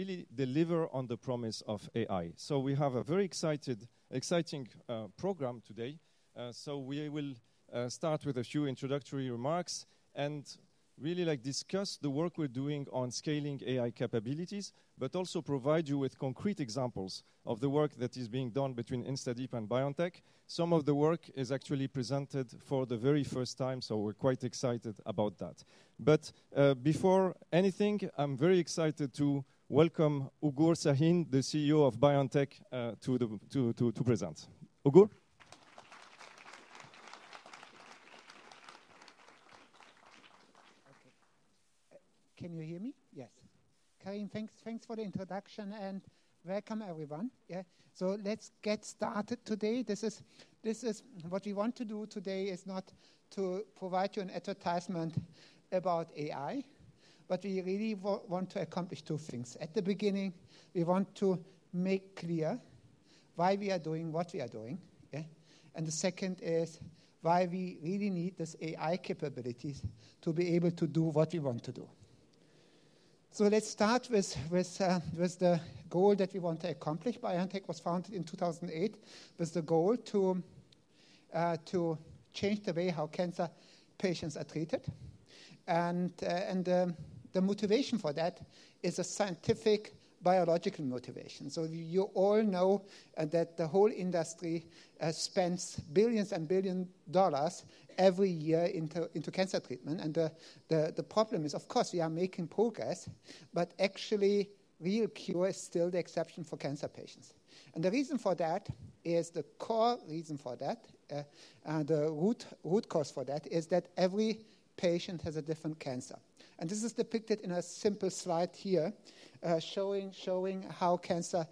To really deliver on the promise of AI. We have a very exciting program today. So we will start with a few introductory remarks and really, like, discuss the work we're doing on scaling AI capabilities, but also provide you with concrete examples of the work that is being done between InstaDeep and BioNTech. Some of the work is actually presented for the very first time, so we're quite excited about that. But before anything, I'm very excited to welcome Ugur Sahin, the CEO of BioNTech, to present. Ugur? Okay. Can you hear me? Yes. Karim, thanks for the introduction and welcome, everyone. Yeah, so let's get started today. What we want to do today is not to provide you an advertisement about AI, but we really want to accomplish two things. At the beginning, we want to make clear why we are doing what we are doing, yeah? And the second is why we really need this AI capabilities to be able to do what we want to do. So let's start with the goal that we want to accomplish. BioNTech was founded in two thousand and eight, with the goal to change the way how cancer patients are treated. And the motivation for that is a scientific biological motivation. So you all know that the whole industry spends billions and billions of dollars every year into cancer treatment. And the problem is, of course, we are making progress, but actually, real cure is still the exception for cancer patients. And the reason for that is the core reason for that, and the root cause for that, is that every patient has a different cancer. And this is depicted in a simple slide here, showing how cancer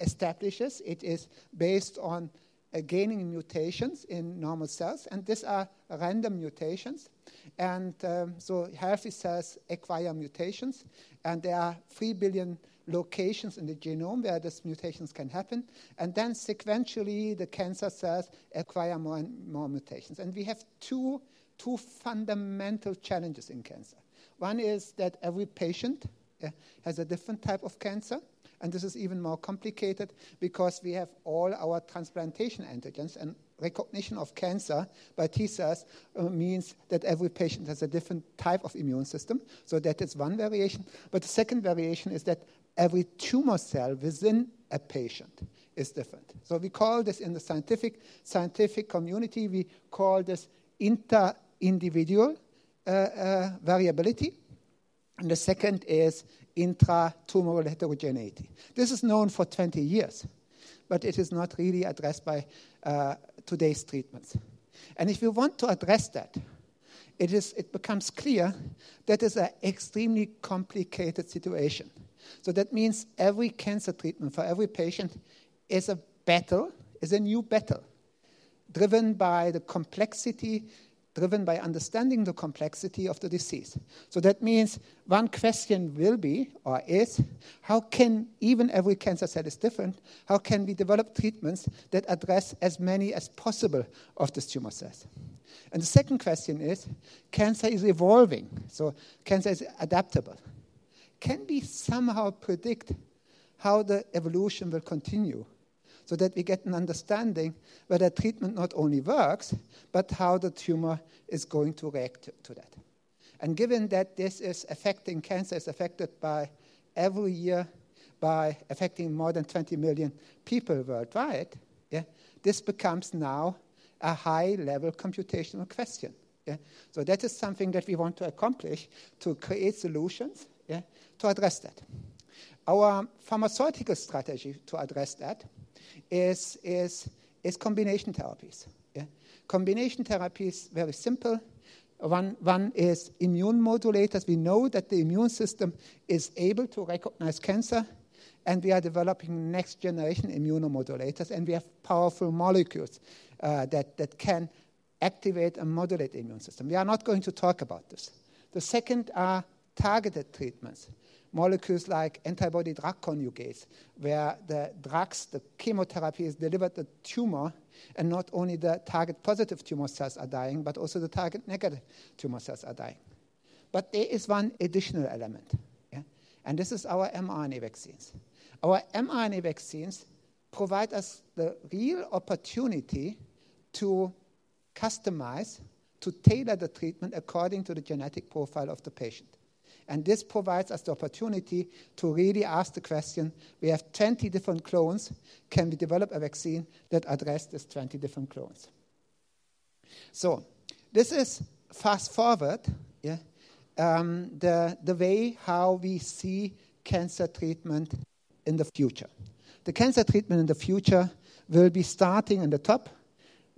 establishes. It is based on gaining mutations in normal cells, and these are random mutations. And so healthy cells acquire mutations, and there are three billion locations in the genome where these mutations can happen, and then sequentially, the cancer cells acquire more and more mutations. And we have two fundamental challenges in cancer. One is that every patient has a different type of cancer, and this is even more complicated because we have all our transplantation antigens, and recognition of cancer by T cells means that every patient has a different type of immune system, so that is one variation, but the second variation is that every tumor cell within a patient is different, so we call this in the scientific community, we call this inter-individual variability, and the second is intra-tumor heterogeneity. This is known for twenty years, but it is not really addressed by today's treatments, and if you want to address that, it becomes clear that is an extremely complicated situation, so that means every cancer treatment for every patient is a battle, is a new battle, driven by understanding the complexity of the disease. That means one question will be, or is: How can even every cancer cell is different, how can we develop treatments that address as many as possible of these tumor cells? And the second question is: Cancer is evolving, so cancer is adaptable. Can we somehow predict how the evolution will continue so that we get an understanding whether a treatment not only works, but how the tumor is going to react to that? And given that cancer affects every year more than twenty million people worldwide, yeah, this becomes now a high-level computational question, yeah. That is something that we want to accomplish to create solutions, yeah, to address that. Our pharmaceutical strategy to address that is combination therapies, yeah. Combination therapies, very simple. One is immune modulators. We know that the immune system is able to recognize cancer, and we are developing next-generation immunomodulators, and we have powerful molecules that can activate and modulate the immune system. We are not going to talk about this. The second are targeted treatments, molecules like antibody-drug conjugates, where the drugs, the chemotherapy, is delivered to the tumor, and not only the target positive tumor cells are dying, but also the target negative tumor cells are dying. But there is one additional element, yeah, and this is our mRNA vaccines. Our mRNA vaccines provide us the real opportunity to customize, to tailor the treatment according to the genetic profile of the patient. And this provides us the opportunity to really ask the question, we have 20 different clones. Can we develop a vaccine that address these 20 different clones? So this is fast forward, yeah, the way how we see cancer treatment in the future. The cancer treatment in the future will be starting at the top,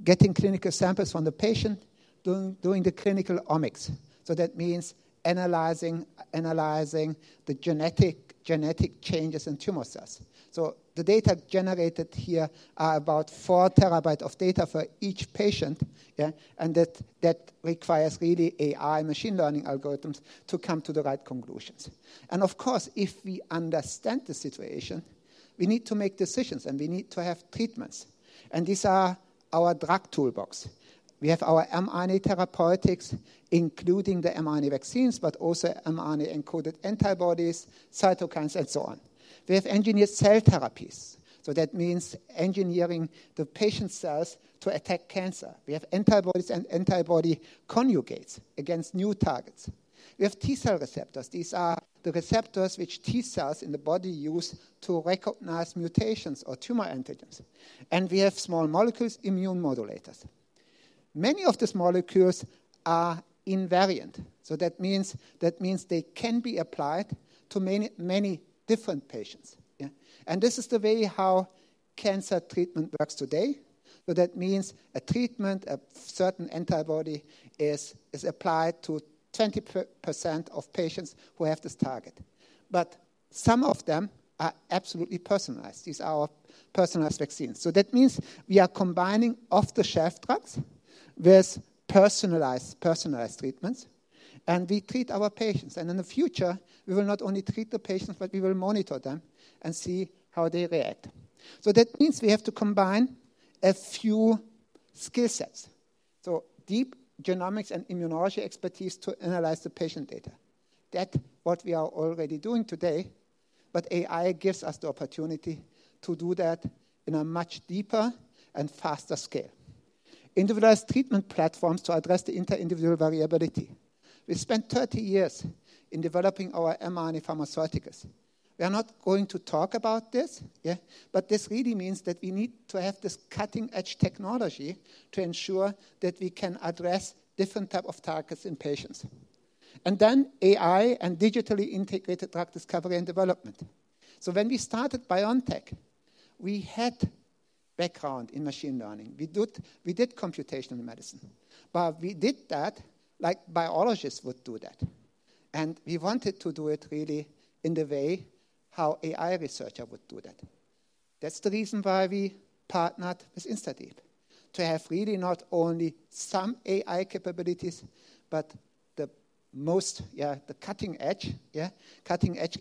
getting clinical samples from the patient, doing the clinical omics. That means analyzing the genetic changes in tumor cells. So the data generated here are about four terabytes of data for each patient, yeah, and that requires really AI machine learning algorithms to come to the right conclusions. Of course, if we understand the situation, we need to make decisions, and we need to have treatments. These are our drug toolbox. We have our mRNA therapeutics, including the mRNA vaccines, but also mRNA-encoded antibodies, cytokines, and so on. We have engineered cell therapies, so that means engineering the patient's cells to attack cancer. We have antibodies and antibody conjugates against new targets. We have T cell receptors. These are the receptors which T cells in the body use to recognize mutations or tumor antigens. And we have small molecules, immune modulators. Many of these molecules are invariant, so that means they can be applied to many, many different patients. Yeah. And this is the way how cancer treatment works today. So that means a treatment, a certain antibody is applied to 20% of patients who have this target. But some of them are absolutely personalized. These are our personalized vaccines. So that means we are combining off-the-shelf drugs with personalized treatments, and we treat our patients. And in the future, we will not only treat the patients, but we will monitor them and see how they react. So that means we have to combine a few skill sets. Deep genomics and immunology expertise to analyze the patient data. That's what we are already doing today, but AI gives us the opportunity to do that in a much deeper and faster scale. Individualized treatment platforms to address the inter-individual variability. We spent 30 years in developing our mRNA pharmaceuticals. We are not going to talk about this, yeah, but this really means that we need to have this cutting-edge technology to ensure that we can address different type of targets in patients. Then AI and digitally integrated drug discovery and development. When we started BioNTech, we had background in machine learning. We did computational medicine, but we did that like biologists would do that, and we wanted to do it really in the way how AI researcher would do that. That's the reason why we partnered with InstaDeep, to have really not only some AI capabilities but the most, the cutting-edge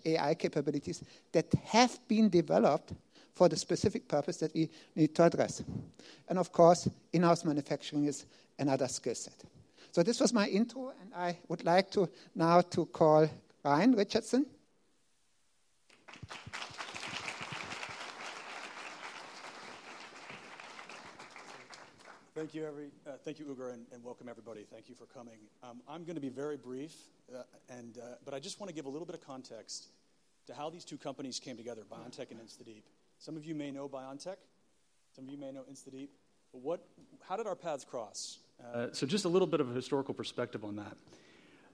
AI capabilities that have been developed for the specific purpose that we need to address. And of course, in-house manufacturing is another skill set, so this was my intro, and I would like now to call Ryan Richardson. Thank you, everybody. Thank you, Ugur, and welcome, everybody. Thank you for coming. I'm gonna be very brief, but I just want to give a little bit of context to how these two companies came together, BioNTech and InstaDeep. Some of you may know BioNTech, some of you may know InstaDeep, but how did our paths cross? So just a little bit of a historical perspective on that.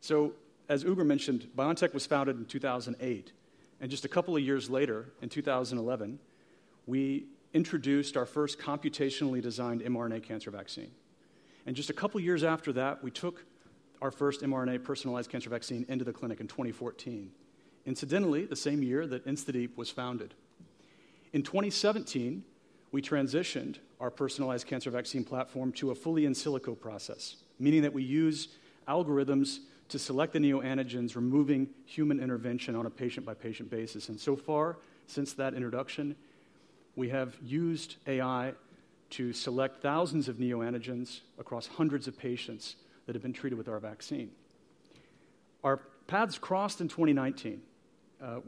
So, as Ugur mentioned, BioNTech was founded in 2008, and just a couple of years later, in 2011, we introduced our first computationally designed mRNA cancer vaccine. And just a couple of years after that, we took our first mRNA personalized cancer vaccine into the clinic in 2014. Incidentally, the same year that InstaDeep was founded. In 2017, we transitioned our personalized cancer vaccine platform to a fully in silico process, meaning that we use algorithms to select the neoantigens, removing human intervention on a patient-by-patient basis. And so far, since that introduction, we have used AI to select thousands of neoantigens across hundreds of patients that have been treated with our vaccine. Our paths crossed in 2019,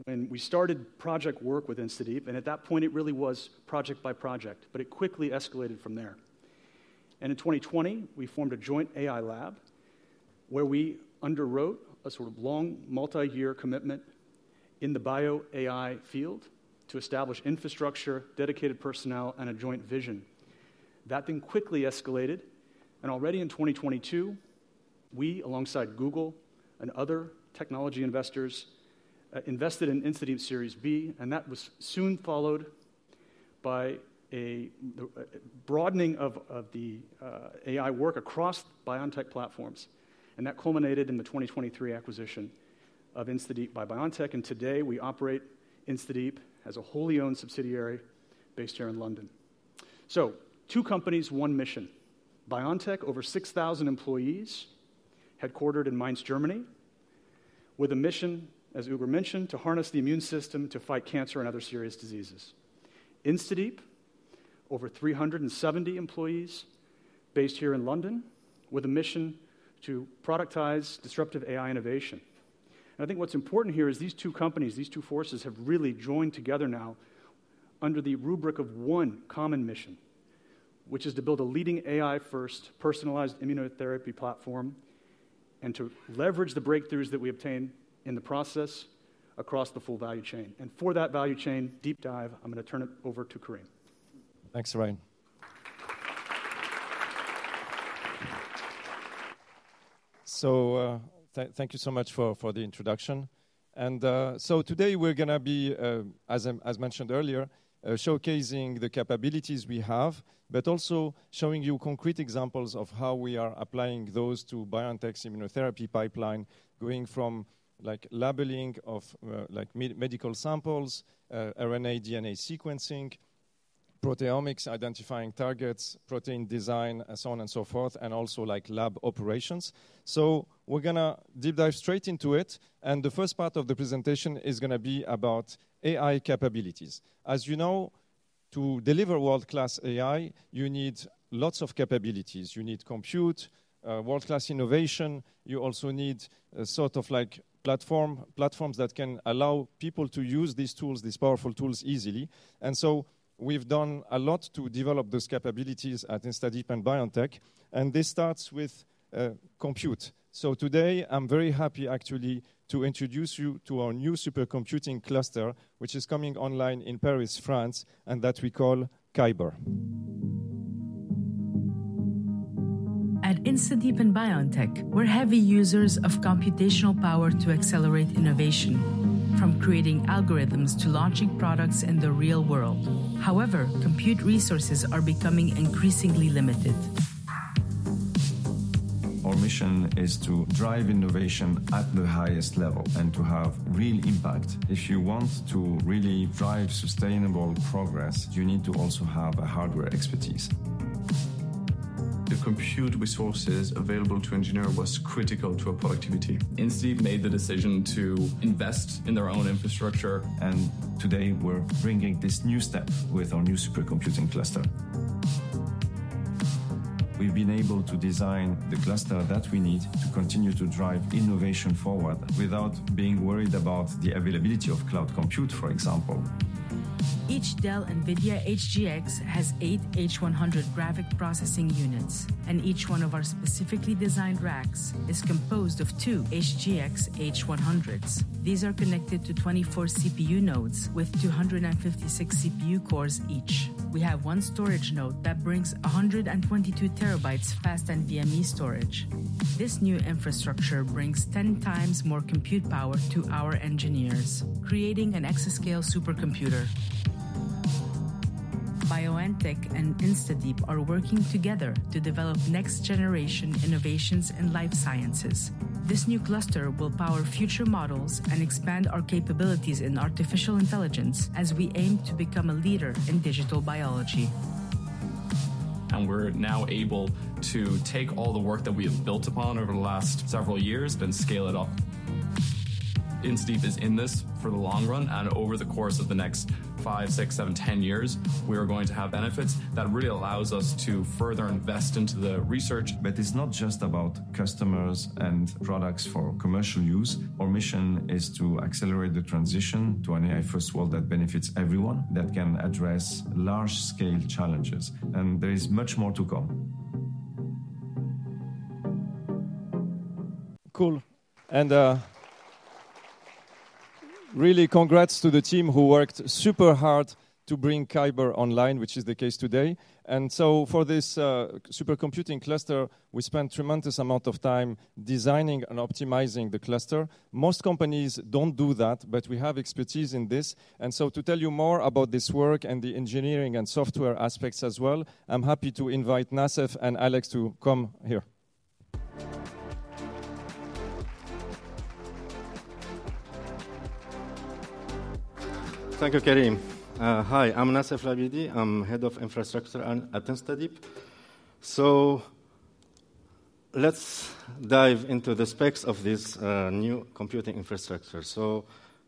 when we started project work with InstaDeep, and at that point it really was project by project, but it quickly escalated from there. And in 2020, we formed a joint AI lab, where we underwrote a sort of long, multi-year commitment in the bio AI field to establish infrastructure, dedicated personnel, and a joint vision. That then quickly escalated, and already in 2022, we, alongside Google and other technology investors, invested in InstaDeep Series B, and that was soon followed by a broadening of the AI work across BioNTech platforms, and that culminated in the 2023 acquisition of InstaDeep by BioNTech. And today, we operate InstaDeep as a wholly owned subsidiary based here in London. So two companies, one mission. BioNTech, over 6,000 employees, headquartered in Mainz, Germany, with a mission, as Ugur mentioned, to harness the immune system to fight cancer and other serious diseases. InstaDeep, over 370 employees based here in London, with a mission to productize disruptive AI innovation. I think what's important here is these two companies, these two forces, have really joined together now under the rubric of one common mission, which is to build a leading AI-first, personalized immunotherapy platform and to leverage the breakthroughs that we obtain in the process across the full value chain. For that value chain deep dive, I'm gonna turn it over to Karim. Thanks, Ryan. So, thank you so much for the introduction. And, so today we're gonna be, as I mentioned earlier, showcasing the capabilities we have, but also showing you concrete examples of how we are applying those to BioNTech's immunotherapy pipeline, going from like labeling of, like medical samples, RNA, DNA sequencing, proteomics, identifying targets, protein design, and so on and so forth, and also like lab operations. So we're gonna deep dive straight into it, and the first part of the presentation is gonna be about AI capabilities. As you know, to deliver world-class AI, you need lots of capabilities. You need compute, world-class innovation. You also need a sort of like platforms that can allow people to use these tools, these powerful tools, easily. And so we've done a lot to develop those capabilities at InstaDeep and BioNTech, and this starts with, compute. So today, I'm very happy actually to introduce you to our new supercomputing cluster, which is coming online in Paris, France, and that we call Kyber. At InstaDeep and BioNTech, we're heavy users of computational power to accelerate innovation, from creating algorithms to launching products in the real world. However, compute resources are becoming increasingly limited. Our mission is to drive innovation at the highest level and to have real impact. If you want to really drive sustainable progress, you need to also have a hardware expertise. The compute resources available to engineer was critical to our productivity. InstaDeep made the decision to invest in their own infrastructure. Today, we're bringing this new step with our new supercomputing cluster. We've been able to design the cluster that we need to continue to drive innovation forward without being worried about the availability of cloud compute, for example. Each Dell NVIDIA HGX has eight H100 graphics processing units, and each one of our specifically designed racks is composed of two HGX H100s. These are connected to 24 CPU nodes with 256 CPU cores each. We have one storage node that brings 122 terabytes fast NVMe storage. This new infrastructure brings 10 times more compute power to our engineers, creating an exascale supercomputer. BioNTech and InstaDeep are working together to develop next-generation innovations in life sciences. This new cluster will power future models and expand our capabilities in artificial intelligence as we aim to become a leader in digital biology. We're now able to take all the work that we have built upon over the last several years and scale it up. InstaDeep is in this for the long run, and over the course of the next five, six, seven, 10 years, we are going to have benefits that really allows us to further invest into the research. But it's not just about customers and products for commercial use. Our mission is to accelerate the transition to an AI-first world that benefits everyone, that can address large-scale challenges, and there is much more to come. Cool. And, really, congrats to the team who worked super hard to bring Kyber online, which is the case today. And so for this supercomputing cluster, we spent tremendous amount of time designing and optimizing the cluster. Most companies don't do that, but we have expertise in this. And so to tell you more about this work and the engineering and software aspects as well, I'm happy to invite Nasef and Alex to come here. Thank you, Karim. Hi, I'm Nasef Labidi. I'm Head of Infrastructure at InstaDeep. Let's dive into the specs of this new computing infrastructure.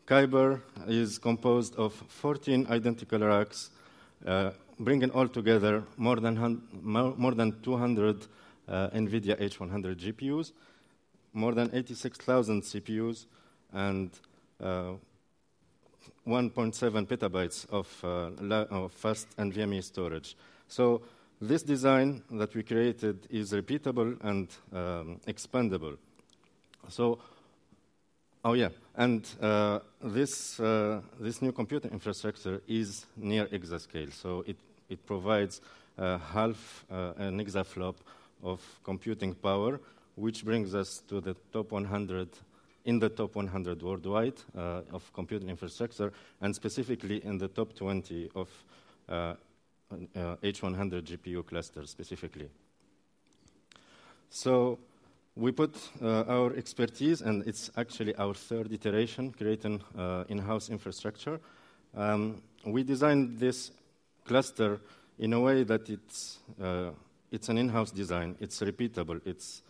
Kyber is composed of 14 identical racks, bringing all together more than 200 NVIDIA H100 GPUs, more than 86,000 CPUs, and 1.7 petabytes of fast NVMe storage. This design that we created is repeatable and expandable. And this new computing infrastructure is near exascale, so it provides half an exaflop of computing power, which brings us to the top 100 worldwide of computing infrastructure, and specifically in the top 20 of H100 GPU clusters, specifically. So we put our expertise, and it's actually our third iteration, creating in-house infrastructure. We designed this cluster in a way that it's an in-house design, it's repeatable, it's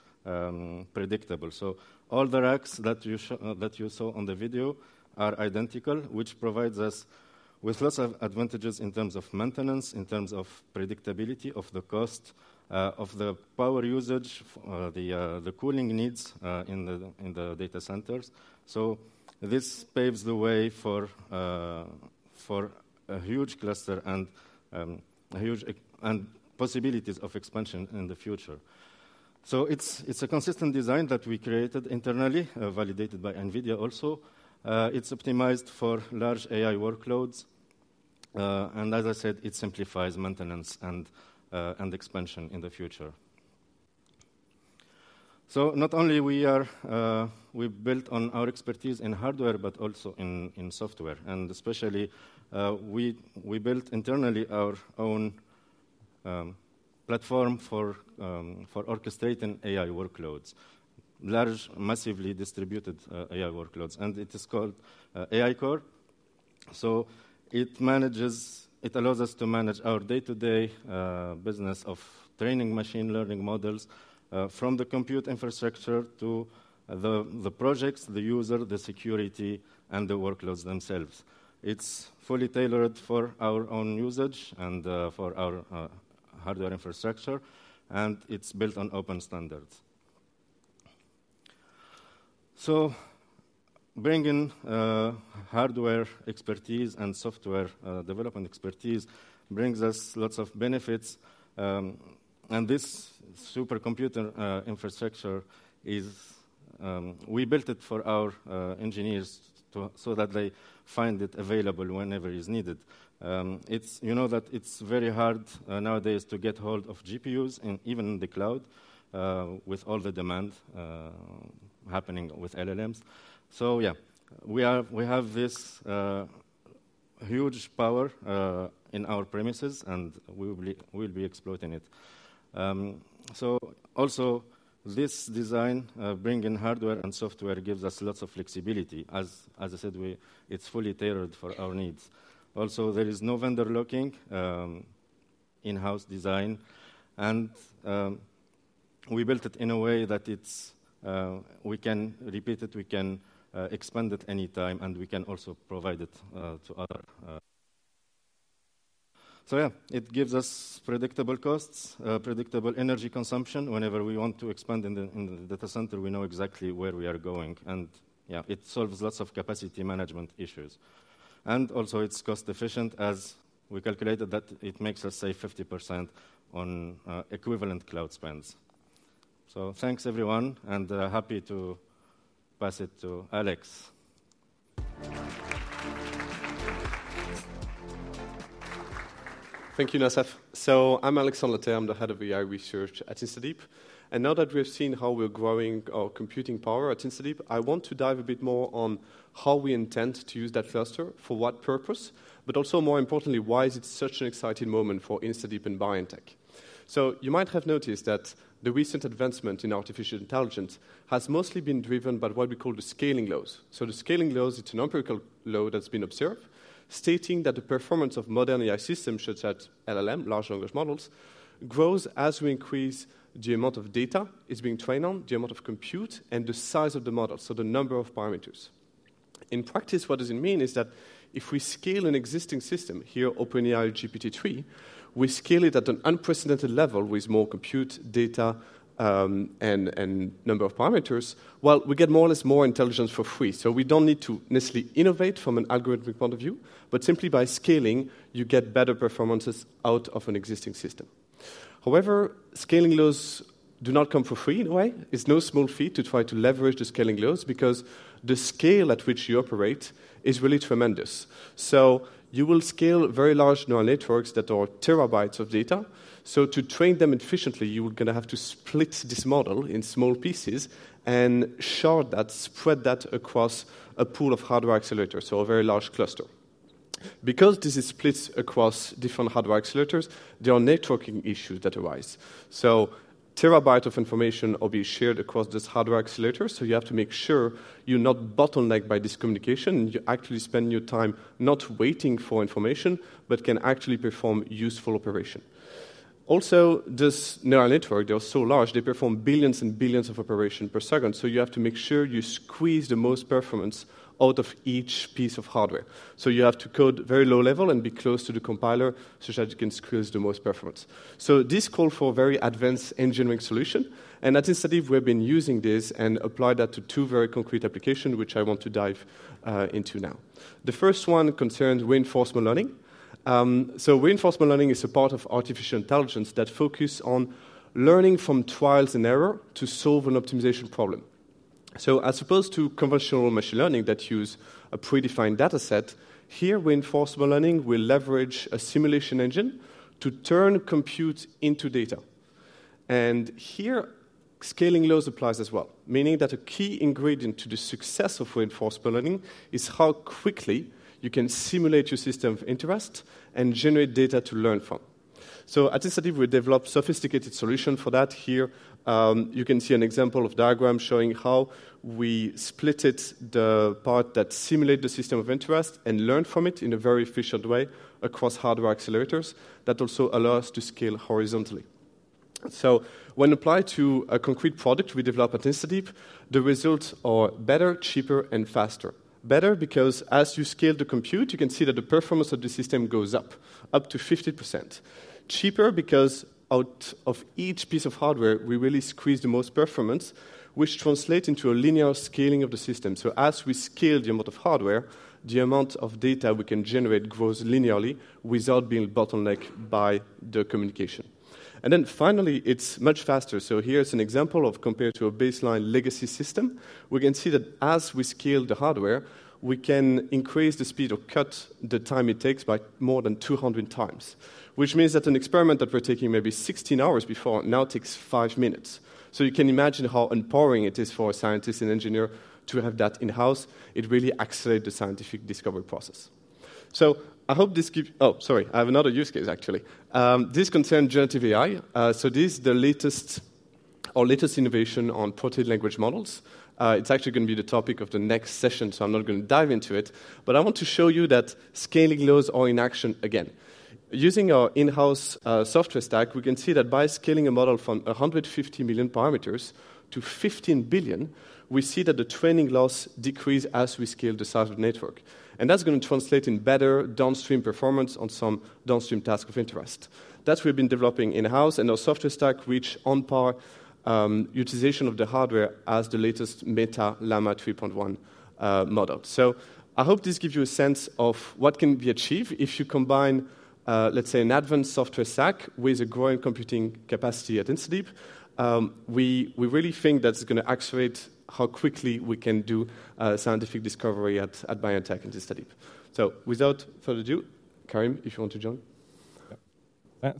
predictable. So all the racks that you saw on the video are identical, which provides us with lots of advantages in terms of maintenance, in terms of predictability, of the cost, of the power usage, the cooling needs in the data centers. So this paves the way for a huge cluster and a huge ecosystem and possibilities of expansion in the future. So it's a consistent design that we created internally, validated by NVIDIA also. It's optimized for large AI workloads, and as I said, it simplifies maintenance and expansion in the future. We built on our expertise in hardware, but also in software, and especially we built internally our own platform for orchestrating AI workloads, large, massively distributed AI workloads, and it is called AI Core. It allows us to manage our day-to-day business of training machine learning models from the compute infrastructure to the projects, the user, the security, and the workloads themselves. It's fully tailored for our own usage and for our hardware infrastructure, and it's built on open standards, so bringing hardware expertise and software development expertise brings us lots of benefits, and this supercomputer infrastructure is. We built it for our engineers so that they find it available whenever is needed. It's, you know, that it's very hard nowadays to get hold of GPUs even in the cloud with all the demand happening with LLMs. So yeah, we have this huge power in our premises, and we'll be exploiting it. So also, this design bringing hardware and software gives us lots of flexibility. As I said, it's fully tailored for our needs. Also, there is no vendor locking, in-house design, and we built it in a way that it's we can repeat it, we can expand it anytime, and we can also provide it to other. So yeah, it gives us predictable costs, predictable energy consumption. Whenever we want to expand in the data center, we know exactly where we are going, and yeah, it solves lots of capacity management issues, and also, it's cost-efficient, as we calculated that it makes us save 50% on equivalent cloud spends, so thanks, everyone, and happy to pass it to Alex. Thank you, Nasef. So I'm Alexandre Leterre. I'm the Head of AI Research at InstaDeep. And now that we've seen how we're growing our computing power at InstaDeep, I want to dive a bit more on how we intend to use that cluster, for what purpose, but also, more importantly, why is it such an exciting moment for InstaDeep and BioNTech? So you might have noticed that the recent advancement in artificial intelligence has mostly been driven by what we call the scaling laws. So the scaling laws, it's an empirical law that's been observed, stating that the performance of modern AI systems, such as LLM, large language models, grows as we increase the amount of data it's being trained on, the amount of compute, and the size of the model, so the number of parameters. In practice, what does it mean is that if we scale an existing system, here, OpenAI GPT-3, we scale it at an unprecedented level with more compute data, and number of parameters. Well, we get more or less more intelligence for free. So we don't need to necessarily innovate from an algorithmic point of view, but simply by scaling, you get better performances out of an existing system. However, scaling laws do not come for free, in a way. It's no small feat to try to leverage the scaling laws because the scale at which you operate is really tremendous. So you will scale very large neural networks that are terabytes of data. So to train them efficiently, you're gonna have to split this model in small pieces and shard that, spread that across a pool of hardware accelerators, so a very large cluster. Because this is split across different hardware accelerators, there are networking issues that arise. So terabyte of information will be shared across this hardware accelerator, so you have to make sure you're not bottlenecked by this communication, and you actually spend your time not waiting for information but can actually perform useful operation. Also, this neural network, they are so large, they perform billions and billions of operations per second. So you have to make sure you squeeze the most performance out of each piece of hardware. So you have to code very low level and be close to the compiler, so that you can squeeze the most performance. So this call for very advanced engineering solution, and at InstaDeep, we've been using this and applied that to two very concrete application, which I want to dive into now. The first one concerns reinforcement learning. So reinforcement learning is a part of artificial intelligence that focus on learning from trial and error to solve an optimization problem. So as opposed to conventional machine learning that use a predefined dataset, here, reinforcement learning will leverage a simulation engine to turn compute into data. And here, scaling laws applies as well, meaning that a key ingredient to the success of reinforcement learning is how quickly you can simulate your system of interest and generate data to learn from. So at InstaDeep, we developed sophisticated solution for that. Here, you can see an example of diagram showing how we split it, the part that simulate the system of interest, and learn from it in a very efficient way across hardware accelerators that also allow us to scale horizontally. So when applied to a concrete product we developed at InstaDeep, the results are better, cheaper, and faster. Better because as you scale the compute, you can see that the performance of the system goes up, up to 50%. Cheaper because out of each piece of hardware, we really squeeze the most performance, which translate into a linear scaling of the system. So as we scale the amount of hardware, the amount of data we can generate grows linearly without being bottlenecked by the communication. And then finally, it's much faster. So here is an example of compared to a baseline legacy system. We can see that as we scale the hardware, we can increase the speed or cut the time it takes by more than 200 times, which means that an experiment that we're taking maybe 16 hours before now takes 5 minutes. So you can imagine how empowering it is for a scientist and engineer to have that in-house. It really accelerate the scientific discovery process. So I hope this gives. Oh, sorry, I have another use case, actually. This concerns generative AI. So this is the latest innovation on protein language models. It's actually gonna be the topic of the next session, so I'm not gonna dive into it. But I want to show you that scaling laws are in action again. Using our in-house software stack, we can see that by scaling a model from 150 million parameters to 15 billion, we see that the training loss decrease as we scale the size of network. And that's gonna translate in better downstream performance on some downstream task of interest. That we've been developing in-house and our software stack, which on par utilization of the hardware as the latest Meta Llama 3.1 model. I hope this gives you a sense of what can be achieved if you combine, let's say, an advanced software stack with a growing computing capacity at InstaDeep. We really think that's gonna accelerate how quickly we can do scientific discovery at BioNTech and InstaDeep. Without further ado, Karim, if you want to join.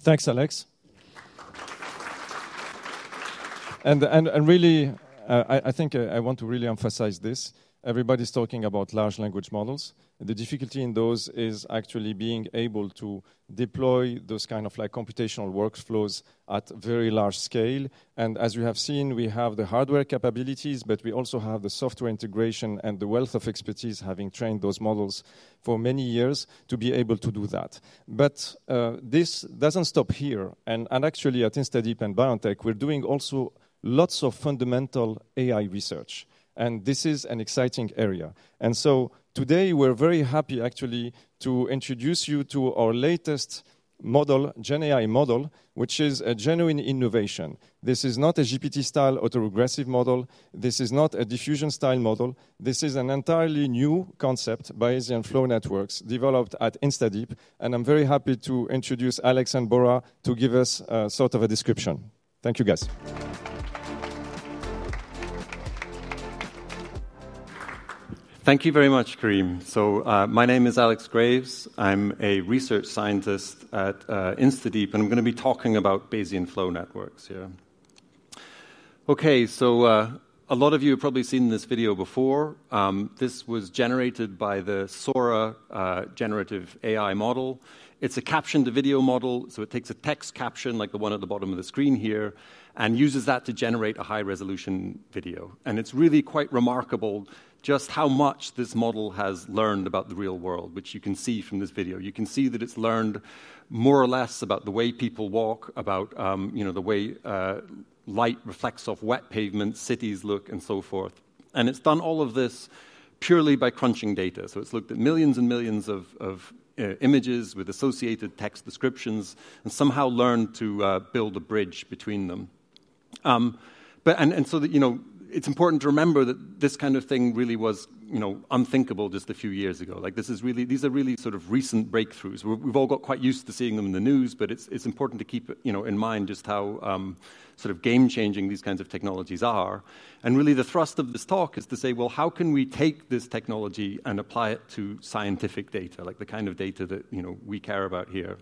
Thanks, Alex. And really, I think I want to really emphasize this. Everybody's talking about large language models, and the difficulty in those is actually being able to deploy those kind of like computational workflows at very large scale. And as you have seen, we have the hardware capabilities, but we also have the software integration and the wealth of expertise, having trained those models for many years to be able to do that. But this doesn't stop here. And actually, at InstaDeep and BioNTech, we're doing also lots of fundamental AI research, and this is an exciting area. And so today, we're very happy actually to introduce you to our latest model, GenAI model, which is a genuine innovation. This is not a GPT-style autoregressive model. This is not a diffusion style model. This is an entirely new concept, Bayesian Flow Networks, developed at InstaDeep, and I'm very happy to introduce Alex and Bora to give us, sort of a description. Thank you, guys. Thank you very much, Karim. So, my name is Alex Graves. I'm a research scientist at InstaDeep, and I'm gonna be talking about Bayesian Flow Networks here. Okay, so, a lot of you have probably seen this video before. This was generated by the Sora generative AI model. It's a caption-to-video model, so it takes a text caption, like the one at the bottom of the screen here, and uses that to generate a high-resolution video. And it's really quite remarkable just how much this model has learned about the real world, which you can see from this video. You can see that it's learned more or less about the way people walk, about, you know, the way, light reflects off wet pavements, cities look, and so forth. And it's done all of this purely by crunching data. So it's looked at millions and millions of images with associated text descriptions and somehow learned to build a bridge between them, but, and so the, you know, it's important to remember that this kind of thing really was, you know, unthinkable just a few years ago. Like, this is really, these are really sort of recent breakthroughs. We've all got quite used to seeing them in the news, but it's important to keep, you know, in mind just how sort of game-changing these kinds of technologies are, and really, the thrust of this talk is to say, well, how can we take this technology and apply it to scientific data? Like, the kind of data that, you know, we care about here.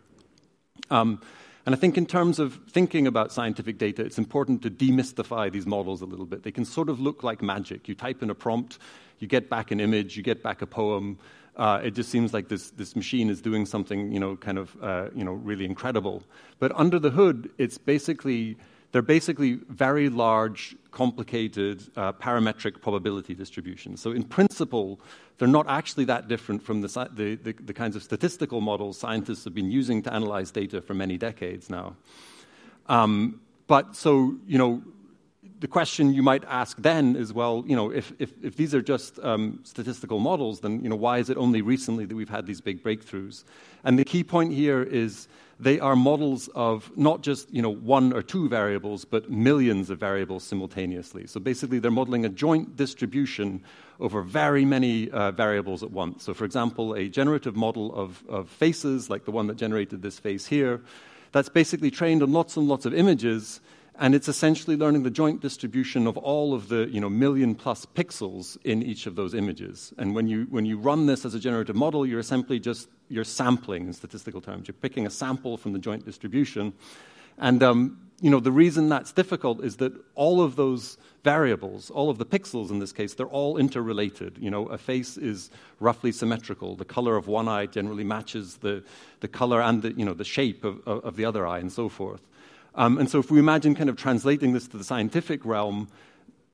And I think in terms of thinking about scientific data, it's important to demystify these models a little bit. They can sort of look like magic. You type in a prompt, you get back an image, you get back a poem. It just seems like this machine is doing something, you know, kind of, you know, really incredible. But under the hood, it's basically, they're basically very large, complicated parametric probability distributions. So in principle, they're not actually that different from the kinds of statistical models scientists have been using to analyze data for many decades now. But so, you know, the question you might ask then is, well, you know, if these are just statistical models, then, you know, why is it only recently that we've had these big breakthroughs? The key point here is they are models of not just, you know, one or two variables, but millions of variables simultaneously. Basically, they're modeling a joint distribution over very many variables at once. For example, a generative model of faces, like the one that generated this face here, that's basically trained on lots and lots of images, and it's essentially learning the joint distribution of all of the, you know, million-plus pixels in each of those images. When you run this as a generative model, you're simply just sampling in statistical terms. You're picking a sample from the joint distribution. The reason that's difficult is that all of those variables, all of the pixels in this case, they're all interrelated. You know, a face is roughly symmetrical. The color of one eye generally matches the color and you know the shape of the other eye, and so forth. And so if we imagine kind of translating this to the scientific realm,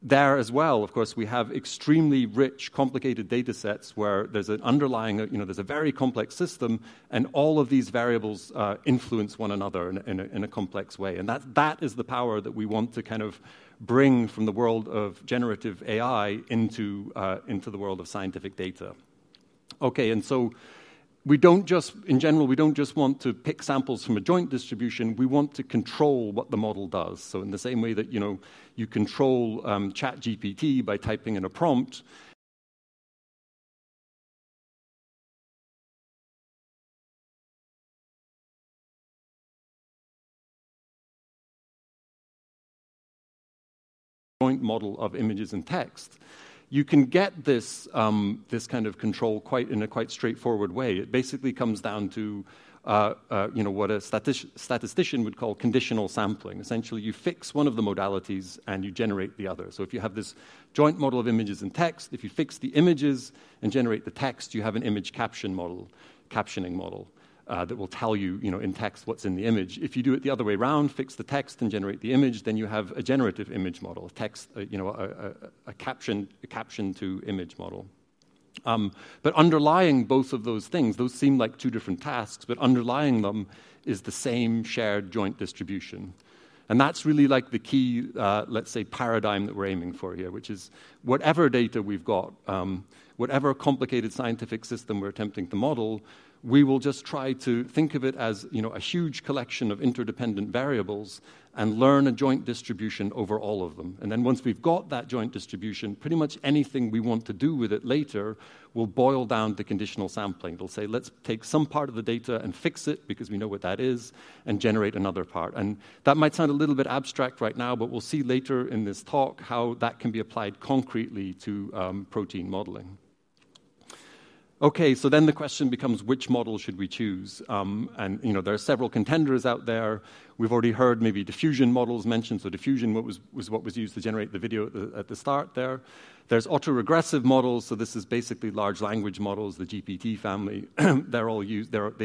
there as well, of course, we have extremely rich, complicated datasets where there's an underlying, you know, there's a very complex system, and all of these variables influence one another in a complex way. And that is the power that we want to kind of bring from the world of generative AI into the world of scientific data. Okay, and so we don't just... In general, we don't just want to pick samples from a joint distribution, we want to control what the model does. So in the same way that, you know, you control ChatGPT by typing in a prompt. Joint model of images and text. You can get this kind of control quite in a straightforward way. It basically comes down to, you know, what a statistician would call conditional sampling. Essentially, you fix one of the modalities, and you generate the other. So if you have this joint model of images and text, if you fix the images and generate the text, you have an image caption model, captioning model that will tell you, you know, in text what's in the image. If you do it the other way around, fix the text and generate the image, then you have a generative image model, a text, you know, a caption-to-image model. But underlying both of those things, those seem like two different tasks, but underlying them is the same shared joint distribution. And that's really, like, the key, let's say, paradigm that we're aiming for here, which is whatever data we've got, whatever complicated scientific system we're attempting to model, we will just try to think of it as, you know, a huge collection of interdependent variables and learn a joint distribution over all of them. And then once we've got that joint distribution, pretty much anything we want to do with it later will boil down to conditional sampling. We'll say, "Let's take some part of the data and fix it, because we know what that is, and generate another part." That might sound a little bit abstract right now, but we'll see later in this talk how that can be applied concretely to protein modeling. Okay, so then the question becomes: which model should we choose? And, you know, there are several contenders out there. We've already heard maybe diffusion models mentioned. So diffusion was what was used to generate the video at the start there. There's autoregressive models, so this is basically large language models, the GPT family. They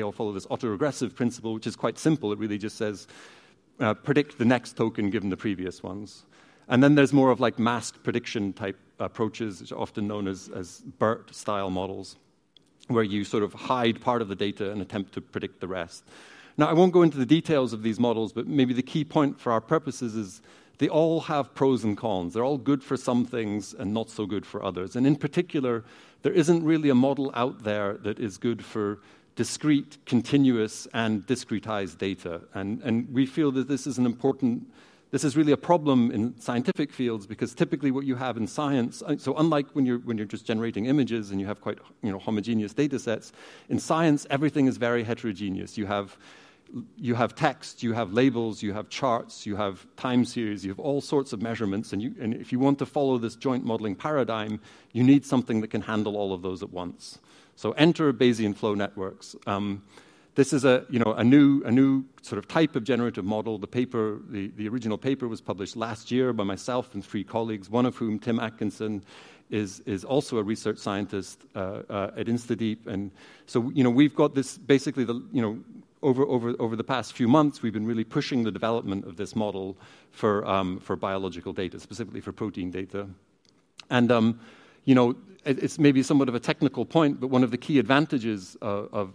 all follow this autoregressive principle, which is quite simple. It really just says, "Predict the next token, given the previous ones." And then there's more of like masked prediction-type approaches, which are often known as BERT-style models, where you sort of hide part of the data and attempt to predict the rest. Now, I won't go into the details of these models, but maybe the key point for our purposes is they all have pros and cons. They're all good for some things and not so good for others. And in particular, there isn't really a model out there that is good for discrete, continuous, and discretized data. And we feel that this is an important, this is really a problem in scientific fields, because typically, what you have in science, so unlike when you're just generating images and you have quite, you know, homogeneous datasets, in science, everything is very heterogeneous. You have text, you have labels, you have charts, you have time series, you have all sorts of measurements, and if you want to follow this joint modeling paradigm, you need something that can handle all of those at once. So enter Bayesian Flow Networks. This is, you know, a new sort of type of generative model. The original paper was published last year by myself and three colleagues, one of whom, Tim Atkinson, is also a research scientist at InstaDeep. So, you know, we've got this basically the, you know. Over the past few months, we've been really pushing the development of this model for biological data, specifically for protein data. You know, it's maybe somewhat of a technical point, but one of the key advantages of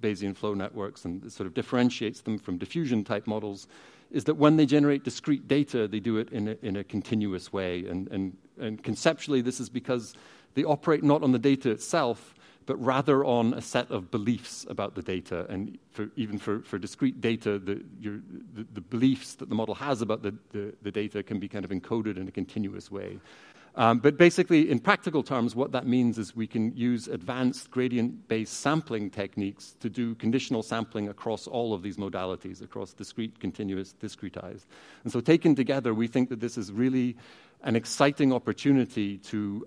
Bayesian Flow Networks and sort of differentiates them from diffusion-type models is that when they generate discrete data, they do it in a continuous way. Conceptually, this is because they operate not on the data itself, but rather on a set of beliefs about the data. Even for discrete data, the beliefs that the model has about the data can be kind of encoded in a continuous way. But basically, in practical terms, what that means is we can use advanced gradient-based sampling techniques to do conditional sampling across all of these modalities, across discrete, continuous, discretized. Taken together, we think that this is really an exciting opportunity to,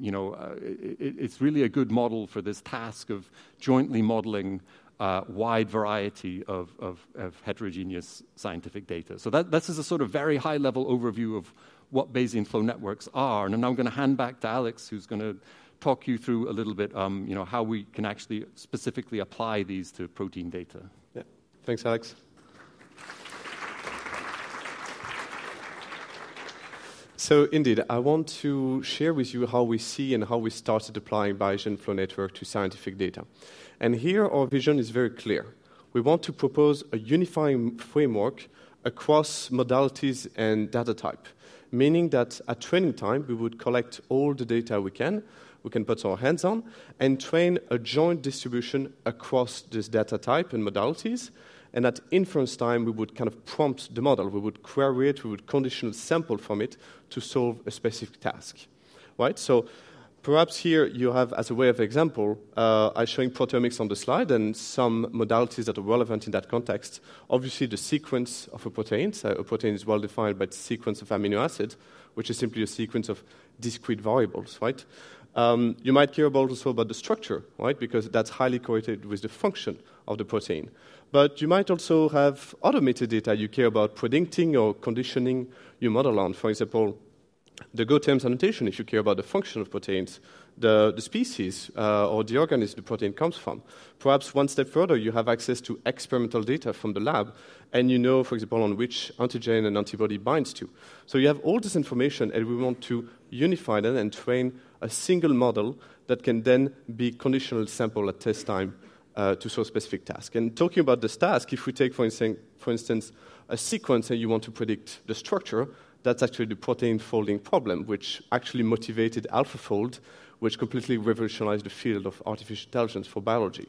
you know, it's really a good model for this task of jointly modeling a wide variety of of heterogeneous scientific data. So that is a sort of very high-level overview of what Bayesian Flow Networks are. I'm now gonna hand back to Alex, who's gonna talk you through a little bit, you know, how we can actually specifically apply these to protein data. Yeah. Thanks, Alex. So indeed, I want to share with you how we see and how we started applying Bayesian Flow Network to scientific data. And here, our vision is very clear. We want to propose a unifying framework across modalities and data type, meaning that at training time, we would collect all the data we can, we can put our hands on, and train a joint distribution across this data type and modalities. And at inference time, we would kind of prompt the model. We would query it, we would condition a sample from it to solve a specific task, right? So perhaps here you have, as a way of example, I'm showing proteomics on the slide and some modalities that are relevant in that context. Obviously, the sequence of a protein, so a protein is well-defined by the sequence of amino acids, which is simply a sequence of discrete variables, right? You might also care about the structure, right? Because that's highly correlated with the function of the protein. But you might also have other metadata you care about predicting or conditioning your model on. For example, the GO terms annotation, if you care about the function of proteins, the species, or the organism the protein comes from. Perhaps one step further, you have access to experimental data from the lab, and you know, for example, on which antigen an antibody binds to. So you have all this information, and we want to unify that and train a single model that can then be conditionally sampled at test time to solve specific task. Talking about this task, if we take, for instance, a sequence, and you want to predict the structure, that's actually the protein folding problem, which actually motivated AlphaFold, which completely revolutionized the field of artificial intelligence for biology.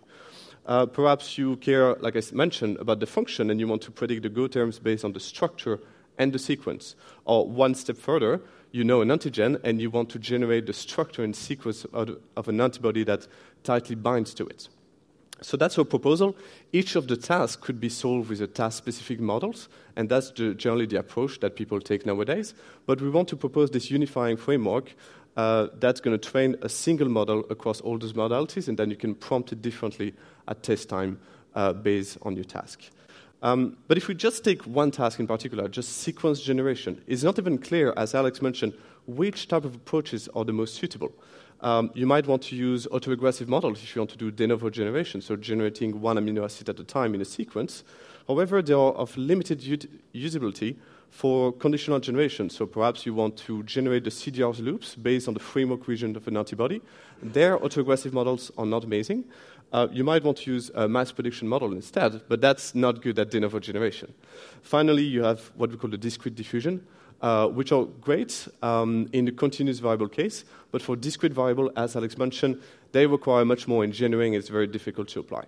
Perhaps you care, like I mentioned, about the function, and you want to predict the GO terms based on the structure and the sequence. Or one step further, you know an antigen, and you want to generate the structure and sequence of an antibody that tightly binds to it. So that's our proposal. Each of the tasks could be solved with a task-specific models, and that's generally the approach that people take nowadays. But we want to propose this unifying framework, that's gonna train a single model across all those modalities, and then you can prompt it differently at test time, based on your task. But if we just take one task in particular, just sequence generation, it's not even clear, as Alex mentioned, which type of approaches are the most suitable. You might want to use autoregressive models if you want to do de novo generation, so generating one amino acid at a time in a sequence. However, they are of limited usability for conditional generation. So perhaps you want to generate the CDR loops based on the framework region of an antibody. There, autoregressive models are not amazing. You might want to use a masked prediction model instead, but that's not good at de novo generation. Finally, you have what we call the discrete diffusion, which are great in the continuous variable case, but for discrete variable, as Alex mentioned, they require much more engineering, and it's very difficult to apply,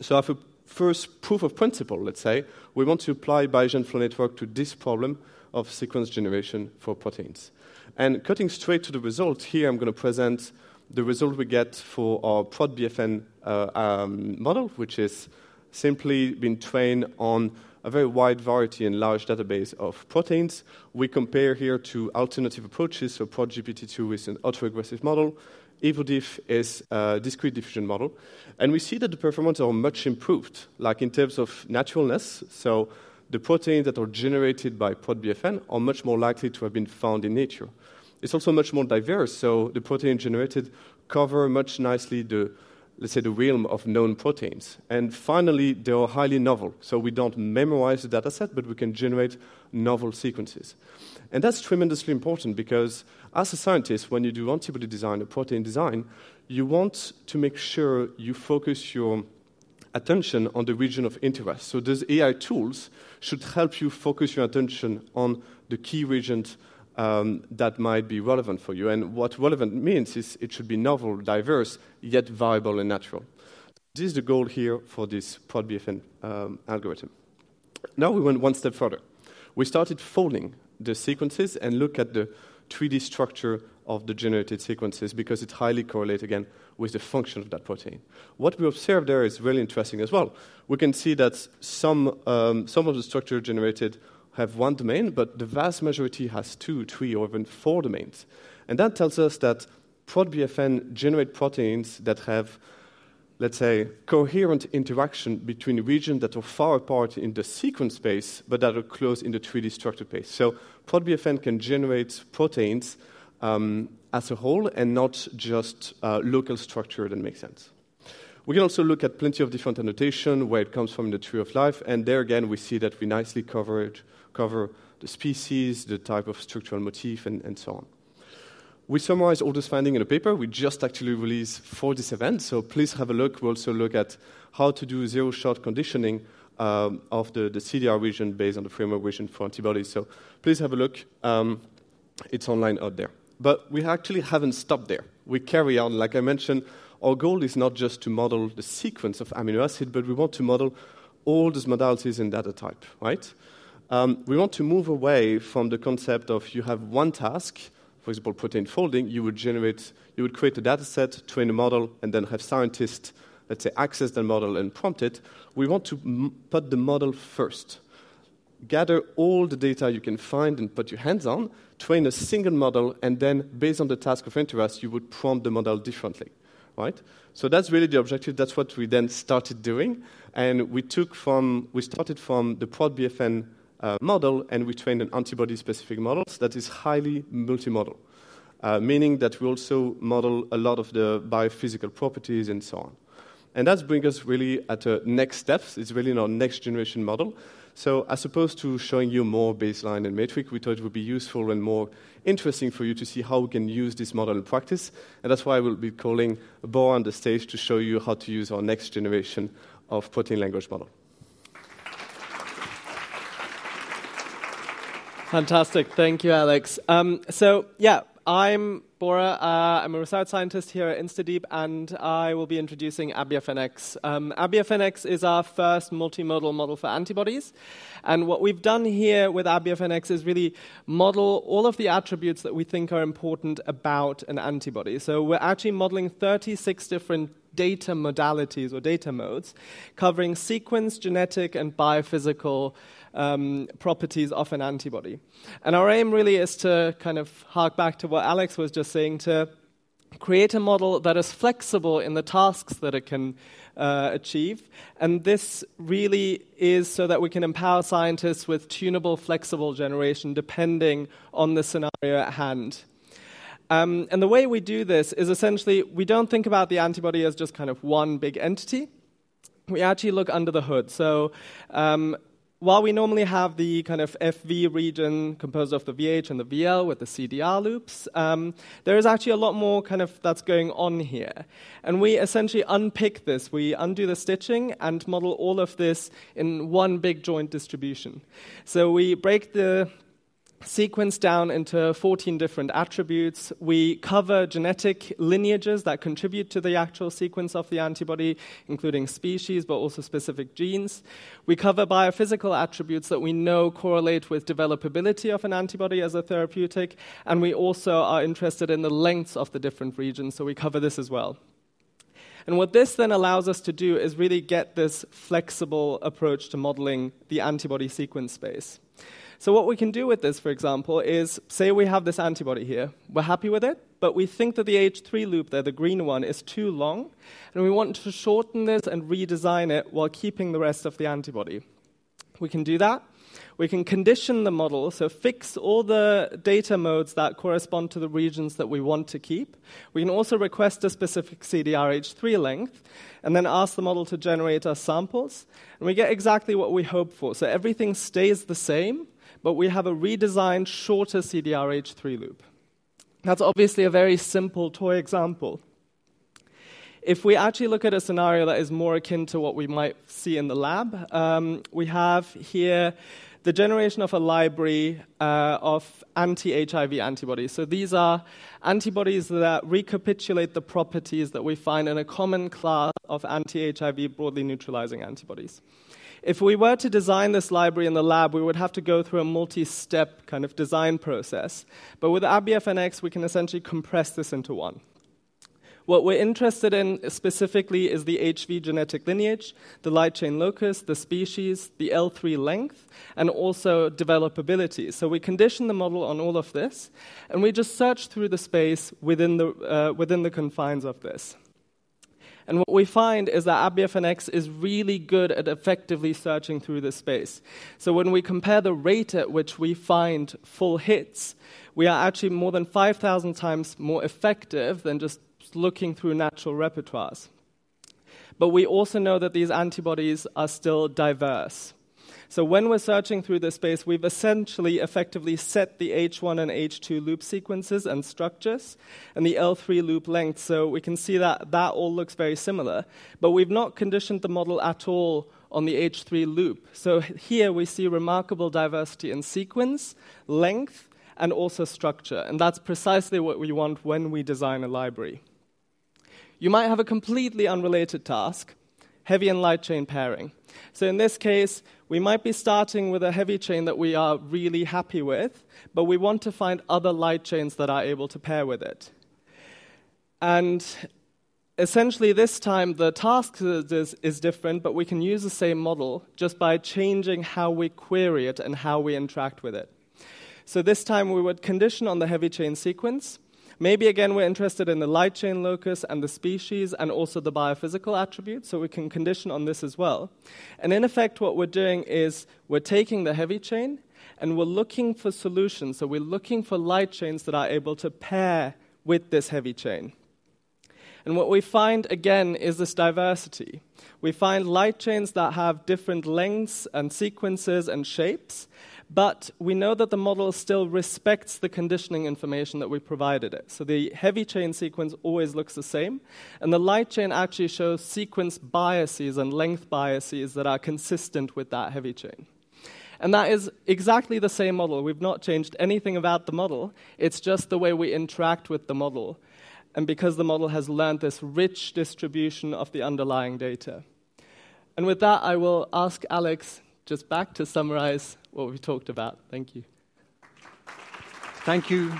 so as a first proof of principle, let's say, we want to apply Bayesian Flow Network to this problem of sequence generation for proteins, and cutting straight to the result, here I'm gonna present the result we get for our ProtBFN model, which is simply been trained on a very wide variety and large database of proteins. We compare here to alternative approaches, so ProtGPT2 is an autoregressive model. EvoDiff is a discrete diffusion model, and we see that the performance are much improved, like in terms of naturalness, so the proteins that are generated by ProtBFN are much more likely to have been found in nature. It's also much more diverse, so the protein generated cover much nicely the, let's say, the realm of known proteins. And finally, they are highly novel. So we don't memorize the dataset, but we can generate novel sequences. And that's tremendously important because as a scientist, when you do antibody design or protein design, you want to make sure you focus your attention on the region of interest. So these AI tools should help you focus your attention on the key regions that might be relevant for you. And what relevant means is it should be novel, diverse, yet viable and natural. This is the goal here for this ProtBFN algorithm. Now, we went one step further. We started folding the sequences and look at the 3D structure of the generated sequences because it's highly correlated, again, with the function of that protein. What we observed there is really interesting as well. We can see that some of the structure generated have one domain, but the vast majority has two, three, or even four domains, and that tells us that ProtBFN generate proteins that have, let's say, coherent interaction between regions that are far apart in the sequence space, but that are close in the 3D structure space, so ProtBFN can generate proteins as a whole and not just local structure that makes sense. We can also look at plenty of different annotation, where it comes from the tree of life, and there again, we see that we nicely cover the species, the type of structural motif, and so on. We summarize all this finding in a paper we just actually released for this event, so please have a look. We also look at how to do zero-shot conditioning of the CDR region based on the framework region for antibodies. So please have a look. It's online out there. But we actually haven't stopped there. We carry on. Like I mentioned, our goal is not just to model the sequence of amino acid, but we want to model all these modalities and data type, right? We want to move away from the concept of you have one task, for example, protein folding, you would create a dataset to train a model, and then have scientists, let's say, access the model and prompt it. We want to put the model first, gather all the data you can find and put your hands on, train a single model, and then based on the task of interest, you would prompt the model differently, right? So that's really the objective. That's what we then started doing, and we started from the ProtBFN model, and we trained an antibody-specific models that is highly multimodal. Meaning that we also model a lot of the biophysical properties and so on. And that's bring us really at a next steps. It's really in our next generation model. So as opposed to showing you more baseline and metric, we thought it would be useful and more interesting for you to see how we can use this model in practice, and that's why I will be calling Bora on the stage to show you how to use our next generation of protein language model. Fantastic. Thank you, Alex. So yeah, I'm Bora, I'm a research scientist here at InstaDeep, and I will be introducing AbBFNX. AbBFNX is our first multimodal model for antibodies, and what we've done here with AbBFNX is really model all of the attributes that we think are important about an antibody. So we're actually modeling 36 different data modalities or data modes, covering sequence, genetic, and biophysical properties of an antibody, and our aim really is to kind of hark back to what Alex was just saying, to create a model that is flexible in the tasks that it can achieve, and this really is so that we can empower scientists with tunable, flexible generation, depending on the scenario at hand, and the way we do this is essentially, we don't think about the antibody as just kind of one big entity. We actually look under the hood, so while we normally have the kind of FV region composed of the VH and the VL with the CDR loops, there is actually a lot more kind of that's going on here, and we essentially unpick this. We undo the stitching and model all of this in one big joint distribution, so we break the sequence down into 14 different attributes. We cover genetic lineages that contribute to the actual sequence of the antibody, including species, but also specific genes. We cover biophysical attributes that we know correlate with developability of an antibody as a therapeutic, and we also are interested in the lengths of the different regions, so we cover this as well, and what this then allows us to do is really get this flexible approach to modeling the antibody sequence space. So what we can do with this, for example, is, say we have this antibody here. We're happy with it, but we think that the H3 loop there, the green one, is too long, and we want to shorten this and redesign it while keeping the rest of the antibody... we can do that. We can condition the model, so fix all the data modes that correspond to the regions that we want to keep. We can also request a specific CDRH3 length, and then ask the model to generate us samples, and we get exactly what we hoped for. So everything stays the same, but we have a redesigned, shorter CDRH3 loop. That's obviously a very simple toy example. If we actually look at a scenario that is more akin to what we might see in the lab, we have here the generation of a library of anti-HIV antibodies. So these are antibodies that recapitulate the properties that we find in a common class of anti-HIV broadly neutralizing antibodies. If we were to design this library in the lab, we would have to go through a multi-step kind of design process. But with AbBFNX, we can essentially compress this into one. What we're interested in specifically is the HV genetic lineage, the light chain locus, the species, the L3 length, and also developability. So we condition the model on all of this, and we just search through the space within the confines of this. And what we find is that AbBFNX is really good at effectively searching through this space. So when we compare the rate at which we find full hits, we are actually more than five thousand times more effective than just looking through natural repertoires. But we also know that these antibodies are still diverse. So when we're searching through this space, we've essentially effectively set the H1 and H2 loop sequences and structures and the L3 loop length, so we can see that all looks very similar. But we've not conditioned the model at all on the H3 loop. So here we see remarkable diversity in sequence, length, and also structure, and that's precisely what we want when we design a library. You might have a completely unrelated task: heavy and light chain pairing. In this case, we might be starting with a heavy chain that we are really happy with, but we want to find other light chains that are able to pair with it. Essentially, this time the task is different, but we can use the same model just by changing how we query it and how we interact with it. This time, we would condition on the heavy chain sequence. Maybe again, we're interested in the light chain locus and the species, and also the biophysical attributes, so we can condition on this as well. In effect, what we're doing is we're taking the heavy chain, and we're looking for solutions. We're looking for light chains that are able to pair with this heavy chain. What we find again is this diversity. We find light chains that have different lengths and sequences and shapes, but we know that the model still respects the conditioning information that we provided it, so the heavy chain sequence always looks the same, and the light chain actually shows sequence biases and length biases that are consistent with that heavy chain, and that is exactly the same model. We've not changed anything about the model. It's just the way we interact with the model, and because the model has learned this rich distribution of the underlying data, and with that, I will ask Alex just back to summarize what we've talked about. Thank you. Thank you.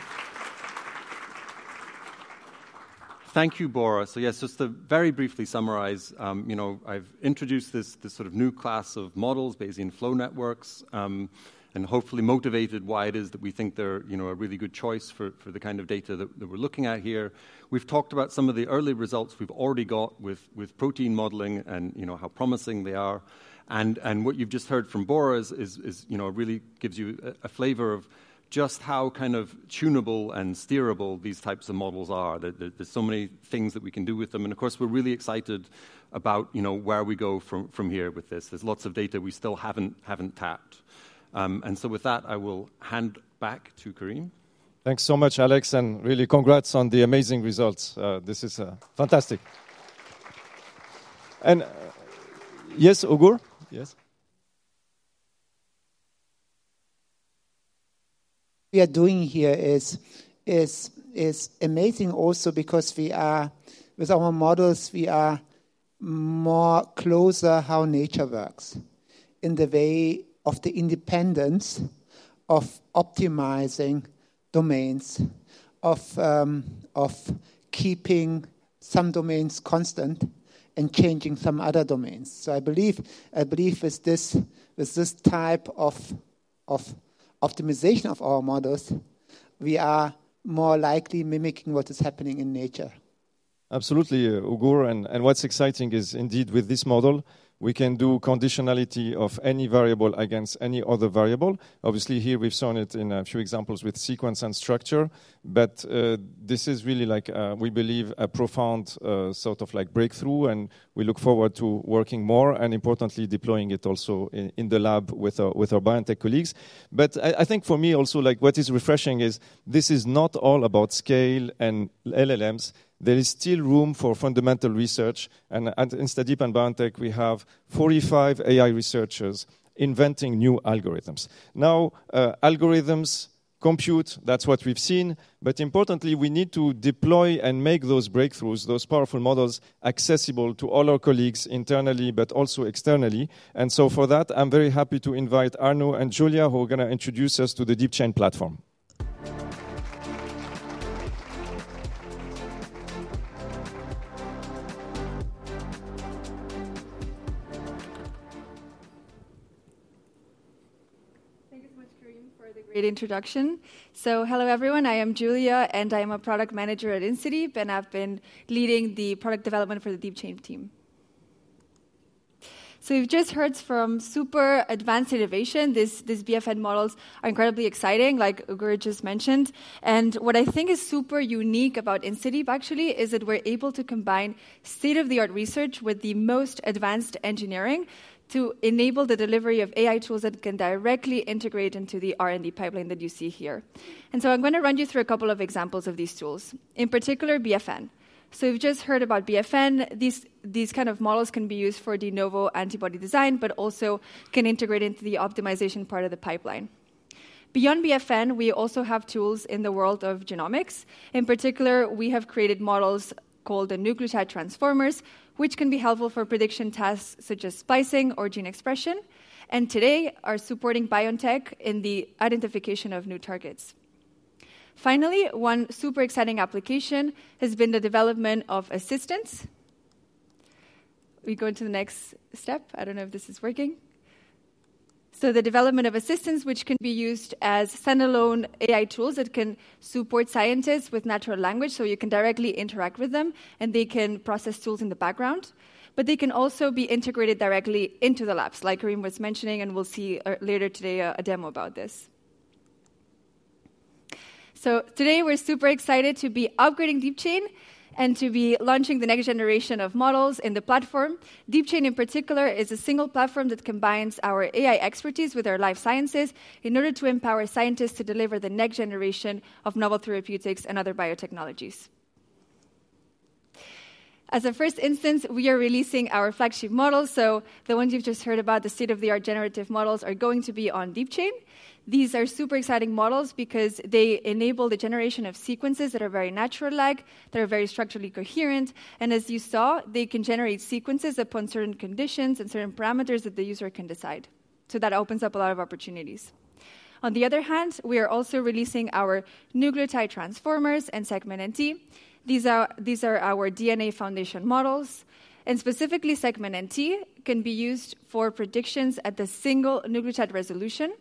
Thank you, Bora. So yes, just to very briefly summarize, you know, I've introduced this, this sort of new class of models, Bayesian Flow Networks, and hopefully motivated why it is that we think they're, you know, a really good choice for, for the kind of data that, that we're looking at here. We've talked about some of the early results we've already got with, with protein modeling and, you know, how promising they are. And what you've just heard from Bora is, you know, really gives you a flavor of just how kind of tunable and steerable these types of models are. There's so many things that we can do with them. And of course, we're really excited about, you know, where we go from here with this. There's lots of data we still haven't tapped. And so with that, I will hand back to Karim. Thanks so much, Alex, and really congrats on the amazing results. This is fantastic. And yes, Ugur? Yes. What we are doing here is amazing also because we are with our models, we are more closer to how nature works in the way of the independence of optimizing domains, of keeping some domains constant and changing some other domains. So I believe with this type of optimization of our models, we are more likely mimicking what is happening in nature. Absolutely, Ugur, and what's exciting is indeed with this model, we can do conditionality of any variable against any other variable. Obviously, here we've shown it in a few examples with sequence and structure, but this is really like we believe a profound sort of like breakthrough, and we look forward to working more and importantly deploying it also in the lab with our biotech colleagues. But I think for me also like what is refreshing is this is not all about scale and LLMs. There is still room for fundamental research, and at InstaDeep and BioNTech, we have 45 AI researchers inventing new algorithms. Now algorithms compute, that's what we've seen, but importantly, we need to deploy and make those breakthroughs, those powerful models, accessible to all our colleagues internally but also externally. For that, I'm very happy to invite Arnaud and Julia, who are gonna introduce us to the DeepChain platform. Thank you so much, Karim, for the great introduction. So hello, everyone. I am Julia, and I am a product manager at InstaDeep, and I've been leading the product development for the DeepChain team. So you've just heard from super advanced innovation. These, these BFN models are incredibly exciting, like Ugur just mentioned. And what I think is super unique about InstaDeep, actually, is that we're able to combine state-of-the-art research with the most advanced engineering to enable the delivery of AI tools that can directly integrate into the R&D pipeline that you see here. And so I'm gonna run you through a couple of examples of these tools, in particular, BFN. So you've just heard about BFN. These, these kind of models can be used for de novo antibody design, but also can integrate into the optimization part of the pipeline. Beyond BFN, we also have tools in the world of genomics. In particular, we have created models called the nucleotide transformers, which can be helpful for prediction tasks such as splicing or gene expression, and today are supporting BioNTech in the identification of new targets. Finally, one super exciting application has been the development of assistants. We go into the next step. I don't know if this is working, so the development of assistants, which can be used as standalone AI tools that can support scientists with natural language, so you can directly interact with them, and they can process tools in the background. But they can also be integrated directly into the labs, like Karim was mentioning, and we'll see later today a demo about this, so today, we're super excited to be upgrading DeepChain and to be launching the next generation of models in the platform. DeepChain, in particular, is a single platform that combines our AI expertise with our life sciences in order to empower scientists to deliver the next generation of novel therapeutics and other biotechnologies. As a first instance, we are releasing our flagship model, so the ones you've just heard about, the state-of-the-art generative models are going to be on DeepChain. These are super exciting models because they enable the generation of sequences that are very natural-like, that are very structurally coherent, and as you saw, they can generate sequences upon certain conditions and certain parameters that the user can decide. So that opens up a lot of opportunities. On the other hand, we are also releasing our nucleotide transformers and SegmentNT. These are our DNA foundation models, and specifically, SegmentNT can be used for predictions at the single nucleotide resolution,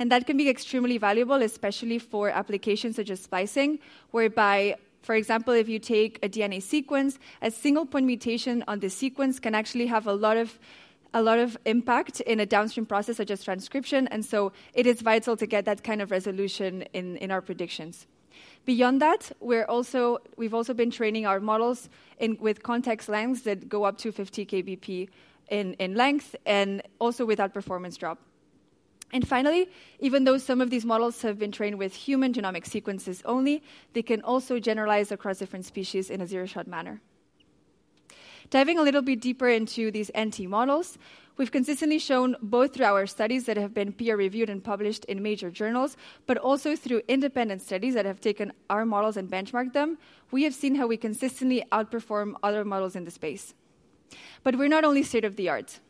and that can be extremely valuable, especially for applications such as splicing, whereby, for example, if you take a DNA sequence, a single-point mutation on the sequence can actually have a lot of impact in a downstream process, such as transcription, and so it is vital to get that kind of resolution in our predictions. Beyond that, we've also been training our models in with context lengths that go up to 50 kbp in length and also without performance drop. And finally, even though some of these models have been trained with human genomic sequences only, they can also generalize across different species in a zero-shot manner. Diving a little bit deeper into these NT models, we've consistently shown, both through our studies that have been peer-reviewed and published in major journals, but also through independent studies that have taken our models and benchmarked them, we have seen how we consistently outperform other models in the space, but we're not only state-of-the-art.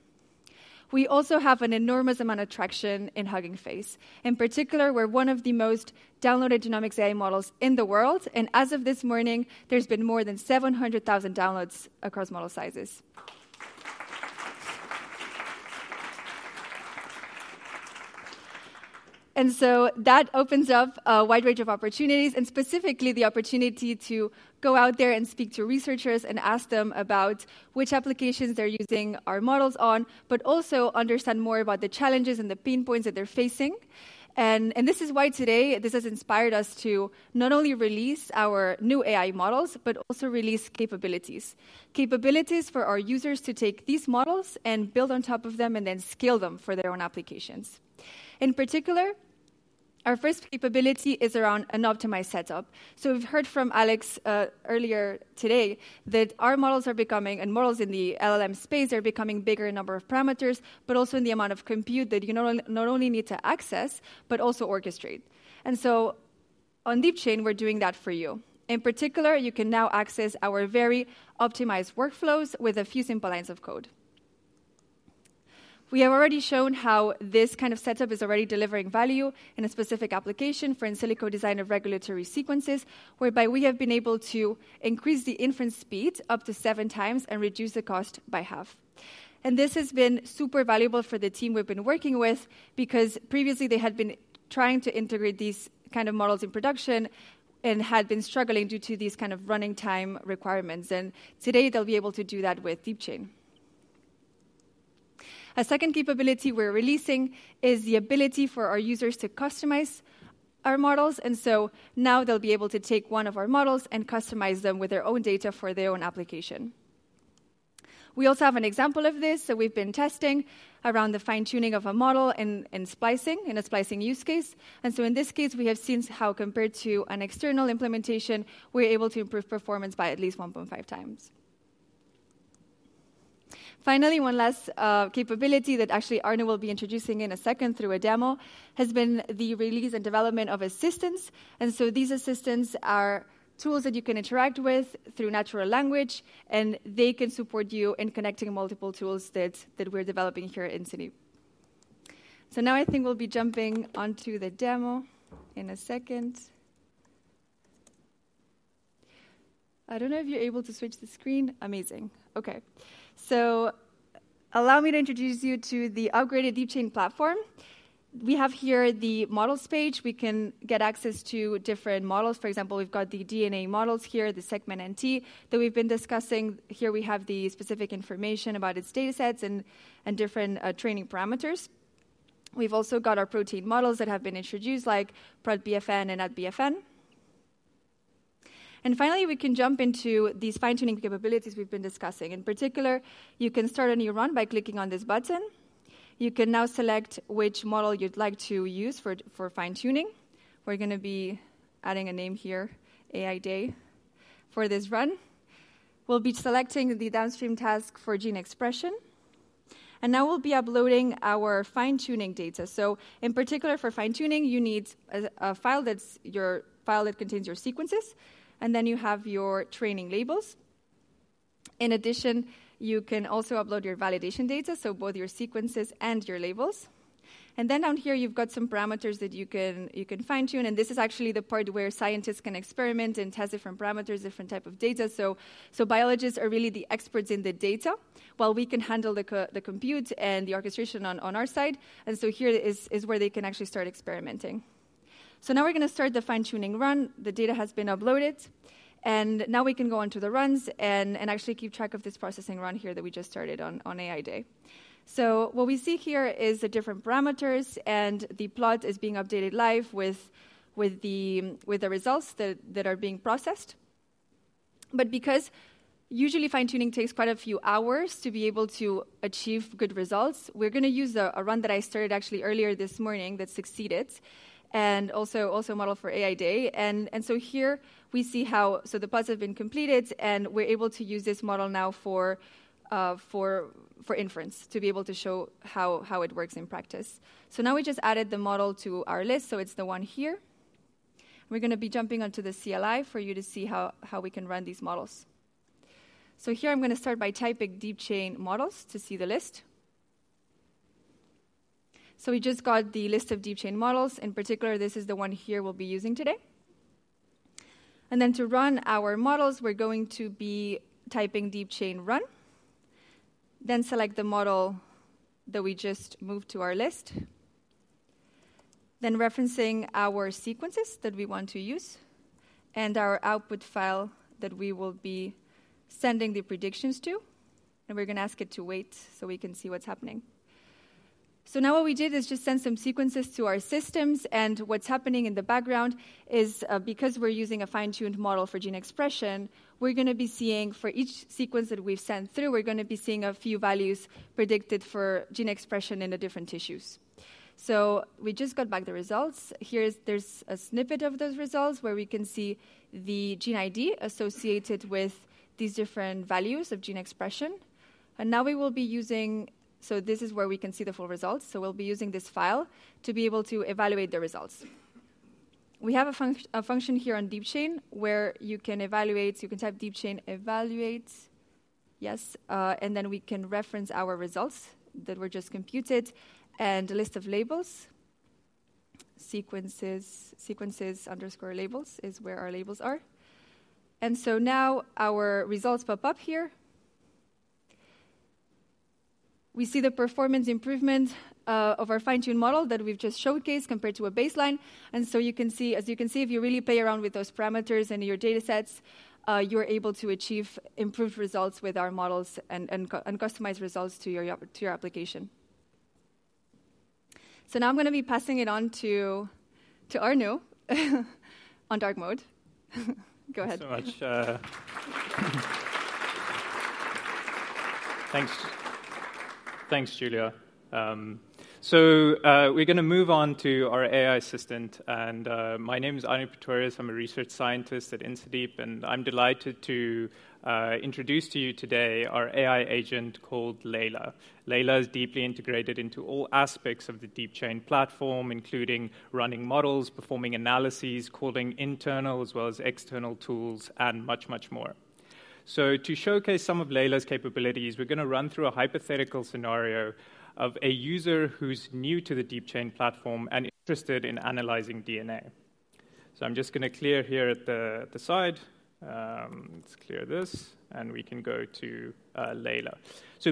We also have an enormous amount of traction in Hugging Face. In particular, we're one of the most downloaded genomics AI models in the world, and as of this morning, there's been more than seven hundred thousand downloads across model sizes, and so that opens up a wide range of opportunities, and specifically the opportunity to go out there and speak to researchers and ask them about which applications they're using our models on, but also understand more about the challenges and the pain points that they're facing. This is why today, this has inspired us to not only release our new AI models, but also release capabilities. Capabilities for our users to take these models and build on top of them and then scale them for their own applications. In particular, our first capability is around an optimized setup. We've heard from Alex earlier today, that our models are becoming, and models in the LLM space are becoming bigger in number of parameters, but also in the amount of compute that you not only need to access, but also orchestrate. And so on DeepChain, we're doing that for you. In particular, you can now access our very optimized workflows with a few simple lines of code. We have already shown how this kind of setup is already delivering value in a specific application for in silico design of regulatory sequences, whereby we have been able to increase the inference speed up to seven times and reduce the cost by half, and this has been super valuable for the team we've been working with because previously they had been trying to integrate these kind of models in production and had been struggling due to these kind of running time requirements, and today they'll be able to do that with DeepChain. A second capability we're releasing is the ability for our users to customize our models, and so now they'll be able to take one of our models and customize them with their own data for their own application. We also have an example of this that we've been testing around the fine-tuning of a model in splicing, in a splicing use case. And so in this case, we have seen how, compared to an external implementation, we're able to improve performance by at least one point five times. Finally, one last capability that actually Arnaud will be introducing in a second through a demo has been the release and development of assistants. And so these assistants are tools that you can interact with through natural language, and they can support you in connecting multiple tools that we're developing here at InstaDeep. So now I think we'll be jumping onto the demo in a second. I don't know if you're able to switch the screen. Amazing. Okay. So allow me to introduce you to the upgraded DeepChain platform. We have here the models page. We can get access to different models. For example, we've got the DNA models here, the SegMentNT that we've been discussing. Here we have the specific information about its datasets and different training parameters. We've also got our protein models that have been introduced, like ProtBFN and AtBFN, and finally, we can jump into these fine-tuning capabilities we've been discussing. In particular, you can start a new run by clicking on this button. You can now select which model you'd like to use for fine-tuning. We're gonna be adding a name here, AI Day, for this run. We'll be selecting the downstream task for gene expression, and now we'll be uploading our fine-tuning data. So in particular, for fine-tuning, you need a file that's your file that contains your sequences, and then you have your training labels. In addition, you can also upload your validation data, so both your sequences and your labels, and then down here, you've got some parameters that you can fine-tune, and this is actually the part where scientists can experiment and test different parameters, different type of data. So biologists are really the experts in the data, while we can handle the compute and the orchestration on our side, and so here is where they can actually start experimenting. So now we're gonna start the fine-tuning run. The data has been uploaded, and now we can go on to the runs and actually keep track of this processing run here that we just started on AI Day. So what we see here is the different parameters, and the plot is being updated live with the results that are being processed. But because usually fine-tuning takes quite a few hours to be able to achieve good results, we're gonna use a run that I started actually earlier this morning that succeeded, and also a model for AI Day. And so here, we see how the plots have been completed, and we're able to use this model now for inference, to be able to show how it works in practice. So now we just added the model to our list, so it's the one here. We're gonna be jumping onto the CLI for you to see how we can run these models. So here I'm gonna start by typing DeepChain models to see the list. We just got the list of DeepChain models. In particular, this is the one here we'll be using today. Then to run our models, we're going to be typing DeepChain run, then select the model that we just moved to our list. Referencing our sequences that we want to use and our output file that we will be sending the predictions to, and we're gonna ask it to wait so we can see what's happening. Now what we did is just send some sequences to our systems, and what's happening in the background is, because we're using a fine-tuned model for gene expression, we're gonna be seeing, for each sequence that we've sent through, we're gonna be seeing a few values predicted for gene expression in the different tissues. We just got back the results. Here's a snippet of those results, where we can see the gene ID associated with these different values of gene expression, and now we will be using this, so this is where we can see the full results, so we'll be using this file to be able to evaluate the results. We have a function here on DeepChain, where you can evaluate, you can type DeepChain evaluate. Yes, and then we can reference our results that were just computed and a list of labels. Sequences, sequences_labels is where our labels are, and so now our results pop up here. We see the performance improvement of our fine-tune model that we've just showcased compared to a baseline. You can see, as you can see, if you really play around with those parameters and your datasets, you're able to achieve improved results with our models and customize results to your application. Now I'm gonna be passing it on to Arnaud, on dark mode. Go ahead. Thanks so much. Thanks. Thanks, Julia. So, we're gonna move on to our AI assistant, and my name is Arnaud Pretorius. I'm a research scientist at InstaDeep, and I'm delighted to introduce to you today our AI agent called Layla. Layla is deeply integrated into all aspects of the DeepChain platform, including running models, performing analyses, calling internal as well as external tools, and much, much more. So to showcase some of Layla's capabilities, we're gonna run through a hypothetical scenario of a user who's new to the DeepChain platform and interested in analyzing DNA. So I'm just gonna clear here at the side. Let's clear this, and we can go to Layla.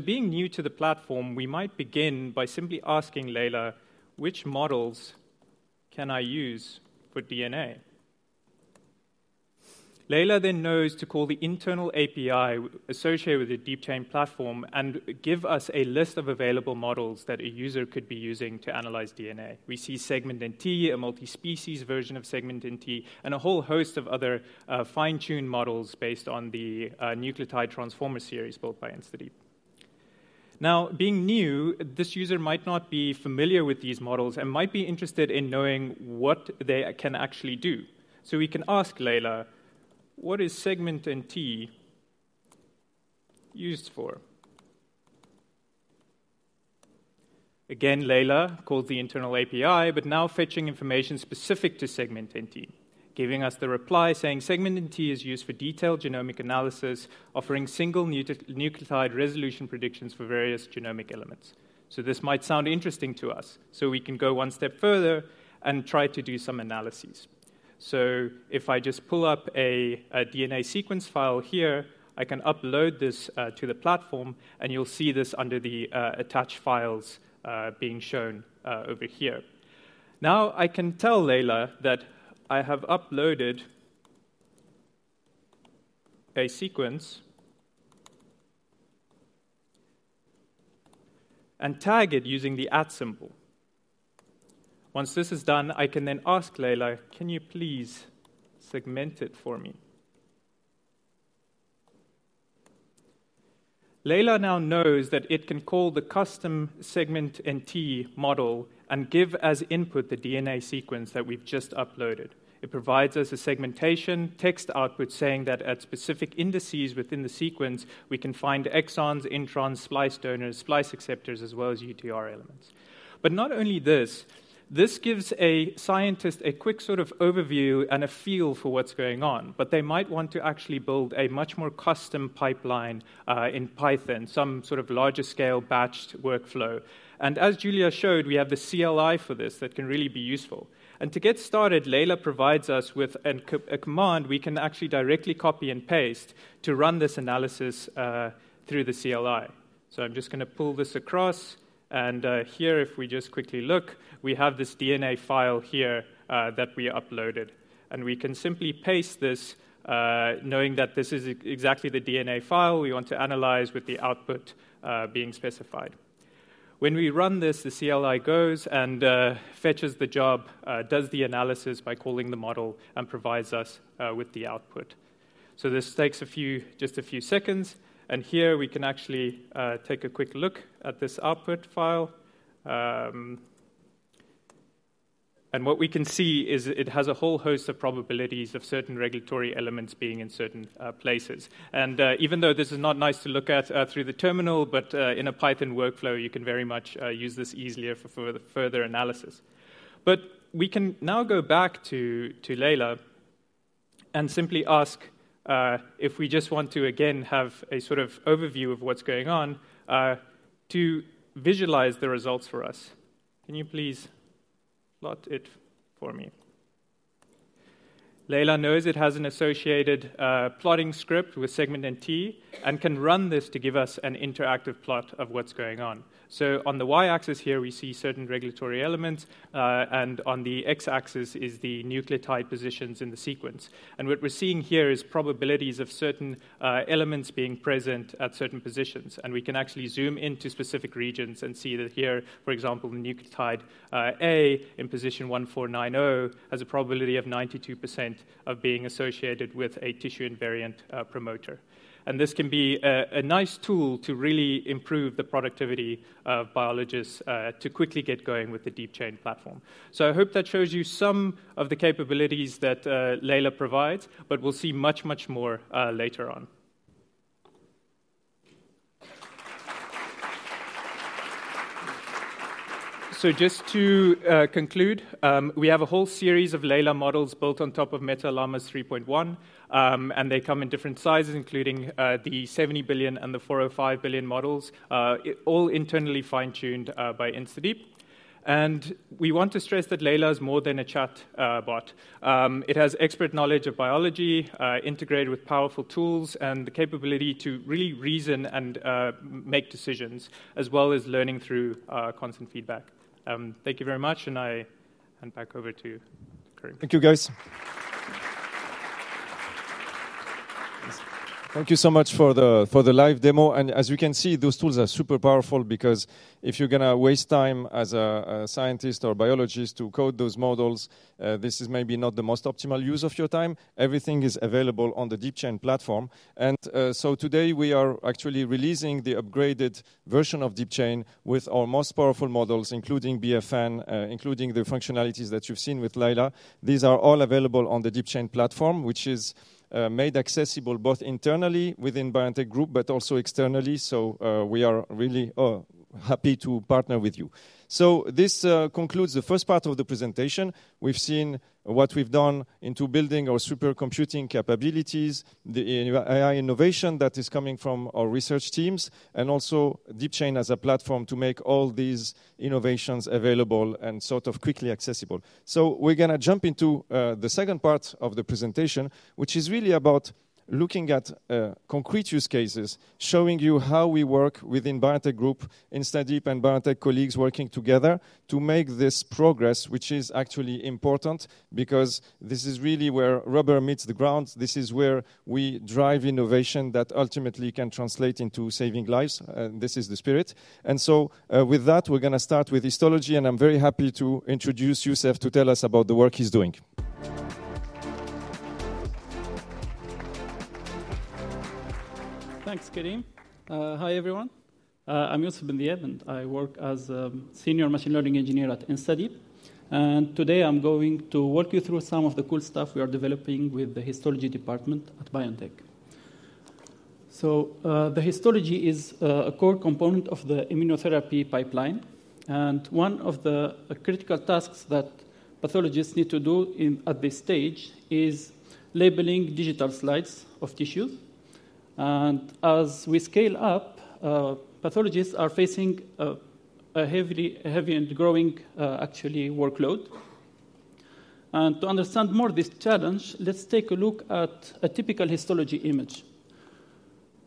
Being new to the platform, we might begin by simply asking Layla, "Which models can I use for DNA?" Layla then knows to call the internal API associated with the DeepChain platform and give us a list of available models that a user could be using to analyze DNA. We see SegMentNT, a multi-species version of SegMentNT, and a whole host of other fine-tuned models based on the nucleotide transformer series built by InstaDeep. Now, being new, this user might not be familiar with these models and might be interested in knowing what they can actually do. We can ask Layla, "What is SegMentNT used for?" Again, Layla called the internal API, but now fetching information specific to SegMentNT, giving us the reply saying: SegMentNT is used for detailed genomic analysis, offering single nucleotide resolution predictions for various genomic elements. So this might sound interesting to us, so we can go one step further and try to do some analyses. So if I just pull up a DNA sequence file here, I can upload this to the platform, and you'll see this under the attached files being shown over here. Now, I can tell Layla that I have uploaded a sequence and tag it using the @ symbol. Once this is done, I can then ask Layla, "Can you please segment it for me?" Layla now knows that it can call the custom SegmentNT model and give as input the DNA sequence that we've just uploaded. It provides us a segmentation text output, saying that at specific indices within the sequence, we can find exons, introns, splice donors, splice acceptors, as well as UTR elements. But not only this, this gives a scientist a quick sort of overview and a feel for what's going on, but they might want to actually build a much more custom pipeline, in Python, some sort of larger scale batched workflow. And as Julia showed, we have the CLI for this that can really be useful. And to get started, Layla provides us with a command we can actually directly copy and paste to run this analysis, through the CLI. So I'm just gonna pull this across, and, here, if we just quickly look, we have this DNA file here, that we uploaded, and we can simply paste this, knowing that this is exactly the DNA file we want to analyze with the output being specified. When we run this, the CLI goes and fetches the job, does the analysis by calling the model, and provides us with the output, so this takes a few, just a few seconds, and here we can actually take a quick look at this output file, and what we can see is it has a whole host of probabilities of certain regulatory elements being in certain places, and even though this is not nice to look at through the terminal, but in a Python workflow, you can very much use this easier for further analysis, but we can now go back to Layla and simply ask if we just want to, again, have a sort of overview of what's going on to visualize the results for us. Can you please plot it for me? Layla knows it has an associated plotting script with SegmentNT and can run this to give us an interactive plot of what's going on. On the y-axis here, we see certain regulatory elements, and on the x-axis is the nucleotide positions in the sequence. What we're seeing here is probabilities of certain elements being present at certain positions. We can actually zoom into specific regions and see that here, for example, the nucleotide A in position one four nine oh has a probability of 92% of being associated with a tissue-invariant promoter. This can be a nice tool to really improve the productivity of biologists to quickly get going with the DeepChain platform. I hope that shows you some of the capabilities that Layla provides, but we'll see much, much more later on. So just to conclude, we have a whole series of Layla models built on top of Meta's Llama 3.1, and they come in different sizes, including the 70 billion and the 405 billion models, all internally fine-tuned by InstaDeep. And we want to stress that Layla is more than a chat bot. It has expert knowledge of biology, integrated with powerful tools and the capability to really reason and make decisions, as well as learning through constant feedback. Thank you very much, and I hand back over to you, Karim. Thank you, guys. Thank you so much for the live demo. As you can see, those tools are super powerful because if you're gonna waste time as a scientist or biologist to code those models, this is maybe not the most optimal use of your time. Everything is available on the DeepChain platform, and so today we are actually releasing the upgraded version of DeepChain with our most powerful models, including AbFNX, including the functionalities that you've seen with Layla. These are all available on the DeepChain platform, which is made accessible both internally within BioNTech Group but also externally, so we are really happy to partner with you. This concludes the first part of the presentation. We've seen what we've done into building our supercomputing capabilities, the AI innovation that is coming from our research teams, and also DeepChain as a platform to make all these innovations available and sort of quickly accessible. We're gonna jump into the second part of the presentation, which is really about looking at concrete use cases, showing you how we work within BioNTech Group, InstaDeep and BioNTech colleagues working together to make this progress, which is actually important because this is really where rubber meets the ground. This is where we drive innovation that ultimately can translate into saving lives. This is the spirit. With that, we're gonna start with histology, and I'm very happy to introduce Youssef to tell us about the work he's doing. Thanks, Karim. Hi, everyone. I'm Youssef Bendib, and I work as a senior machine learning engineer at InstaDeep. And today, I'm going to walk you through some of the cool stuff we are developing with the Histology department at BioNTech. So, the Histology is a core component of the immunotherapy pipeline, and one of the critical tasks that pathologists need to do at this stage is labeling digital slides of tissues. And as we scale up, pathologists are facing a heavy and growing, actually workload. And to understand more this challenge, let's take a look at a typical Histology image.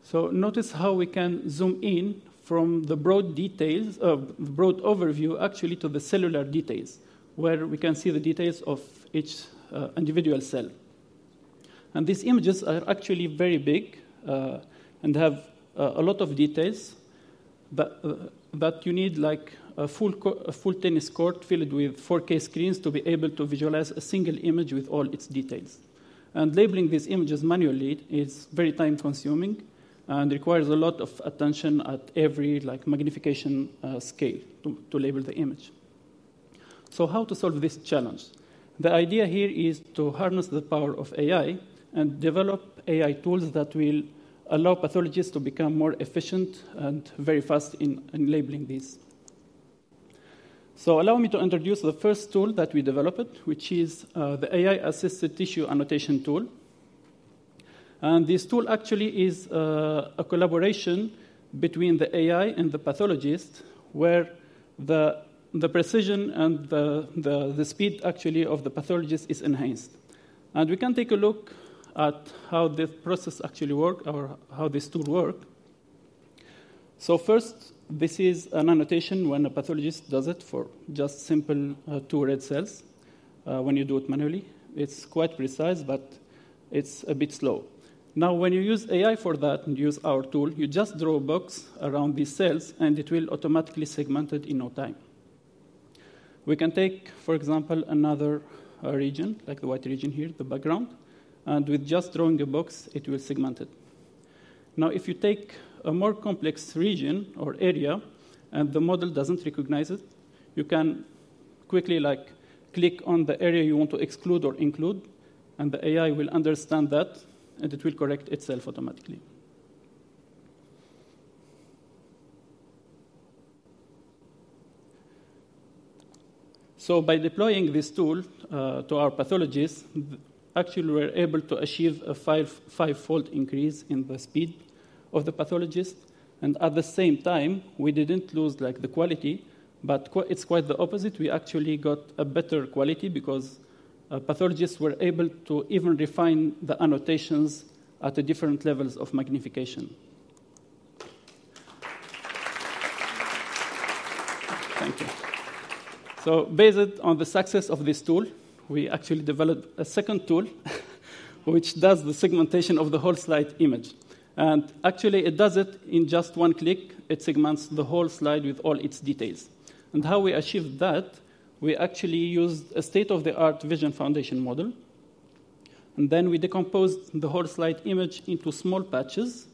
So notice how we can zoom in from the broad overview, actually, to the cellular details, where we can see the details of each individual cell. These images are actually very big and have a lot of details, but you need like a full tennis court filled with 4K screens to be able to visualize a single image with all its details. Labeling these images manually is very time-consuming and requires a lot of attention at every like magnification scale to label the image. How to solve this challenge? The idea here is to harness the power of AI and develop AI tools that will allow pathologists to become more efficient and very fast in labeling these. Allow me to introduce the first tool that we developed, which is the AI-assisted tissue annotation tool. This tool actually is a collaboration between the AI and the pathologist, where the precision and the speed actually of the pathologist is enhanced. We can take a look at how this process actually work or how this tool work. First, this is an annotation when a pathologist does it for just simple two red cells. When you do it manually, it's quite precise, but it's a bit slow. Now, when you use AI for that and use our tool, you just draw a box around these cells, and it will automatically segment it in no time. We can take, for example, another region, like the white region here, the background, and with just drawing a box, it will segment it. Now, if you take a more complex region or area, and the model doesn't recognize it, you can quickly, like, click on the area you want to exclude or include, and the AI will understand that, and it will correct itself automatically, so by deploying this tool to our pathologists, actually, we were able to achieve a five-fold increase in the speed of the pathologist, and at the same time, we didn't lose, like, the quality, but it's quite the opposite. We actually got a better quality because pathologists were able to even refine the annotations at the different levels of magnification. Thank you, so based on the success of this tool, we actually developed a second tool which does the segmentation of the whole slide image, and actually, it does it in just one click. It segments the whole slide with all its details. And how we achieved that, we actually used a state-of-the-art vision foundation model, and then we decomposed the whole slide image into small patches,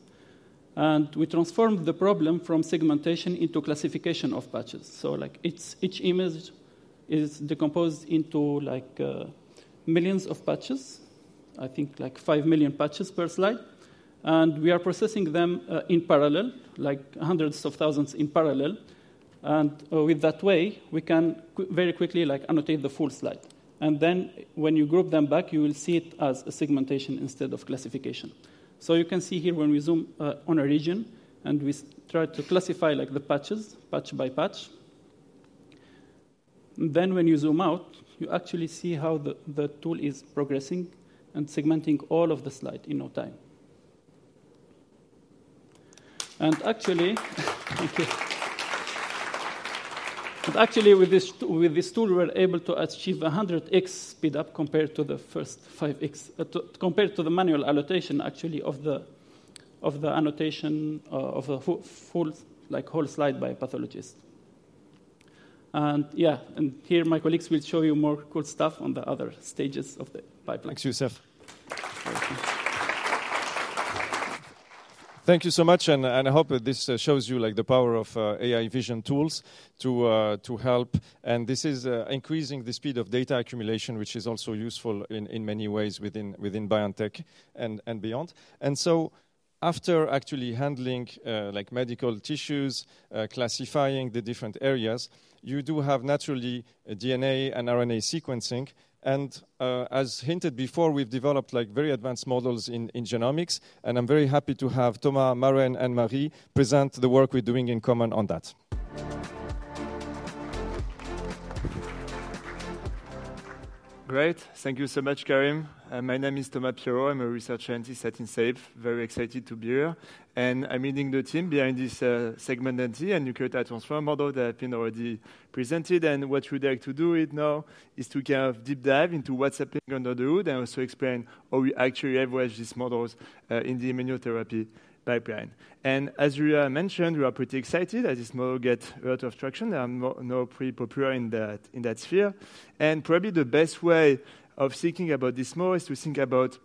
and we transformed the problem from segmentation into classification of patches. So, like, each image is decomposed into, like, millions of patches, I think like five million patches per slide. And we are processing them in parallel, like hundreds of thousands in parallel. And with that way, we can very quickly, like, annotate the full slide. And then when you group them back, you will see it as a segmentation instead of classification. So you can see here when we zoom on a region, and we try to classify, like, the patches, patch by patch. Then when you zoom out, you actually see how the tool is progressing and segmenting all of the slide in no time. And actually... Thank you. Actually, with this tool, we were able to achieve 100x speed up compared to the first 5x compared to the manual annotation, actually, of the annotation of the full, like, whole slide by a pathologist. Yeah, here, my colleagues will show you more cool stuff on the other stages of the pipeline. Thanks, Youssef. Thank you. Thank you so much, and I hope that this shows you, like, the power of AI vision tools to help. This is increasing the speed of data accumulation, which is also useful in many ways within BioNTech and beyond. So after actually handling, like, medical tissues, classifying the different areas, you do have naturally a DNA and RNA sequencing. As hinted before, we've developed, like, very advanced models in genomics, and I'm very happy to have Thomas, Maren, and Marie present the work we're doing in common on that. Great. Thank you so much, Karim. My name is Thomas Pierrot. I'm a researcher and scientist at InstaDeep. Very excited to be here, and I'm leading the team behind this SegmentNT and Nucleotide Transformer model that have been already presented. And what we'd like to do right now is to kind of deep dive into what's happening under the hood and also explain how we actually leverage these models in the immunotherapy pipeline. And as we mentioned, we are pretty excited as this model get a lot of traction and more, now pretty popular in that, in that sphere. And probably the best way of thinking about this model is to think about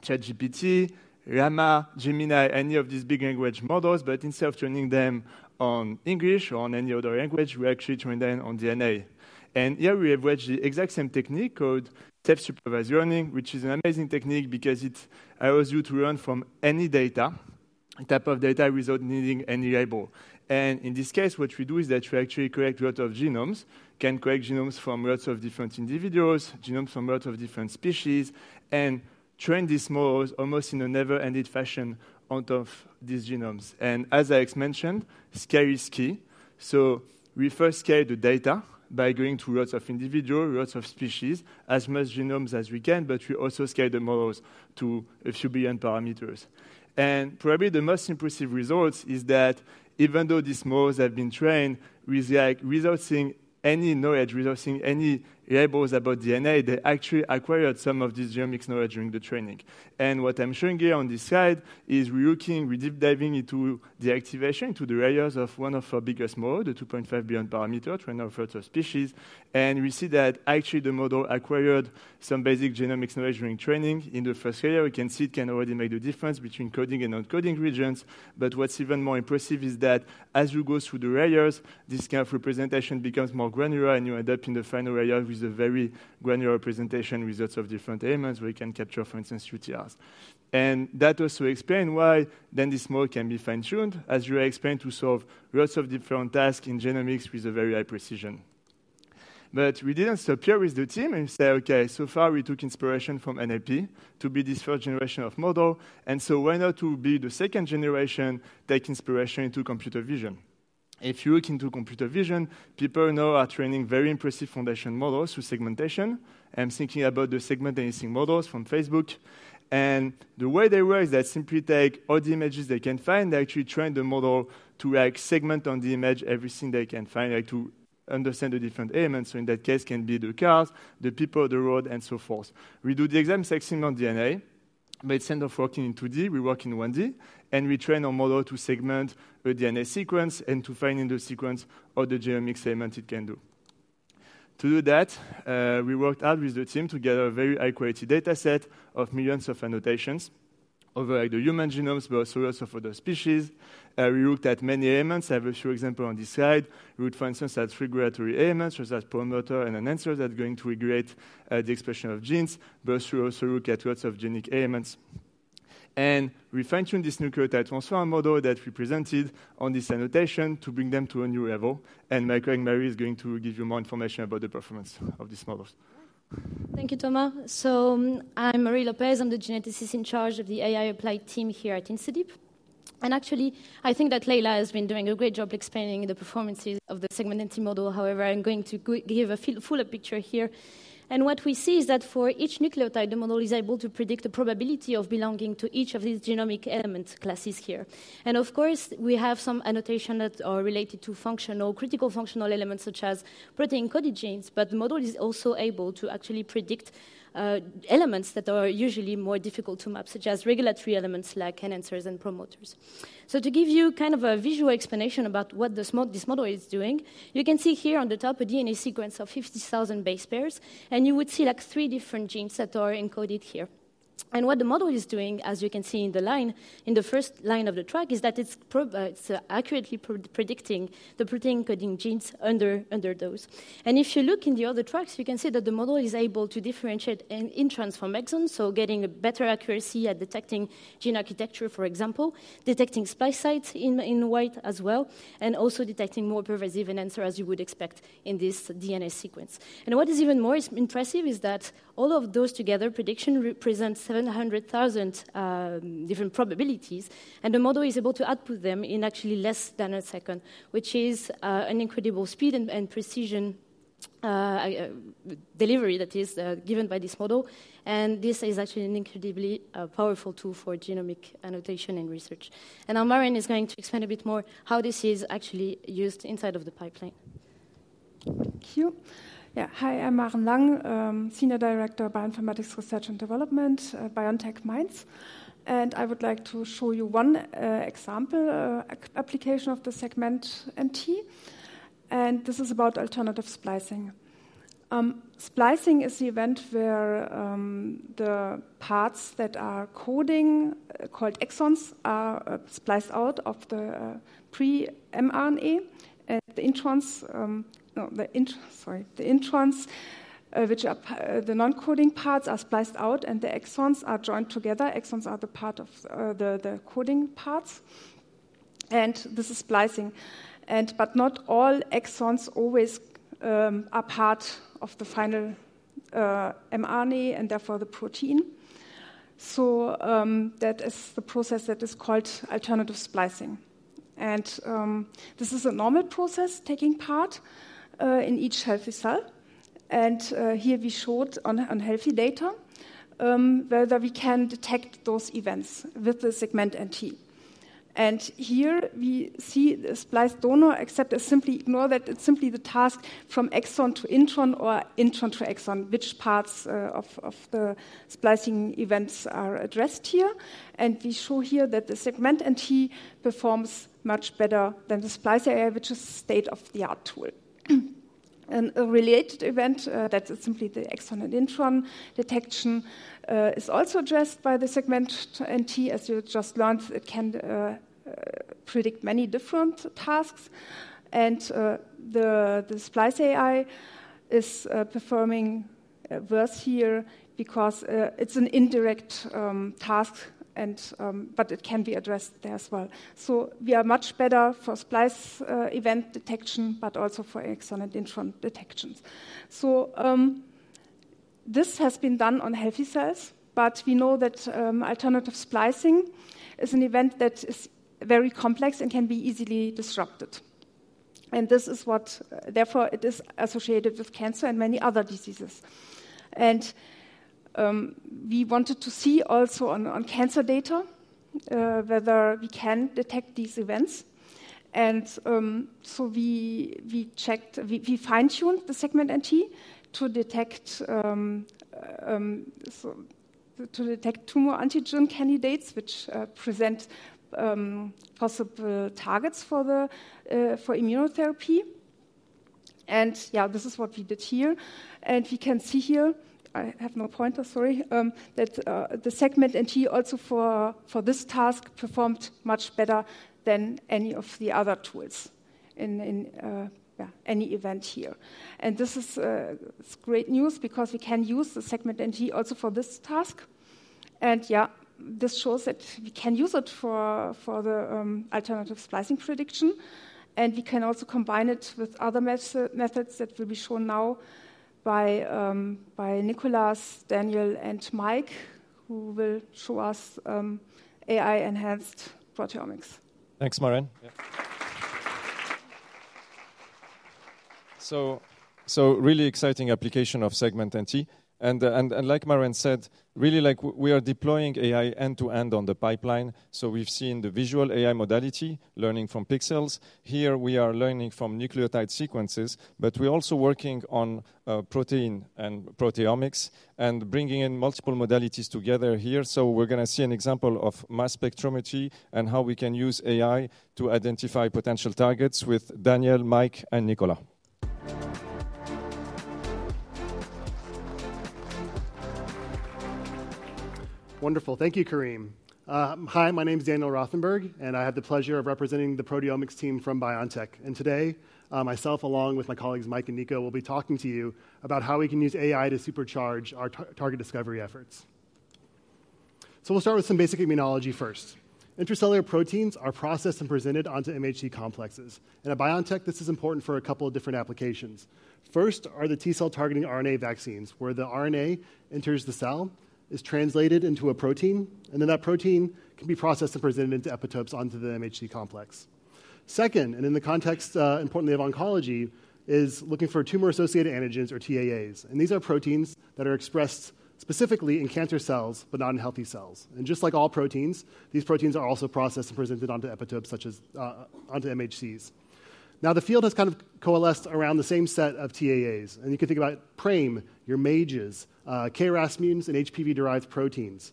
ChatGPT, Llama, Gemini, any of these big language models, but instead of training them on English or on any other language, we actually train them on DNA. Here we leverage the exact same technique called self-supervised learning, which is an amazing technique because it allows you to learn from any type of data without needing any label. In this case, what we do is that we actually collect lots of genomes from lots of different individuals, genomes from lots of different species, and train these models almost in a never-ending fashion out of these genomes. As Alex mentioned, scale is key. We first scale the data by going through lots of individuals, lots of species, as many genomes as we can, but we also scale the models to a few billion parameters. And probably the most impressive results is that even though these models have been trained with, like, without seeing any knowledge, without seeing any labels about DNA, they actually acquired some of this genomics knowledge during the training. And what I'm showing here on this side is we're looking, we're deep diving into the activation to the layers of one of our biggest model, the 2.5 billion-parameter, trained on lots of species. And we see that actually the model acquired some basic genomics knowledge during training. In the first layer, we can see it can already make the difference between coding and non-coding regions. But what's even more impressive is that as you go through the layers, this kind of representation becomes more granular, and you end up in the final layer with a very granular presentation with lots of different elements, where you can capture, for instance, UTRs. And that also explain why then this model can be fine-tuned, as you explain, to solve lots of different tasks in genomics with a very high precision. But we didn't stop here with the team and say, "Okay, so far we took inspiration from NLP to build this first generation of model, and so why not to build the second generation, take inspiration into computer vision?" If you look into computer vision, people now are training very impressive foundation models with segmentation. I'm thinking about the Segment Anything Models from Facebook. And the way they work is they simply take all the images they can find, they actually train the model to like segment on the image everything they can find, like to understand the different elements. So in that case, can be the cars, the people, the road, and so forth. We do the same segment on DNA, but instead of working in 2D, we work in 1D, and we train our model to segment a DNA sequence and to find in the sequence all the genomic segments it can do. To do that, we worked hard with the team to gather a very high-quality data set of millions of annotations over the human genomes, but also lots of other species. We looked at many elements. I have a few example on this slide. We would, for instance, have regulatory elements, such as promoter and enhancer, that are going to regulate the expression of genes, but we also look at lots of genetic elements. And we fine-tune this Nucleotide Transformer model that we presented on this annotation to bring them to a new level, and Maren Lang is going to give you more information about the performance of these models. Thank you, Thomas. So I'm Marie Lopez. I'm the geneticist in charge of the AI applied team here at InstaDeep. And actually, I think that Layla has been doing a great job explaining the performances of the Segment NT model. However, I'm going to give a fuller picture here. And what we see is that for each nucleotide, the model is able to predict the probability of belonging to each of these genomic element classes here. And of course, we have some annotation that are related to critical functional elements, such as protein-encoded genes, but the model is also able to actually predict elements that are usually more difficult to map, such as regulatory elements like enhancers and promoters. So to give you kind of a visual explanation about what this this model is doing, you can see here on the top a DNA sequence of 50,000 base pairs, and you would see like three different genes that are encoded here. And what the model is doing, as you can see in the line, in the first line of the track, is that it's accurately predicting the protein-coding genes under those. And if you look in the other tracks, you can see that the model is able to differentiate introns from exons, so getting a better accuracy at detecting gene architecture, for example, detecting splice sites in white as well, and also detecting more pervasive enhancer, as you would expect in this DNA sequence. And what is even more impressive is that all of those together prediction represents 700,000 different probabilities, and the model is able to output them in actually less than a second, which is an incredible speed and precision delivery that is given by this model. And this is actually an incredibly powerful tool for genomic annotation and research. And now Maren is going to explain a bit more how this is actually used inside of the pipeline. Thank you. Yeah. Hi, I'm Maren Lang, Senior Director of Bioinformatics Research and Development at BioNTech Mainz, and I would like to show you one example application of the SegmentNT, and this is about alternative splicing. Splicing is the event where the parts that are coding called exons are spliced out of the pre-mRNA, and the introns, no, sorry, the introns which are the non-coding parts are spliced out, and the exons are joined together. Exons are the part of the coding parts, and this is splicing. And but not all exons always are part of the final mRNA, and therefore the protein. So that is the process that is called alternative splicing. And this is a normal process taking part in each healthy cell. Here we showed on healthy data whether we can detect those events with the SegmentNT. Here we see the splice donor. Except it's simply ignore that. It's simply the task from exon to intron or intron to exon, which parts of the splicing events are addressed here. We show here that the SegmentNT performs much better than the SpliceAI, which is state-of-the-art tool. A related event that is simply the exon and intron detection is also addressed by the SegmentNT. As you just learned, it can predict many different tasks. The SpliceAI is performing worse here because it's an indirect task, and but it can be addressed there as well. We are much better for splicing event detection, but also for exon and intron detections. This has been done on healthy cells, but we know that alternative splicing is an event that is very complex and can be easily disrupted. This is what therefore it is associated with cancer and many other diseases. We wanted to see also on cancer data whether we can detect these events. We checked. We fine-tuned the SegmentNT to detect tumor antigen candidates, which represent possible targets for immunotherapy. Yeah, this is what we did here. And we can see here, I have no pointer, sorry, the SegmentNT also for this task performed much better than any of the other tools in any event here. And this is great news because we can use the SegmentNT also for this task. And this shows that we can use it for the alternative splicing prediction, and we can also combine it with other methods that will be shown now by Nicolas, Daniel, and Mike, who will show us AI-enhanced proteomics. Thanks, Maren. So really exciting application of SegmentNT. And like Maren said, really like we are deploying AI end-to-end on the pipeline. So we've seen the visual AI modality, learning from pixels. Here, we are learning from nucleotide sequences, but we're also working on protein and proteomics, and bringing in multiple modalities together here. So we're gonna see an example of mass spectrometry and how we can use AI to identify potential targets with Daniel, Mike, and Nicolas. Wonderful. Thank you, Karim. Hi, my name is Daniel Rothenberg, and I have the pleasure of representing the proteomics team from BioNTech, and today, myself, along with my colleagues, Mike and Nico, will be talking to you about how we can use AI to supercharge our target discovery efforts, so we'll start with some basic immunology first. Intracellular proteins are processed and presented onto MHC complexes, and at BioNTech, this is important for a couple of different applications. First are the T-cell targeting RNA vaccines, where the RNA enters the cell, is translated into a protein, and then that protein can be processed and presented into epitopes onto the MHC complex. Second, and in the context, importantly, of oncology, is looking for tumor-associated antigens or TAAs, and these are proteins that are expressed specifically in cancer cells, but not in healthy cells. Just like all proteins, these proteins are also processed and presented onto epitopes such as onto MHCs. Now, the field has kind of coalesced around the same set of TAAs, and you can think about PRAME, your MAGEs, KRAS mutants, and HPV-derived proteins.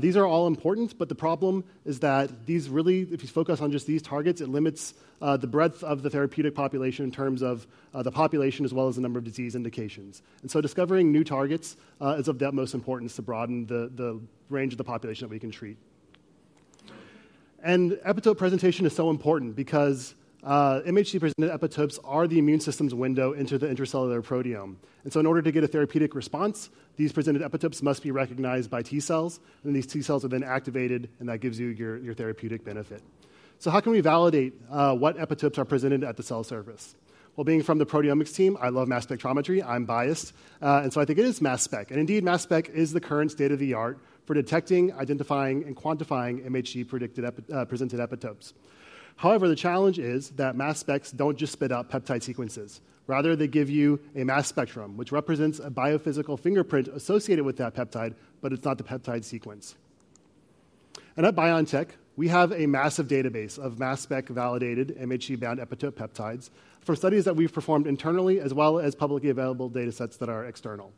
These are all important, but the problem is that these really, if you focus on just these targets, it limits the breadth of the therapeutic population in terms of the population as well as the number of disease indications. So discovering new targets is of the utmost importance to broaden the range of the population that we can treat. Epitope presentation is so important because MHC-presented epitopes are the immune system's window into the intracellular proteome. In order to get a therapeutic response, these presented epitopes must be recognized by T cells, and these T cells are then activated, and that gives you your therapeutic benefit. How can we validate what epitopes are presented at the cell surface? Being from the proteomics team, I love mass spectrometry. I'm biased, and so I think it is mass spec. Indeed, mass spec is the current state-of-the-art for detecting, identifying, and quantifying MHC predicted presented epitopes. However, the challenge is that mass specs don't just spit out peptide sequences. Rather, they give you a mass spectrum, which represents a biophysical fingerprint associated with that peptide, but it's not the peptide sequence. At BioNTech, we have a massive database of mass spec-validated, MHC-bound epitope peptides for studies that we've performed internally, as well as publicly available datasets that are external.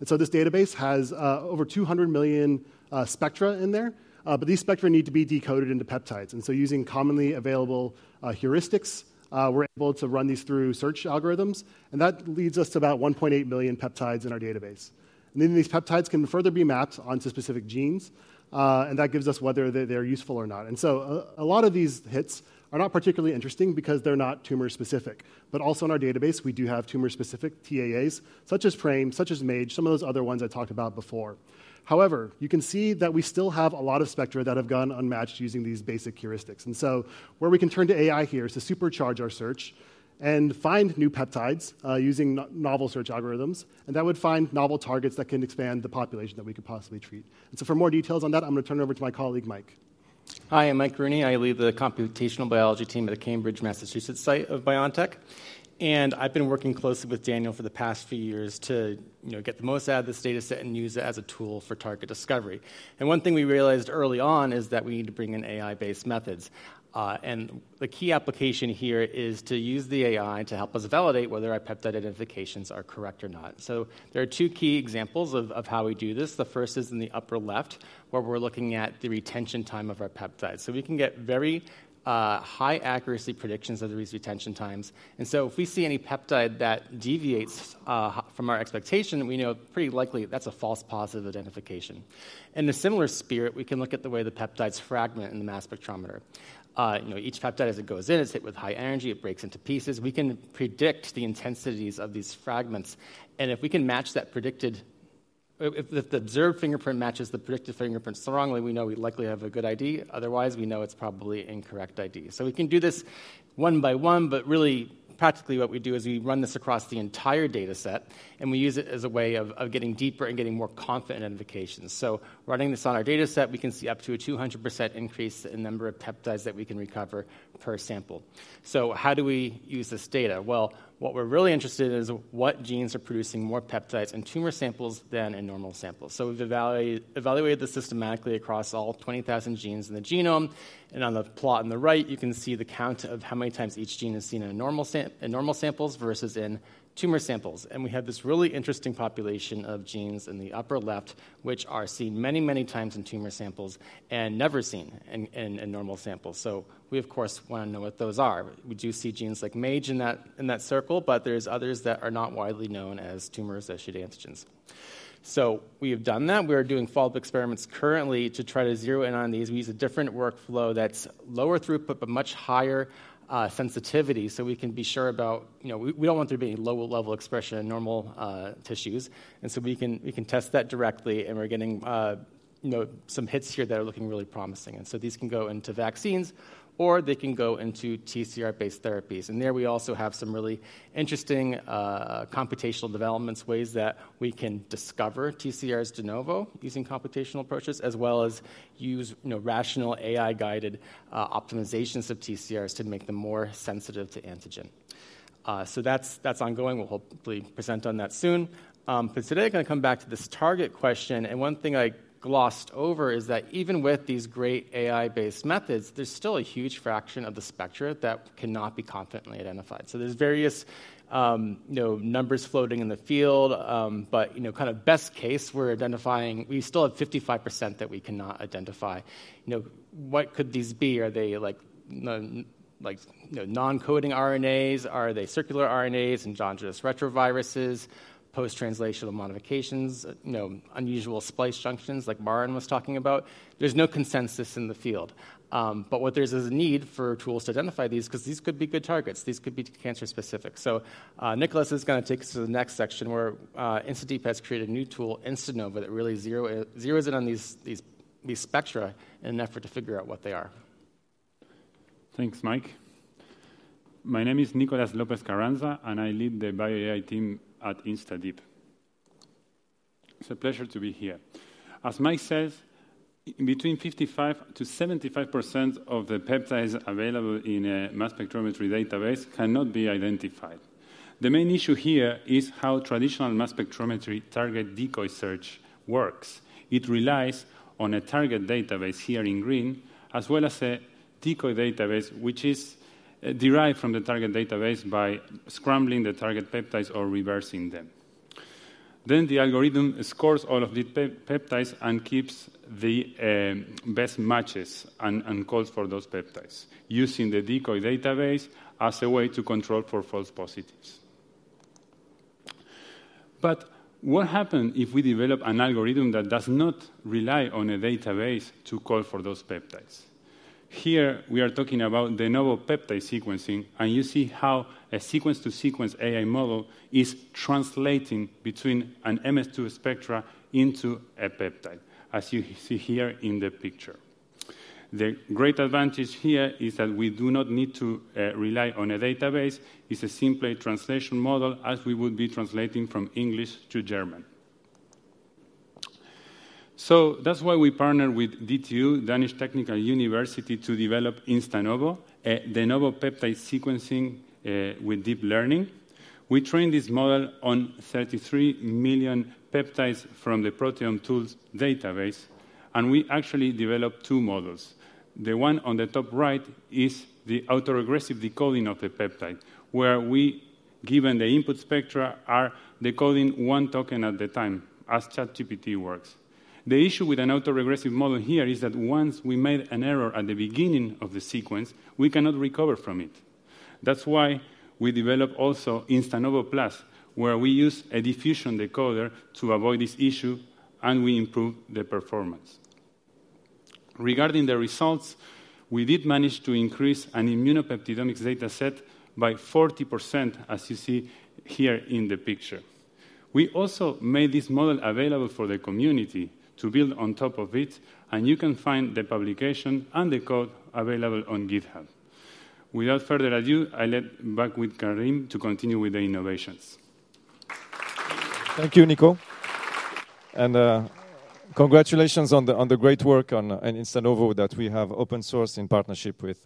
This database has over 200 million spectra in there, but these spectra need to be decoded into peptides. Using commonly available heuristics, we're able to run these through search algorithms, and that leads us to about 1.8 billion peptides in our database. These peptides can further be mapped onto specific genes, and that gives us whether they, they're useful or not. A lot of these hits are not particularly interesting because they're not tumor specific. We also have tumor-specific TAAs in our database, such as PRAME, such as MAGE, some of those other ones I talked about before. However, you can see that we still have a lot of spectra that have gone unmatched using these basic heuristics. And so where we can turn to AI here is to supercharge our search and find new peptides, using novel search algorithms, and that would find novel targets that can expand the population that we could possibly treat. And so for more details on that, I'm going to turn it over to my colleague, Mike. Hi, I'm Mike Rooney. I lead the computational biology team at the Cambridge, Massachusetts site of BioNTech, and I've been working closely with Daniel for the past few years to, you know, get the most out of this dataset and use it as a tool for target discovery. And one thing we realized early on is that we need to bring in AI-based methods. And the key application here is to use the AI to help us validate whether our peptide identifications are correct or not. So there are two key examples of how we do this. The first is in the upper left, where we're looking at the retention time of our peptides. So we can get very, high accuracy predictions of these retention times. And so if we see any peptide that deviates from our expectation, we know pretty likely that's a false positive identification. In a similar spirit, we can look at the way the peptides fragment in the mass spectrometer. You know, each peptide, as it goes in, is hit with high energy, it breaks into pieces. We can predict the intensities of these fragments, and if we can match that predicted-... if the observed fingerprint matches the predicted fingerprint strongly, we know we likely have a good ID, otherwise we know it's probably incorrect ID. So we can do this one by one, but really practically what we do is we run this across the entire data set, and we use it as a way of getting deeper and getting more confident in identifications. So running this on our data set, we can see up to a 200% increase in number of peptides that we can recover per sample. So how do we use this data? Well, what we're really interested in is what genes are producing more peptides in tumor samples than in normal samples. So we've evaluated this systematically across all 20,000 genes in the genome, and on the plot on the right, you can see the count of how many times each gene is seen in normal samples versus in tumor samples. And we have this really interesting population of genes in the upper left, which are seen many, many times in tumor samples and never seen in normal samples. So we of course wanna know what those are. We do see genes like MAGE in that circle, but there's others that are not widely known as tumor-associated antigens. So we have done that. We are doing follow-up experiments currently to try to zero in on these. We use a different workflow that's lower throughput, but much higher sensitivity, so we can be sure about. You know, we don't want there to be any low-level expression in normal tissues, and so we can test that directly, and we're getting, you know, some hits here that are looking really promising. And so these can go into vaccines, or they can go into TCR-based therapies. And there we also have some really interesting computational developments, ways that we can discover TCRs de novo, using computational approaches, as well as use, you know, rational AI-guided optimizations of TCRs to make them more sensitive to antigen. So that's ongoing. We'll hopefully present on that soon. But today I'm gonna come back to this target question, and one thing I glossed over is that even with these great AI-based methods, there's still a huge fraction of the spectra that cannot be confidently identified. So there's various, you know, numbers floating in the field, but, you know, kind of best case, we're identifying, we still have 55% that we cannot identify. You know, what could these be? Are they, like, you know, non-coding RNAs? Are they circular RNAs, endogenous retroviruses, post-translational modifications, you know, unusual splice junctions, like Maren was talking about? There's no consensus in the field. But what there is, is a need for tools to identify these, 'cause these could be good targets. These could be cancer specific. Nicolas is gonna take us to the next section, where InstaDeep has created a new tool, InstaNovo, that really zeros in on these spectra in an effort to figure out what they are. Thanks, Mike. My name is Nicolas Lopez-Carranza, and I lead the BioAI team at InstaDeep. It's a pleasure to be here. As Mike says, between 55%-75% of the peptides available in a mass spectrometry database cannot be identified. The main issue here is how traditional mass spectrometry target decoy search works. It relies on a target database, here in green, as well as a decoy database, which is derived from the target database by scrambling the target peptides or reversing them. Then, the algorithm scores all of the peptides and keeps the best matches and calls for those peptides, using the decoy database as a way to control for false positives. But what happen if we develop an algorithm that does not rely on a database to call for those peptides? Here, we are talking about de novo peptide sequencing, and you see how a sequence-to-sequence AI model is translating between an MS2 spectra into a peptide, as you see here in the picture. The great advantage here is that we do not need to rely on a database. It's a simply translation model, as we would be translating from English to German. So that's why we partnered with DTU, Technical University of Denmark, to develop InstaNovo, de novo peptide sequencing with deep learning. We trained this model on 33 million peptides from the ProteomeTools database, and we actually developed two models. The one on the top right is the autoregressive decoding of the peptide, where we, given the input spectra, are decoding one token at a time, as ChatGPT works. The issue with an autoregressive model here is that once we made an error at the beginning of the sequence, we cannot recover from it. That's why we develop also InstaNovo+, where we use a diffusion decoder to avoid this issue, and we improve the performance. Regarding the results, we did manage to increase an immunopeptidomics data set by 40%, as you see here in the picture. We also made this model available for the community to build on top of it, and you can find the publication and the code available on GitHub. Without further ado, I hand back to Karim to continue with the innovations. Thank you, Nico. And, congratulations on the great work on InstaNovo that we have open sourced in partnership with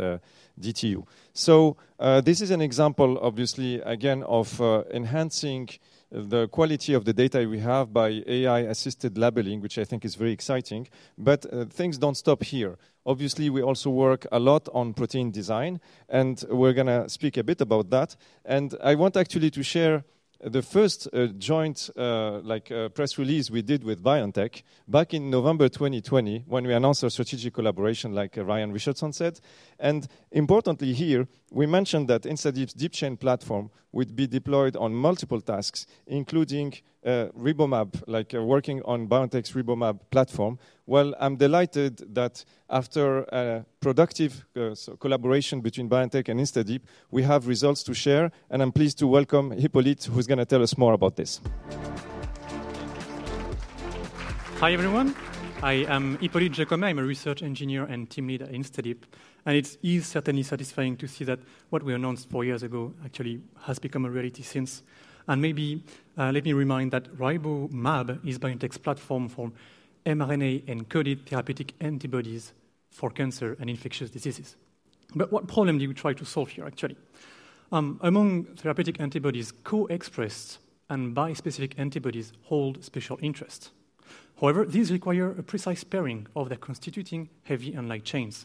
DTU. So, this is an example, obviously, again, of enhancing the quality of the data we have by AI-assisted labeling, which I think is very exciting, but things don't stop here. Obviously, we also work a lot on protein design, and we're gonna speak a bit about that. And I want actually to share the first joint, like, press release we did with BioNTech back in November 2020, when we announced our strategic collaboration, like Ryan Richardson said. And importantly here, we mentioned that InstaDeep's DeepChain platform would be deployed on multiple tasks, including RiboMab, like working on BioNTech's RiboMab platform. I'm delighted that after a productive collaboration between BioNTech and InstaDeep, we have results to share, and I'm pleased to welcome Hippolyte, who's gonna tell us more about this.... Hi, everyone. I am Hippolyte Jacomet. I'm a research engineer and team leader at InstaDeep, and it's certainly satisfying to see that what we announced four years ago actually has become a reality since, and maybe let me remind that RiboMab is BioNTech's platform for mRNA-encoded therapeutic antibodies for cancer and infectious diseases, but what problem do we try to solve here, actually? Among therapeutic antibodies, co-expressed and bispecific antibodies hold special interest. However, these require a precise pairing of their constituting heavy and light chains.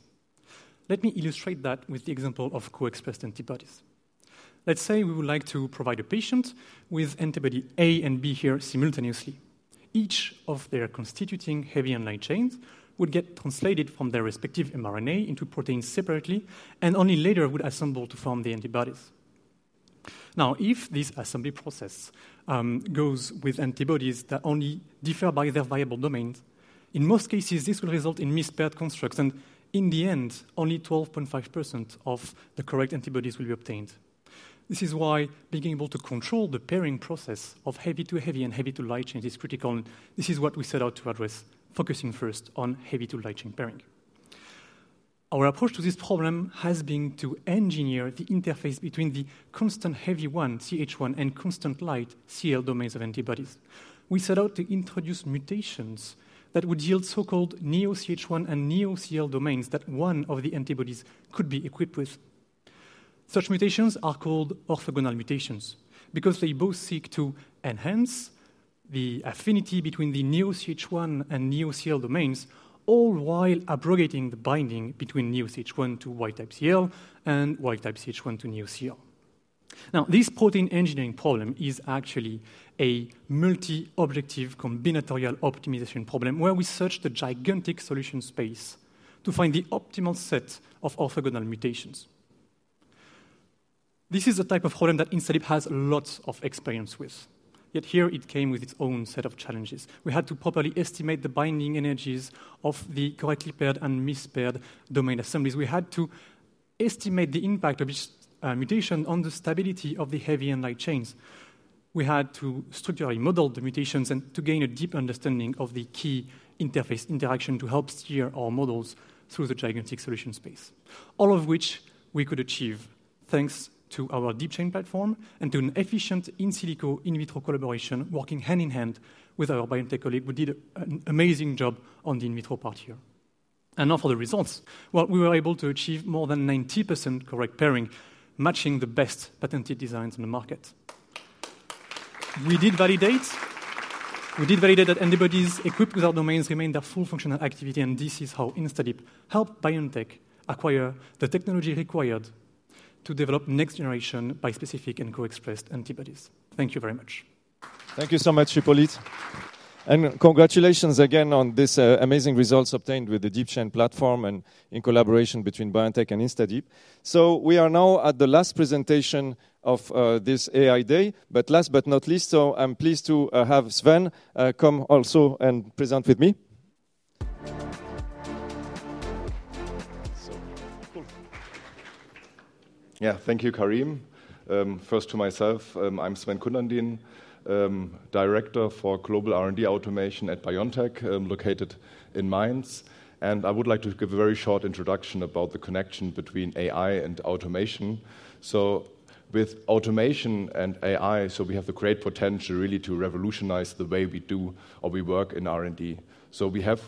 Let me illustrate that with the example of co-expressed antibodies. Let's say we would like to provide a patient with antibody A and B here simultaneously. Each of their constituting heavy and light chains would get translated from their respective mRNA into proteins separately, and only later would assemble to form the antibodies. Now, if this assembly process goes with antibodies that only differ by their variable domains, in most cases, this will result in mispaired constructs, and in the end, only 12.5% of the correct antibodies will be obtained. This is why being able to control the pairing process of heavy to heavy and heavy to light chain is critical, and this is what we set out to address, focusing first on heavy to light chain pairing. Our approach to this problem has been to engineer the interface between the constant heavy one, CH1, and constant light, CL, domains of antibodies. We set out to introduce mutations that would yield so-called neo-CH1 and neo-CL domains that one of the antibodies could be equipped with. Such mutations are called orthogonal mutations because they both seek to enhance the affinity between the neo-CH1 and neo-CL domains, all while abrogating the binding between neo-CH1 to Y-type CL and Y-type CH1 to neo-CL. Now, this protein engineering problem is actually a multi-objective combinatorial optimization problem, where we search the gigantic solution space to find the optimal set of orthogonal mutations. This is the type of problem that InstaDeep has lots of experience with, yet here it came with its own set of challenges. We had to properly estimate the binding energies of the correctly paired and mispaired domain assemblies. We had to estimate the impact of each mutation on the stability of the heavy and light chains. We had to structurally model the mutations and to gain a deep understanding of the key interface interaction to help steer our models through the gigantic solution space. All of which we could achieve thanks to our DeepChain platform and to an efficient in silico, in vitro collaboration, working hand-in-hand with our biotech colleague, who did an amazing job on the in vitro part here. And now for the results. Well, we were able to achieve more than 90% correct pairing, matching the best patented designs in the market. We did validate, we did validate that antibodies equipped with our domains remained their full functional activity, and this is how InstaDeep helped BioNTech acquire the technology required to develop next-generation bispecific and co-expressed antibodies. Thank you very much. Thank you so much, Hippolyte. And congratulations again on this amazing results obtained with the DeepChain platform and in collaboration between BioNTech and InstaDeep. So we are now at the last presentation of this AI day, but last but not least, so I'm pleased to have Sven come also and present with me. Yeah. Thank you, Karim. First to myself, I'm Sven Coutandin, Director for Global R&D Automation at BioNTech, located in Mainz, and I would like to give a very short introduction about the connection between AI and automation, so with automation and AI, so we have the great potential really to revolutionize the way we do or we work in R&D. So we have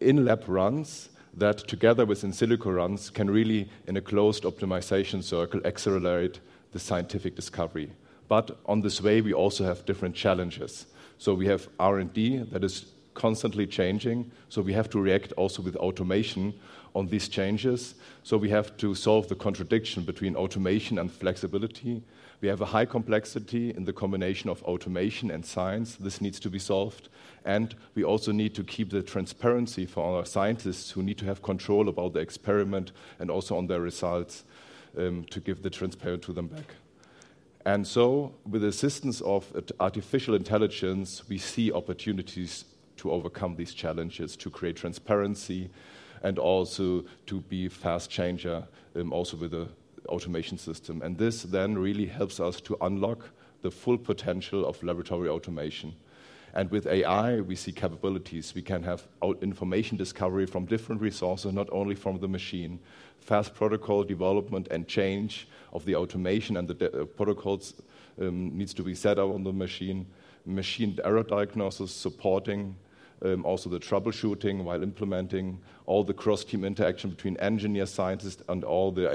in-lab runs that, together with in silico runs, can really, in a closed optimization circle, accelerate the scientific discovery, but on this way, we also have different challenges, so we have R&D that is constantly changing, so we have to react also with automation on these changes, so we have to solve the contradiction between automation and flexibility. We have a high complexity in the combination of automation and science. This needs to be solved. And we also need to keep the transparency for our scientists, who need to have control about the experiment and also on their results, to give the transparent to them back. And so, with the assistance of artificial intelligence, we see opportunities to overcome these challenges, to create transparency, and also to be fast changer, also with the automation system. And this then really helps us to unlock the full potential of laboratory automation. And with AI, we see capabilities. We can have information discovery from different resources, not only from the machine. Fast protocol development and change of the automation and the protocols needs to be set up on the machine. Machine error diagnosis, supporting also the troubleshooting while implementing all the cross-team interaction between engineer, scientists, and all the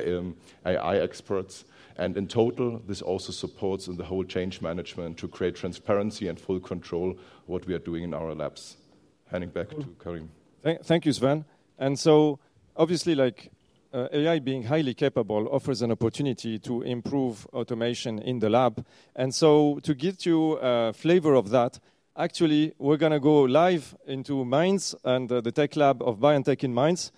AI experts. In total, this also supports the whole change management to create transparency and full control of what we are doing in our labs. Handing back to Karim. Thank you, Sven. So obviously, like, AI being highly capable, offers an opportunity to improve automation in the lab. To give you a flavor of that, actually, we're gonna go live into Mainz and the tech lab of BioNTech in Mainz.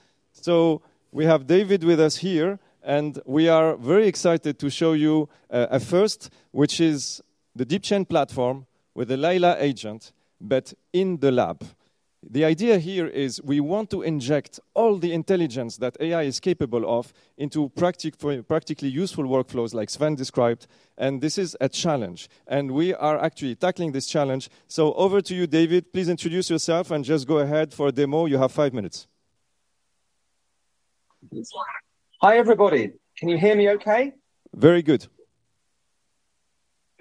We have David with us here, and we are very excited to show you a first, which is the DeepChain platform with the Layla agent, but in the lab. The idea here is we want to inject all the intelligence that AI is capable of into practically useful workflows like Sven described, and this is a challenge, and we are actually tackling this challenge. Over to you, David. Please introduce yourself and just go ahead for a demo. You have five minutes. Hi, everybody. Can you hear me okay? Very good.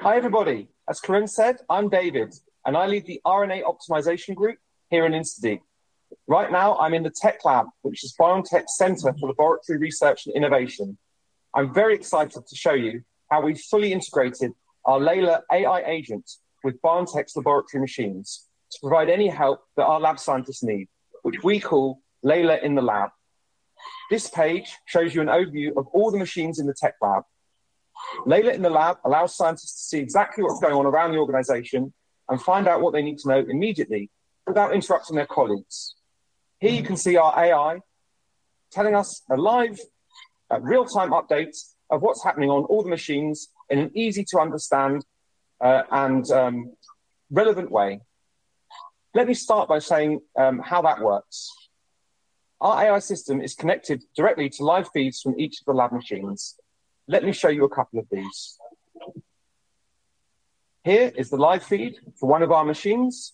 Hi, everybody. As Karim said, I'm David, and I lead the RNA Optimization Group here in InstaDeep. Right now, I'm in the Tech Lab, which is BioNTech's center for laboratory research and innovation. I'm very excited to show you how we've fully integrated our Layla AI agent with BioNTech's laboratory machines to provide any help that our lab scientists need, which we call Layla in the Lab. This page shows you an overview of all the machines in the tech lab. Layla in the Lab allows scientists to see exactly what's going on around the organization and find out what they need to know immediately without interrupting their colleagues. Here you can see our AI telling us a live, real-time update of what's happening on all the machines in an easy to understand, and relevant way. Let me start by saying, how that works. Our AI system is connected directly to live feeds from each of the lab machines. Let me show you a couple of these. Here is the live feed for one of our machines,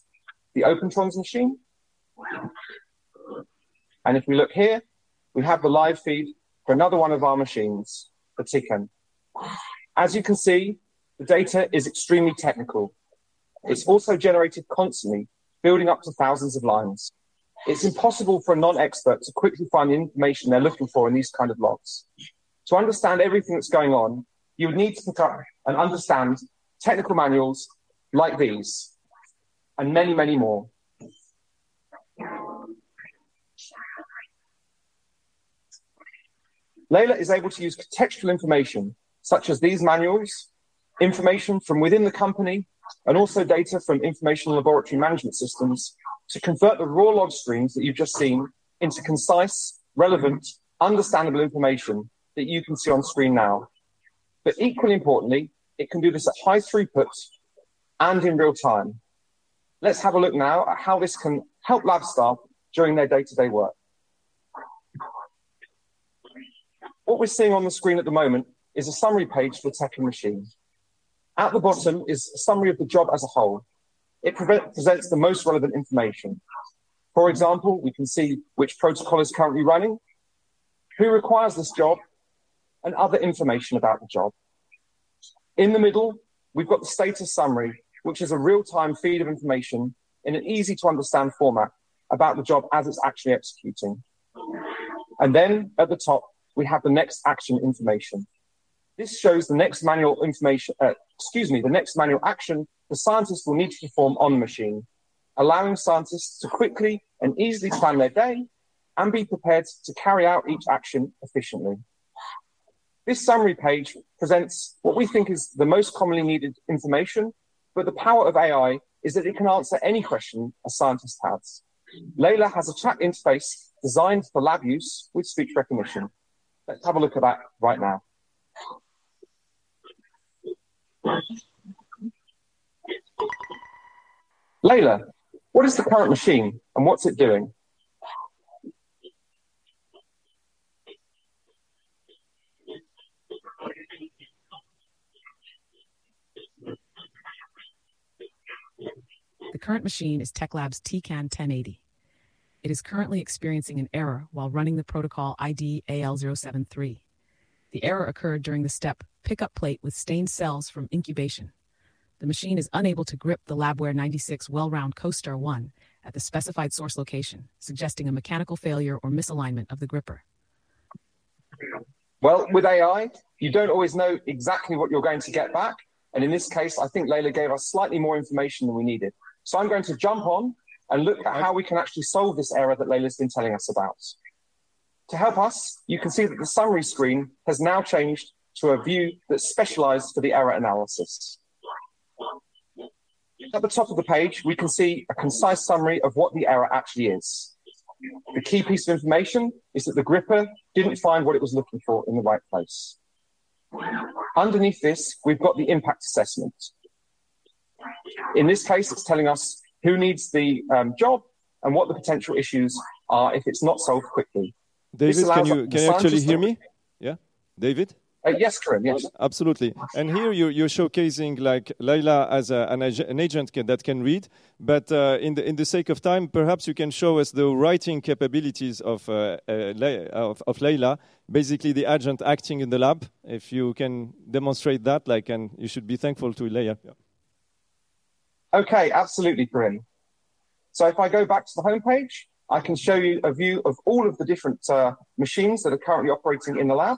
the Opentrons machine. And if we look here, we have the live feed for another one of our machines, the Tecan. As you can see, the data is extremely technical. It's also generated constantly, building up to thousands of lines. It's impossible for a non-expert to quickly find the information they're looking for in these kind of logs. To understand everything that's going on, you would need to look up and understand technical manuals like these and many, many more. Layla is able to use contextual information such as these manuals, information from within the company, and also data from information laboratory management systems to convert the raw log streams that you've just seen into concise, relevant, understandable information that you can see on screen now. But equally importantly, it can do this at high throughput and in real time. Let's have a look now at how this can help lab staff during their day-to-day work. What we're seeing on the screen at the moment is a summary page for the Tecan machine. At the bottom is a summary of the job as a whole. It presents the most relevant information. For example, we can see which protocol is currently running, who requires this job, and other information about the job. In the middle, we've got the status summary, which is a real-time feed of information in an easy-to-understand format about the job as it's actually executing, and then at the top, we have the next action information. This shows the next manual action the scientist will need to perform on the machine, allowing scientists to quickly and easily plan their day and be prepared to carry out each action efficiently. This summary page presents what we think is the most commonly needed information, but the power of AI is that it can answer any question a scientist has. Layla has a chat interface designed for lab use with speech recognition. Let's have a look at that right now. Layla, what is the current machine, and what's it doing? The current machine is the lab's Tecan 1080. It is currently experiencing an error while running the protocol ID AL073. The error occurred during the step, "Pick up plate with stained cells from incubation." The machine is unable to grip the Labware 96-well round Costar one at the specified source location, suggesting a mechanical failure or misalignment of the gripper. With AI, you don't always know exactly what you're going to get back, and in this case, I think Layla gave us slightly more information than we needed. I'm going to jump on and look at how we can actually solve this error that Layla's been telling us about. To help us, you can see that the summary screen has now changed to a view that's specialized for the error analysis. At the top of the page, we can see a concise summary of what the error actually is. The key piece of information is that the gripper didn't find what it was looking for in the right place. Underneath this, we've got the impact assessment. In this case, it's telling us who needs the job and what the potential issues are if it's not solved quickly. David, can you actually hear me? Yeah. David? Yes, Karim. Yes. Absolutely. And here you're showcasing, like, Layla as an agent that can read, but in the sake of time, perhaps you can show us the writing capabilities of Layla, basically the agent acting in the lab. If you can demonstrate that, like, and you should be thankful to Layla. Yeah. Okay, absolutely, Karim. So if I go back to the homepage, I can show you a view of all of the different machines that are currently operating in the lab.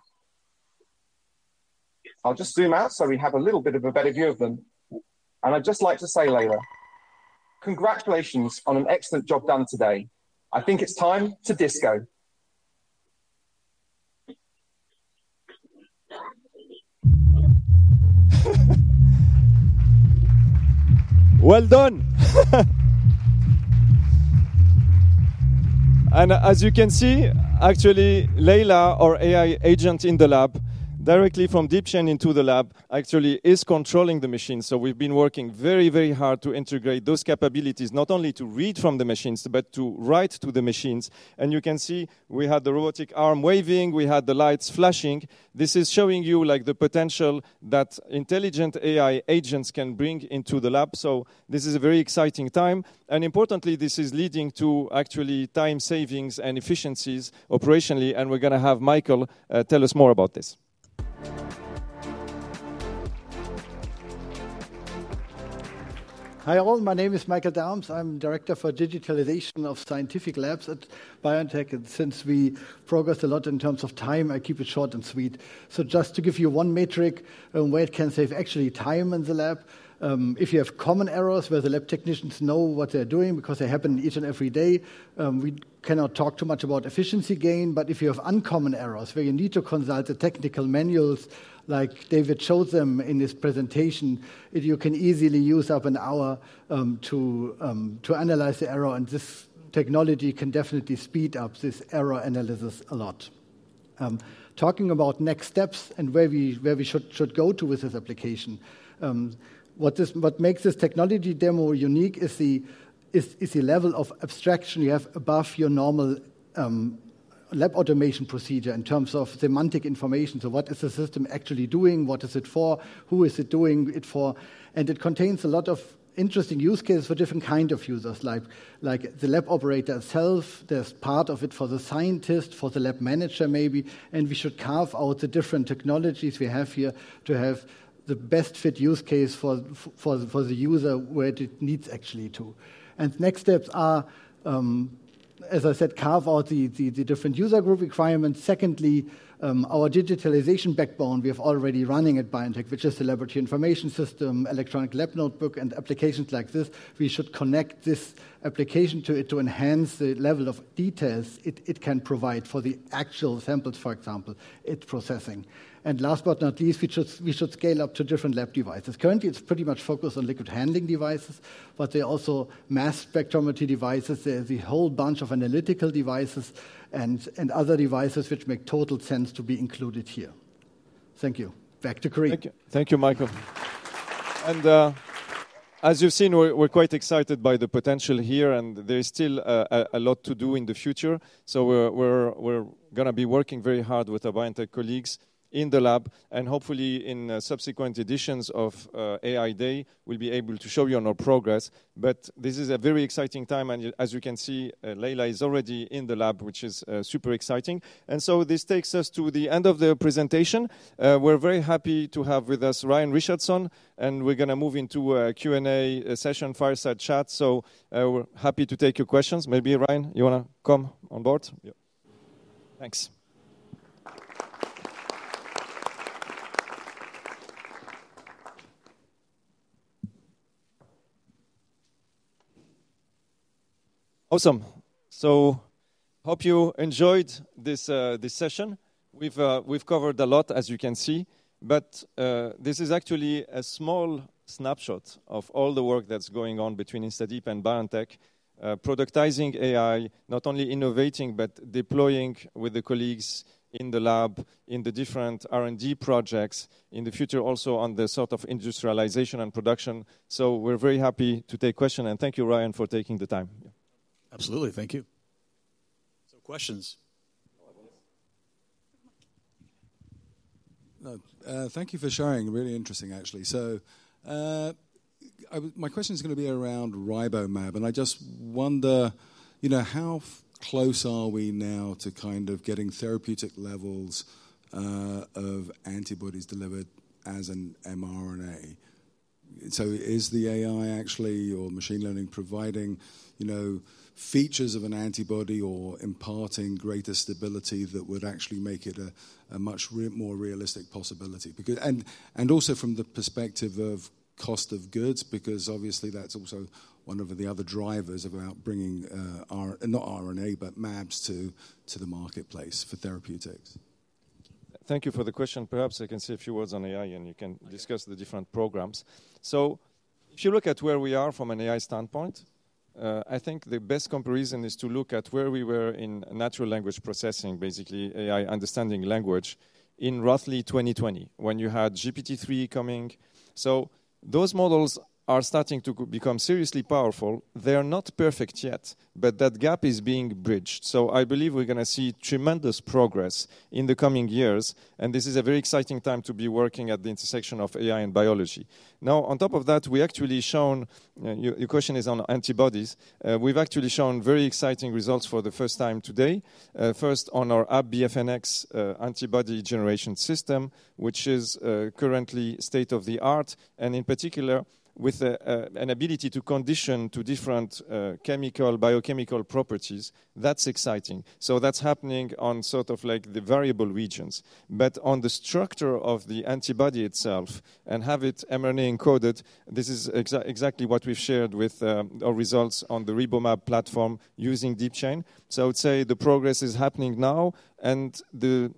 I'll just zoom out so we have a little bit of a better view of them. And I'd just like to say, Layla, congratulations on an excellent job done today. I think it's time to disco. Well done. As you can see, actually, Layla, our AI agent in the lab, directly from DeepChain into the lab, actually is controlling the machine. We've been working very, very hard to integrate those capabilities, not only to read from the machines, but to write to the machines. You can see we had the robotic arm waving. We had the lights flashing. This is showing you, like, the potential that intelligent AI agents can bring into the lab. This is a very exciting time, and importantly, this is leading to actually time savings and efficiencies operationally, and we're gonna have Michael tell us more about this. Hi, all. My name is Michael Dahms. I'm Director for Digitalization of Scientific Labs at BioNTech, and since we progressed a lot in terms of time, I keep it short and sweet. So just to give you one metric on where it can save actually time in the lab, if you have common errors where the lab technicians know what they're doing because they happen each and every day, we cannot talk too much about efficiency gain. But if you have uncommon errors where you need to consult the technical manuals, like David showed them in his presentation, if you can easily use up an hour to analyze the error, and this technology can definitely speed up this error analysis a lot. Talking about next steps and where we should go to with this application, what makes this technology demo unique is the level of abstraction you have above your normal lab automation procedure in terms of semantic information. So what is the system actually doing? What is it for? Who is it doing it for? And it contains a lot of interesting use cases for different kind of users, like the lab operator itself. There's part of it for the scientist, for the lab manager, maybe, and we should carve out the different technologies we have here to have the best fit use case for the user where it needs actually to. And next steps are, as I said, carve out the different user group requirements. Secondly, our digitalization backbone we have already running at BioNTech, which is the laboratory information system, electronic lab notebook, and applications like this. We should connect this application to it to enhance the level of details it can provide for the actual samples, for example, it's processing. And last but not least, we should scale up to different lab devices. Currently, it's pretty much focused on liquid handling devices, but there are also mass spectrometry devices. There's a whole bunch of analytical devices and other devices which make total sense to be included here. Thank you. Back to Karim. Thank you. Thank you, Michael. And, as you've seen, we're gonna be working very hard with our BioNTech colleagues in the lab, and hopefully, in subsequent editions of AI Day, we'll be able to show you on our progress. But this is a very exciting time, and as you can see, Layla is already in the lab, which is super exciting. And so this takes us to the end of the presentation. We're very happy to have with us Ryan Richardson, and we're gonna move into a Q&A session, fireside chat. So, we're happy to take your questions. Maybe, Ryan, you wanna come on board? Yeah. Thanks. Awesome. So hope you enjoyed this session. We've covered a lot, as you can see, but this is actually a small snapshot of all the work that's going on between InstaDeep and BioNTech. Productizing AI, not only innovating, but deploying with the colleagues in the lab, in the different R&D projects, in the future also on the sort of industrialization and production. So we're very happy to take question, and thank you, Ryan, for taking the time. Absolutely. Thank you. So questions? Thank you for sharing. Really interesting, actually. So, my question is gonna be around RiboMab, and I just wonder, you know, how close are we now to kind of getting therapeutic levels of antibodies delivered as an mRNA? So is the AI actually or machine learning providing, you know, features of an antibody or imparting greater stability that would actually make it a much more realistic possibility? Because... and also from the perspective of cost of goods, because obviously, that's also one of the other drivers about bringing, not RNA, but mAbs to the marketplace for therapeutics. Thank you for the question. Perhaps I can say a few words on AI, and you can -discuss the different programs. So if you look at where we are from an AI standpoint, I think the best comparison is to look at where we were in natural language processing, basically AI understanding language, in roughly 2020, when you had GPT-3 coming. So those models are starting to become seriously powerful. They are not perfect yet, but that gap is being bridged. So I believe we're gonna see tremendous progress in the coming years, and this is a very exciting time to be working at the intersection of AI and biology. Now, on top of that, we actually shown. Your, your question is on antibodies. We've actually shown very exciting results for the first time today. First, on our AFNX, antibody generation system, which is currently state-of-the-art, and in particular, with an ability to condition to different chemical, biochemical properties. That's exciting. So that's happening on sort of like the variable regions. But on the structure of the antibody itself and have it mRNA-encoded, this is exactly what we've shared with our results on the RiboMab platform using DeepChain. So I would say the progress is happening now, and the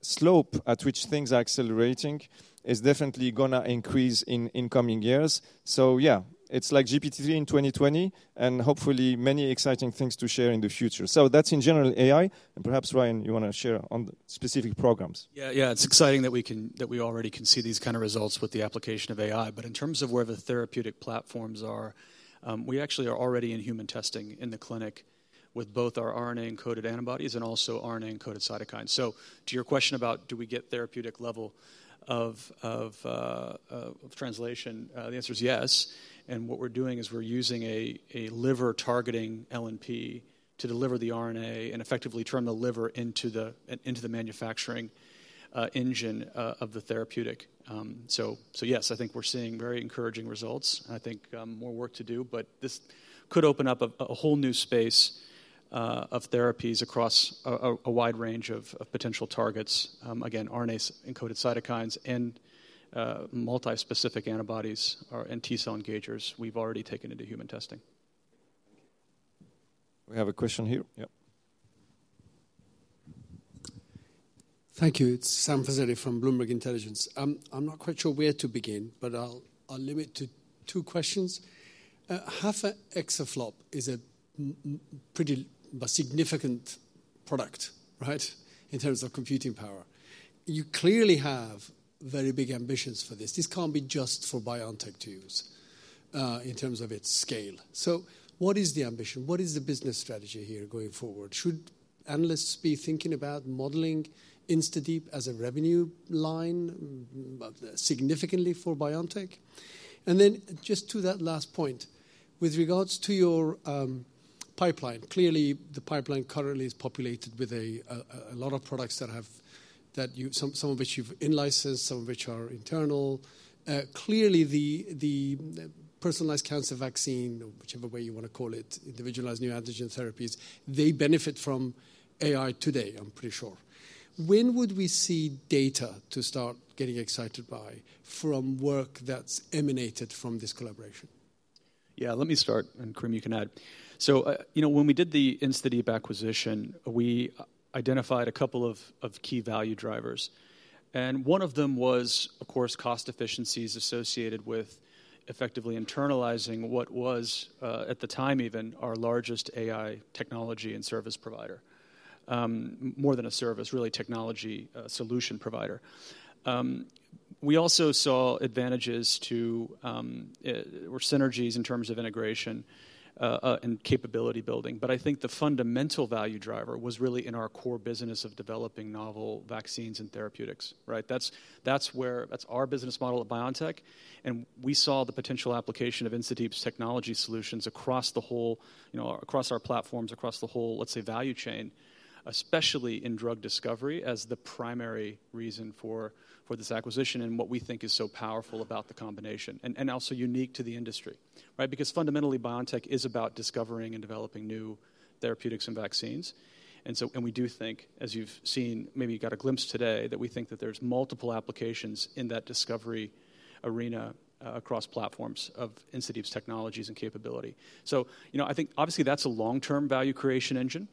slope at which things are accelerating is definitely gonna increase in coming years. So yeah, it's like GPT-3 in 2020 and hopefully many exciting things to share in the future. So that's in general AI, and perhaps, Ryan, you wanna share on the specific programs? Yeah, yeah. It's exciting that we already can see these kind of results with the application of AI. But in terms of where the therapeutic platforms are, we actually are already in human testing in the clinic with both our RNA-encoded antibodies and also RNA-encoded cytokines. So to your question about, do we get therapeutic level of translation? The answer is yes. And what we're doing is we're using a liver-targeting LNP to deliver the RNA and effectively turn the liver into the manufacturing engine of the therapeutic. So yes, I think we're seeing very encouraging results, and I think more work to do, but this could open up a whole new space of therapies across a wide range of potential targets. Again, RNAs, encoded cytokines, and multi-specific antibodies and T-cell engagers we've already taken into human testing. We have a question here. Yep. Thank you. It's Sam Fazeli from Bloomberg Intelligence. I'm not quite sure where to begin, but I'll limit to two questions. Half an exaflop is a pretty but significant product, right? In terms of computing power. You clearly have very big ambitions for this. This can't be just for BioNTech to use, in terms of its scale. So what is the ambition? What is the business strategy here going forward? Should analysts be thinking about modeling InstaDeep as a revenue line, significantly for BioNTech? And then just to that last point, with regards to your pipeline, clearly, the pipeline currently is populated with a lot of products that have that you some of which you've in-licensed, some of which are internal. Clearly, the personalized cancer vaccine, or whichever way you wanna call it, individualized neoantigen therapies, they benefit from AI today, I'm pretty sure. When would we see data to start getting excited by from work that's emanated from this collaboration? Yeah, let me start, and Karim, you can add. So, you know, when we did the InstaDeep acquisition, we identified a couple of key value drivers, and one of them was, of course, cost efficiencies associated with effectively internalizing what was, at the time even, our largest AI technology and service provider. More than a service, really, technology, solution provider. We also saw advantages to, or synergies in terms of integration, and capability building. But I think the fundamental value driver was really in our core business of developing novel vaccines and therapeutics, right? That's where, that's our business model at BioNTech, and we saw the potential application of InstaDeep's technology solutions across the whole, you know, across our platforms, across the whole, let's say, value chain, especially in drug discovery, as the primary reason for this acquisition and what we think is so powerful about the combination, and also unique to the industry, right? Because fundamentally, BioNTech is about discovering and developing new therapeutics and vaccines. We do think, as you've seen, maybe you got a glimpse today, that we think that there's multiple applications in that discovery arena, across platforms of InstaDeep's technologies and capability. You know, I think obviously that's a long-term value creation engine.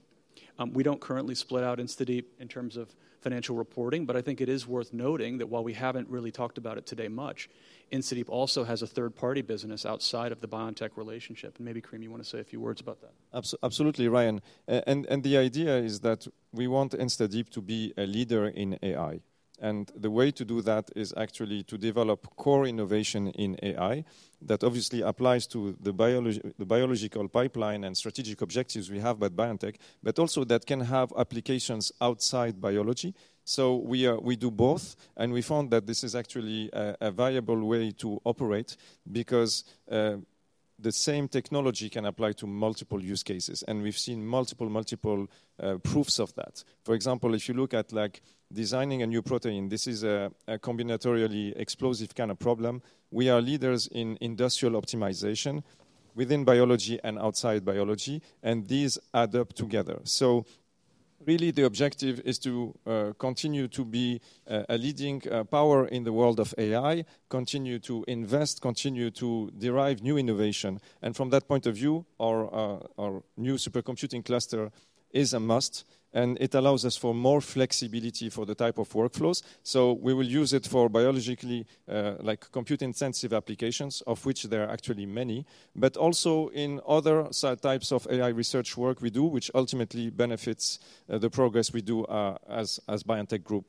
We don't currently split out InstaDeep in terms of financial reporting, but I think it is worth noting that while we haven't really talked about it today much, InstaDeep also has a third-party business outside of the BioNTech relationship, and maybe, Karim, you wanna say a few words about that? Absolutely, Ryan. And the idea is that we want InstaDeep to be a leader in AI, and the way to do that is actually to develop core innovation in AI. That obviously applies to the biological pipeline and strategic objectives we have at BioNTech, but also that can have applications outside biology. So we do both, and we found that this is actually a viable way to operate because the same technology can apply to multiple use cases, and we've seen multiple proofs of that. For example, if you look at, like, designing a new protein, this is a combinatorially explosive kind of problem. We are leaders in industrial optimization within biology and outside biology, and these add up together. So really, the objective is to continue to be a leading power in the world of AI, continue to invest, continue to derive new innovation, and from that point of view, our new supercomputing cluster is a must, and it allows us for more flexibility for the type of workflows. So we will use it for biologically, like, compute-intensive applications, of which there are actually many, but also in other types of AI research work we do, which ultimately benefits the progress we do as BioNTech Group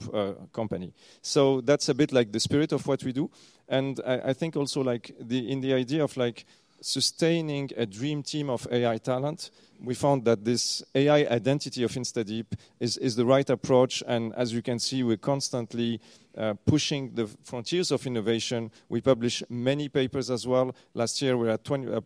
company. So that's a bit like the spirit of what we do, and I think also, like, in the idea of, like, sustaining a dream team of AI talent, we found that this AI identity of InstaDeep is the right approach, and as you can see, we're constantly pushing the frontiers of innovation. We publish many papers as well. Last year, we had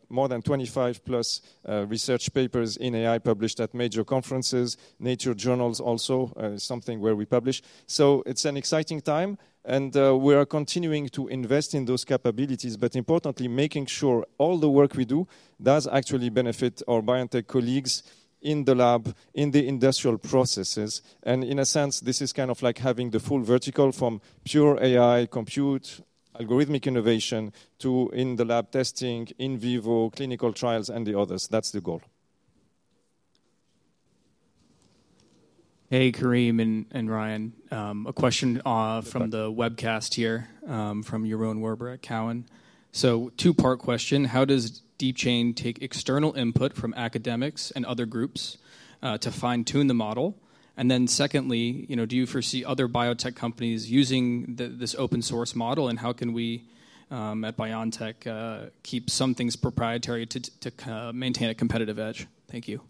more than 25-plus research papers in AI published at major conferences. Nature journals also, something where we publish. So it's an exciting time, and we are continuing to invest in those capabilities, but importantly, making sure all the work we do does actually benefit our BioNTech colleagues in the lab, in the industrial processes. And in a sense, this is kind of like having the full vertical from pure AI, compute, algorithmic innovation, to in-the-lab testing, in vivo, clinical trials, and the others. That's the goal. Hey, Karim and Ryan. A question from the webcast here from Yaron Werber at Cowen. So two-part question: How does DeepChain take external input from academics and other groups to fine-tune the model? And then secondly, you know, do you foresee other biotech companies using this open source model, and how can we at BioNTech keep some things proprietary to maintain a competitive edge? Thank you. ...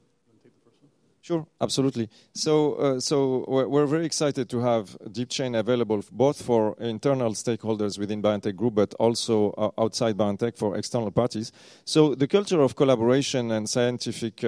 Sure, absolutely. So, so we're very excited to have DeepChain available both for internal stakeholders within BioNTech Group, but also outside BioNTech for external parties. So the culture of collaboration and scientific,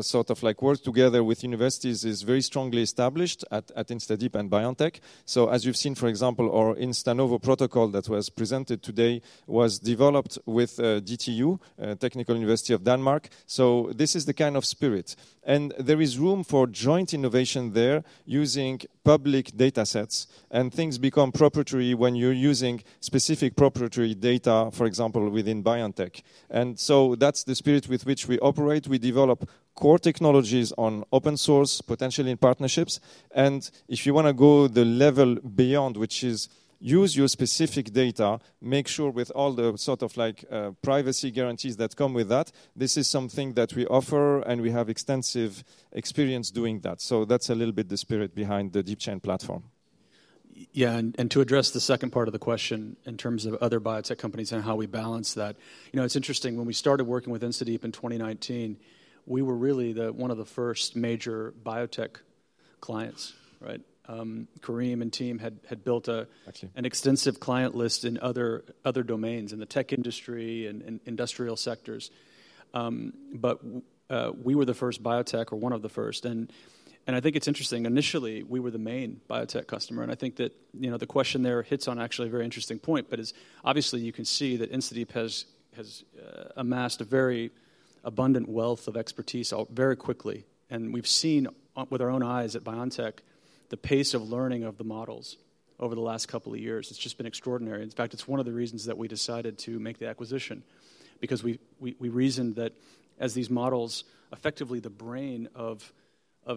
sort of like work together with universities is very strongly established at InstaDeep and BioNTech. So as you've seen, for example, our InstaNovo protocol that was presented today was developed with DTU, Technical University of Denmark. So this is the kind of spirit, and there is room for joint innovation there using public datasets. And things become proprietary when you're using specific proprietary data, for example, within BioNTech. And so that's the spirit with which we operate. We develop core technologies on open source, potentially in partnerships. If you wanna go the level beyond, which is use your specific data, make sure with all the sort of like, privacy guarantees that come with that, this is something that we offer, and we have extensive experience doing that. So that's a little bit the spirit behind the DeepChain platform. Yeah, and to address the second part of the question in terms of other biotech companies and how we balance that. You know, it's interesting, when we started working with InstaDeep in 2019, we were really the one of the first major biotech clients, right? Karim and team had built a- Actually. An extensive client list in other domains, in the tech industry and industrial sectors. But we were the first biotech or one of the first, and I think it's interesting. Initially, we were the main biotech customer, and I think that, you know, the question there hits on actually a very interesting point. But it's obvious you can see that InstaDeep has amassed a very abundant wealth of expertise out very quickly, and we've seen with our own eyes at BioNTech, the pace of learning of the models over the last couple of years. It's just been extraordinary. In fact, it's one of the reasons that we decided to make the acquisition because we reasoned that as these models, effectively the brain of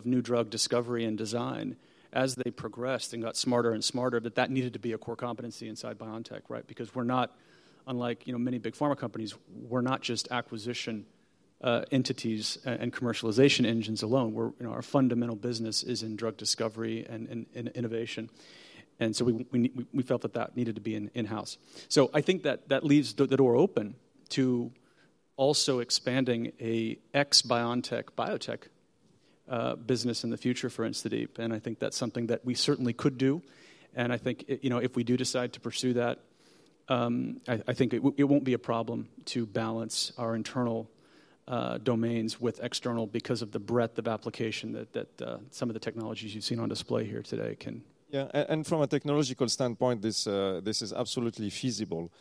new drug discovery and design, as they progressed and got smarter and smarter, that needed to be a core competency inside BioNTech, right? Because we're not, unlike, you know, many big pharma companies, we're not just acquisition entities and commercialization engines alone. We're, you know, our fundamental business is in drug discovery and in innovation, and so we felt that needed to be in-house. So I think that leaves the door open to also expanding an ex-BioNTech biotech business in the future for InstaDeep, and I think that's something that we certainly could do. And I think, you know, if we do decide to pursue that, I think it won't be a problem to balance our internal domains with external because of the breadth of application that some of the technologies you've seen on display here today can- Yeah, and from a technological standpoint, this is absolutely feasible.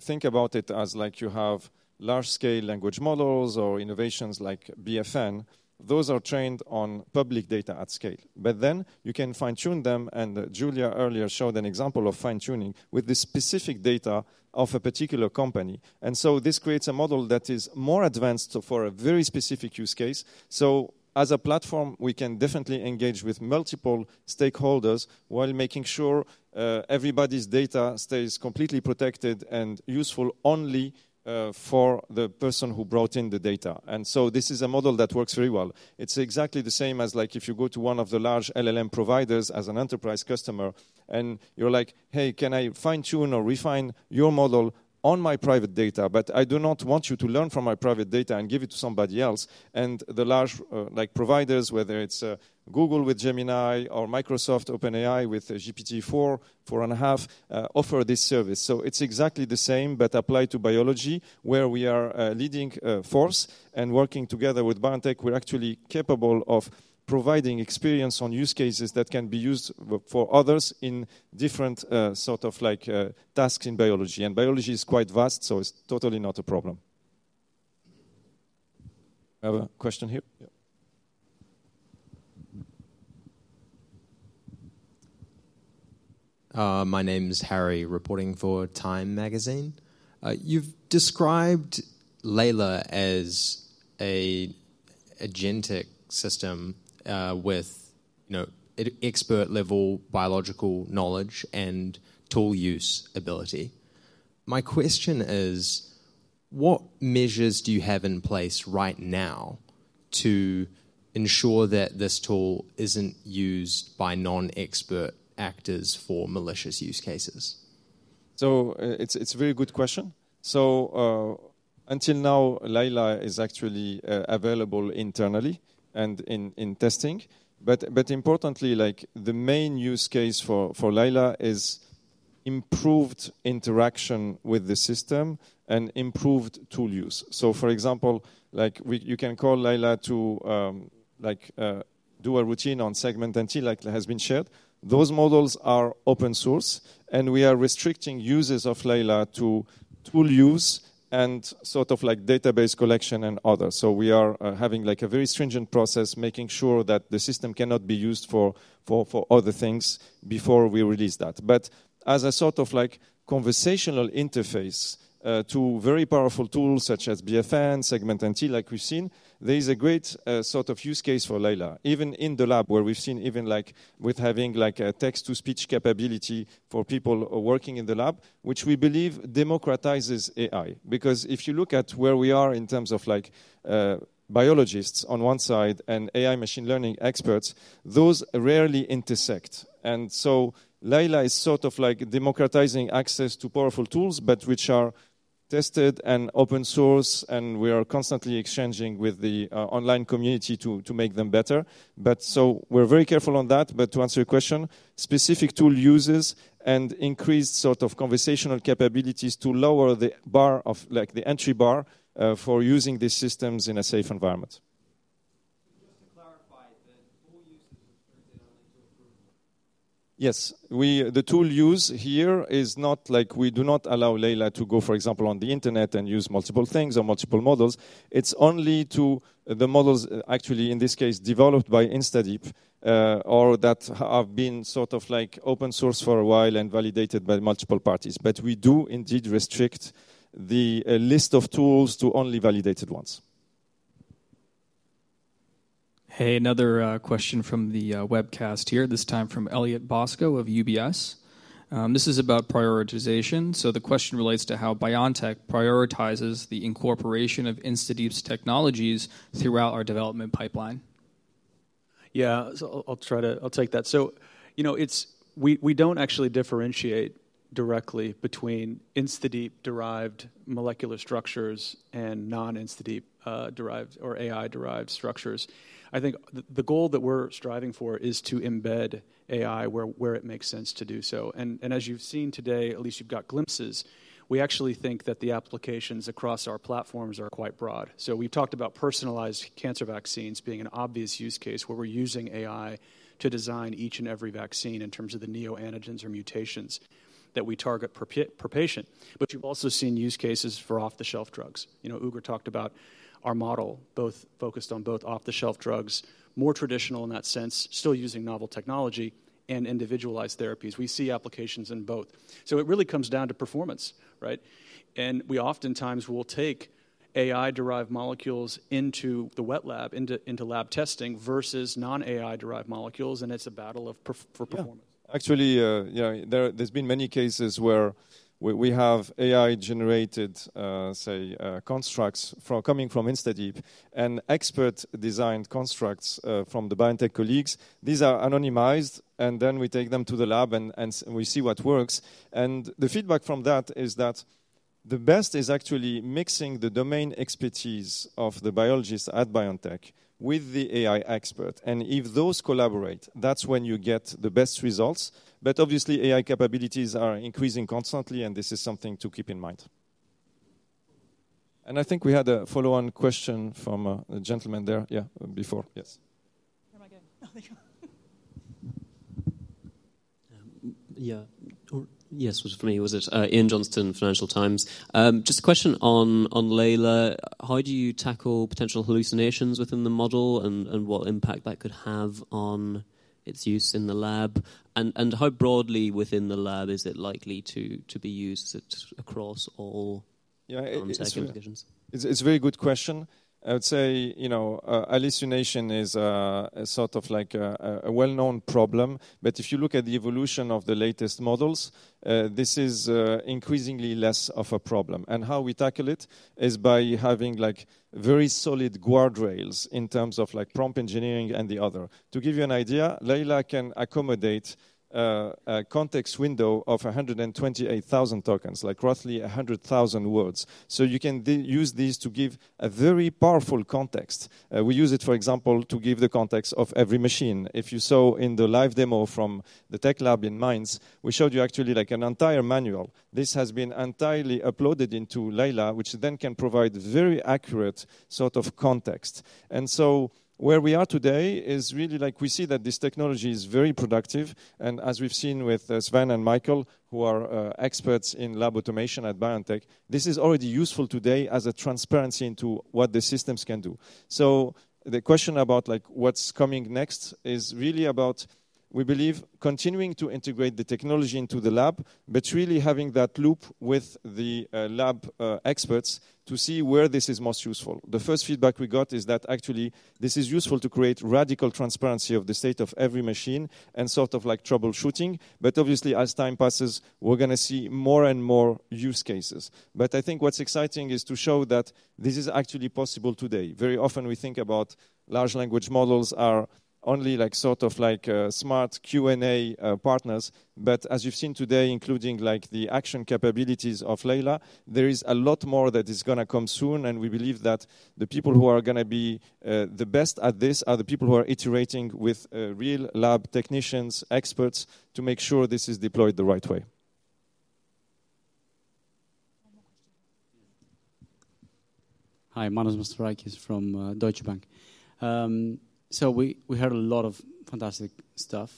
Think about it as like you have large-scale language models or innovations like BFN. Those are trained on public data at scale, but then you can fine-tune them, and Julia earlier showed an example of fine-tuning, with the specific data of a particular company. And so this creates a model that is more advanced for a very specific use case. So as a platform, we can definitely engage with multiple stakeholders while making sure, everybody's data stays completely protected and useful only, for the person who brought in the data. And so this is a model that works very well. It's exactly the same as, like, if you go to one of the large LLM providers as an enterprise customer, and you're like: "Hey, can I fine-tune or refine your model on my private data? But I do not want you to learn from my private data and give it to somebody else." And the large, like providers, whether it's Google with Gemini or Microsoft OpenAI with GPT-4, four and a half, offer this service. So it's exactly the same but applied to biology, where we are a leading force and working together with BioNTech, we're actually capable of providing experience on use cases that can be used for others in different, sort of like, tasks in biology. And biology is quite vast, so it's totally not a problem. I have a question here? Yeah. My name is Harry, reporting for Time Magazine. You've described Layla as an agentic system, with, you know, expert-level biological knowledge and tool use ability. My question is: What measures do you have in place right now to ensure that this tool isn't used by non-expert actors for malicious use cases? So, it's a very good question. So, until now, Layla is actually available internally and in testing. But importantly, like, the main use case for Layla is improved interaction with the system and improved tool use. So, for example, like you can call Layla to, like, do a routine on SegmentNT like has been shared. Those models are open source, and we are restricting users of Layla to tool use and sort of like database collection and others. So we are having, like, a very stringent process, making sure that the system cannot be used for other things before we release that. But as a sort of like conversational interface to very powerful tools such as BFN, SegmentNT, like we've seen, there is a great sort of use case for Layla. Even in the lab, where we've seen even like with having like a text-to-speech capability for people working in the lab, which we believe democratizes AI. Because if you look at where we are in terms of like, biologists on one side and AI machine learning experts, those rarely intersect. And so Layla is sort of like democratizing access to powerful tools, but which are tested and open source, and we are constantly exchanging with the online community to make them better. But so we're very careful on that. But to answer your question, specific tool uses and increased sort of conversational capabilities to lower the bar of like, the entry bar for using these systems in a safe environment. Just to clarify, the tool uses, are they only to improve? Yes. We the tool use here is not like we do not allow Layla to go, for example, on the internet and use multiple things or multiple models. It's only to the models actually, in this case, developed by InstaDeep, or that have been sort of like open source for a while and validated by multiple parties. But we do indeed restrict the list of tools to only validated ones. Hey, another question from the webcast here, this time from Elliot Bosco of UBS. This is about prioritization. So the question relates to how BioNTech prioritizes the incorporation of InstaDeep's technologies throughout our development pipeline. Yeah. So I'll try to take that. So, you know, it's we don't actually differentiate directly between InstaDeep-derived molecular structures and non-InstaDeep derived or AI-derived structures. I think the goal that we're striving for is to embed AI where it makes sense to do so. And as you've seen today, at least you've got glimpses, we actually think that the applications across our platforms are quite broad. So we've talked about personalized cancer vaccines being an obvious use case, where we're using AI to design each and every vaccine in terms of the neoantigens or mutations that we target per patient. But you've also seen use cases for off-the-shelf drugs. You know, Ugur talked about our model, both focused on both off-the-shelf drugs, more traditional in that sense, still using novel technology and individualized therapies. We see applications in both. So it really comes down to performance, right? And we oftentimes will take AI-derived molecules into the wet lab, into lab testing versus non-AI-derived molecules, and it's a battle of performance for performance. Yeah. Actually, yeah, there, there's been many cases where we have AI-generated, say, constructs coming from InstaDeep and expert-designed constructs from the BioNTech colleagues. These are anonymized, and then we take them to the lab and we see what works. The feedback from that is that the best is actually mixing the domain expertise of the biologists at BioNTech with the AI expert. If those collaborate, that's when you get the best results. But obviously, AI capabilities are increasing constantly, and this is something to keep in mind. I think we had a follow-on question from a gentleman there. Yeah, before. Yes. Where am I going? Oh, there you are. Yes, it was me, Ian Johnston, Financial Times. Just a question on Layla. How do you tackle potential hallucinations within the model, and what impact that could have on its use in the lab? And how broadly within the lab is it likely to be used? Is it across all- Yeah, it's- - applications? It's a very good question. I would say, you know, hallucination is a sort of like a well-known problem. But if you look at the evolution of the latest models, this is increasingly less of a problem. And how we tackle it is by having, like, very solid guardrails in terms of, like, prompt engineering and the other. To give you an idea, Layla can accommodate a context window of one hundred and twenty-eight thousand tokens, like roughly a hundred thousand words. So you can use these to give a very powerful context. We use it, for example, to give the context of every machine. If you saw in the live demo from the tech lab in Mainz, we showed you actually, like, an entire manual. This has been entirely uploaded into Layla, which then can provide very accurate sort of context, and so where we are today is really like we see that this technology is very productive, and as we've seen with Sven and Michael, who are experts in lab automation at BioNTech, this is already useful today as a transparency into what the systems can do, so the question about, like, what's coming next is really about, we believe, continuing to integrate the technology into the lab, but really having that loop with the lab experts to see where this is most useful. The first feedback we got is that actually this is useful to create radical transparency of the state of every machine and sort of like troubleshooting, but obviously, as time passes, we're gonna see more and more use cases. But I think what's exciting is to show that this is actually possible today. Very often we think about large language models are only like sort of like smart Q&A partners. But as you've seen today, including like the action capabilities of Layla, there is a lot more that is gonna come soon, and we believe that the people who are gonna be the best at this are the people who are iterating with real lab technicians, experts, to make sure this is deployed the right way. One more question. Hi, Manos Mastorakis from Deutsche Bank. So we heard a lot of fantastic stuff,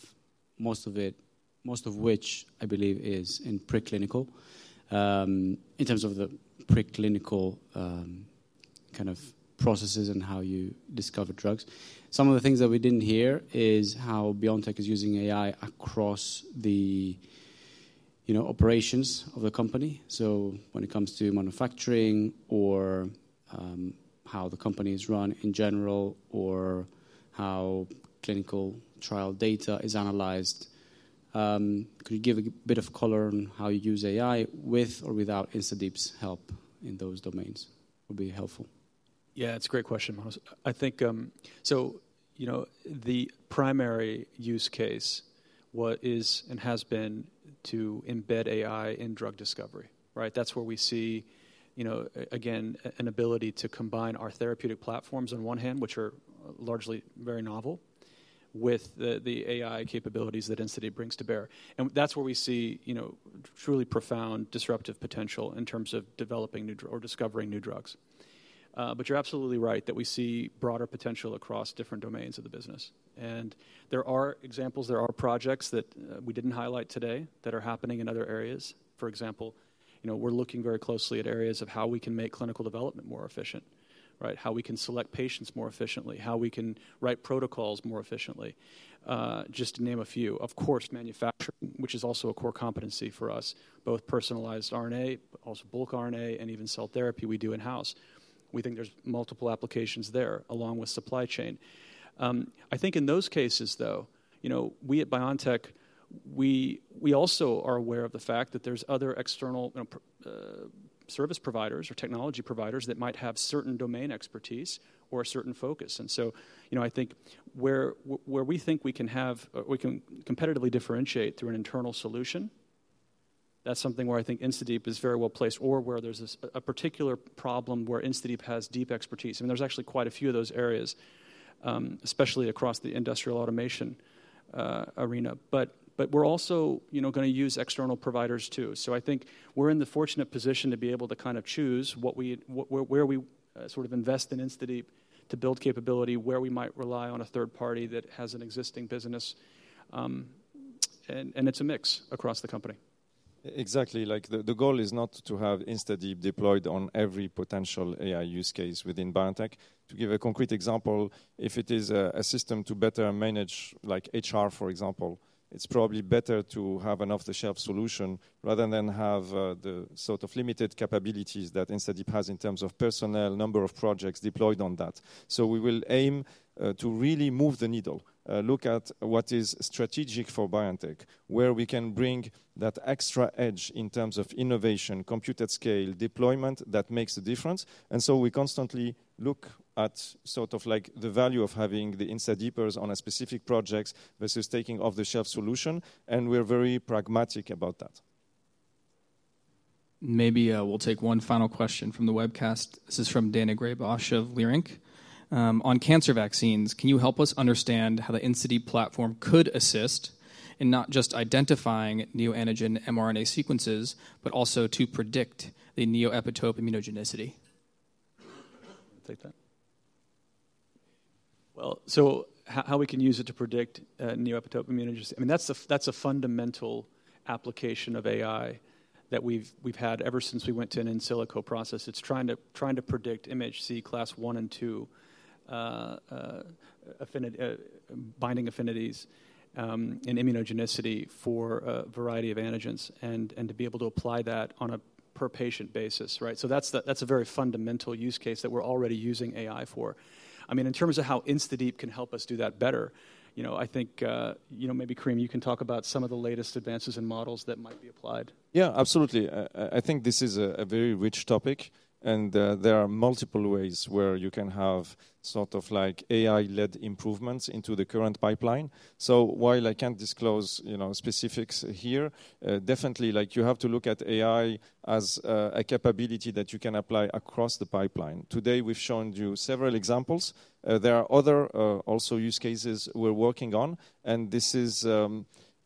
most of which I believe is in preclinical, in terms of the preclinical kind of processes and how you discover drugs. Some of the things that we didn't hear is how BioNTech is using AI across the, you know, operations of the company. So when it comes to manufacturing or how the company is run in general, or how clinical trial data is analyzed. Could you give a bit of color on how you use AI with or without InstaDeep's help in those domains? It would be helpful.... Yeah, it's a great question, Manos. I think, so, you know, the primary use case, what is and has been to embed AI in drug discovery, right? That's where we see, you know, again, an ability to combine our therapeutic platforms on one hand, which are largely very novel, with the AI capabilities that InstaDeep brings to bear. And that's where we see, you know, truly profound disruptive potential in terms of developing new drugs or discovering new drugs. But you're absolutely right that we see broader potential across different domains of the business. And there are examples, there are projects that we didn't highlight today that are happening in other areas. For example, you know, we're looking very closely at areas of how we can make clinical development more efficient, right? How we can select patients more efficiently, how we can write protocols more efficiently, just to name a few. Of course, manufacture, which is also a core competency for us, both personalized RNA, but also bulk RNA and even cell therapy we do in-house. We think there's multiple applications there, along with supply chain. I think in those cases, though, you know, we at BioNTech, we also are aware of the fact that there's other external, you know, service providers or technology providers that might have certain domain expertise or a certain focus. And so, you know, I think where we think we can have, we can competitively differentiate through an internal solution, that's something where I think InstaDeep is very well placed, or where there's this a particular problem where InstaDeep has deep expertise. I mean, there's actually quite a few of those areas, especially across the industrial automation arena. But we're also, you know, gonna use external providers, too. So I think we're in the fortunate position to be able to kind of choose what we, where we, sort of invest in InstaDeep to build capability, where we might rely on a third party that has an existing business, and it's a mix across the company. Exactly. Like, the goal is not to have InstaDeep deployed on every potential AI use case within BioNTech. To give a concrete example, if it is a system to better manage, like HR, for example, it's probably better to have an off-the-shelf solution rather than have the sort of limited capabilities that InstaDeep has in terms of personnel, number of projects deployed on that. So we will aim to really move the needle, look at what is strategic for BioNTech, where we can bring that extra edge in terms of innovation, compute at scale, deployment that makes a difference. And so we constantly look at sort of like the value of having the InstaDeepers on a specific projects versus taking off-the-shelf solution, and we're very pragmatic about that. Maybe, we'll take one final question from the webcast. This is from Daina Graybosch of Leerink. "On cancer vaccines, can you help us understand how the InstaDeep platform could assist in not just identifying neoantigen mRNA sequences, but also to predict the neoepitope immunogenicity? Take that. Well, so how we can use it to predict neoepitope immunogenicity? I mean, that's a fundamental application of AI that we've had ever since we went to an in silico process. It's trying to predict MHC Class I and II binding affinities in immunogenicity for a variety of antigens and to be able to apply that on a per-patient basis, right? So that's a very fundamental use case that we're already using AI for. I mean, in terms of how InstaDeep can help us do that better, you know, I think you know, maybe, Karim, you can talk about some of the latest advances in models that might be applied. Yeah, absolutely. I think this is a very rich topic, and there are multiple ways where you can have sort of like AI-led improvements into the current pipeline. So while I can't disclose, you know, specifics here, definitely, like, you have to look at AI as a capability that you can apply across the pipeline. Today, we've shown you several examples. There are other also use cases we're working on, and this is...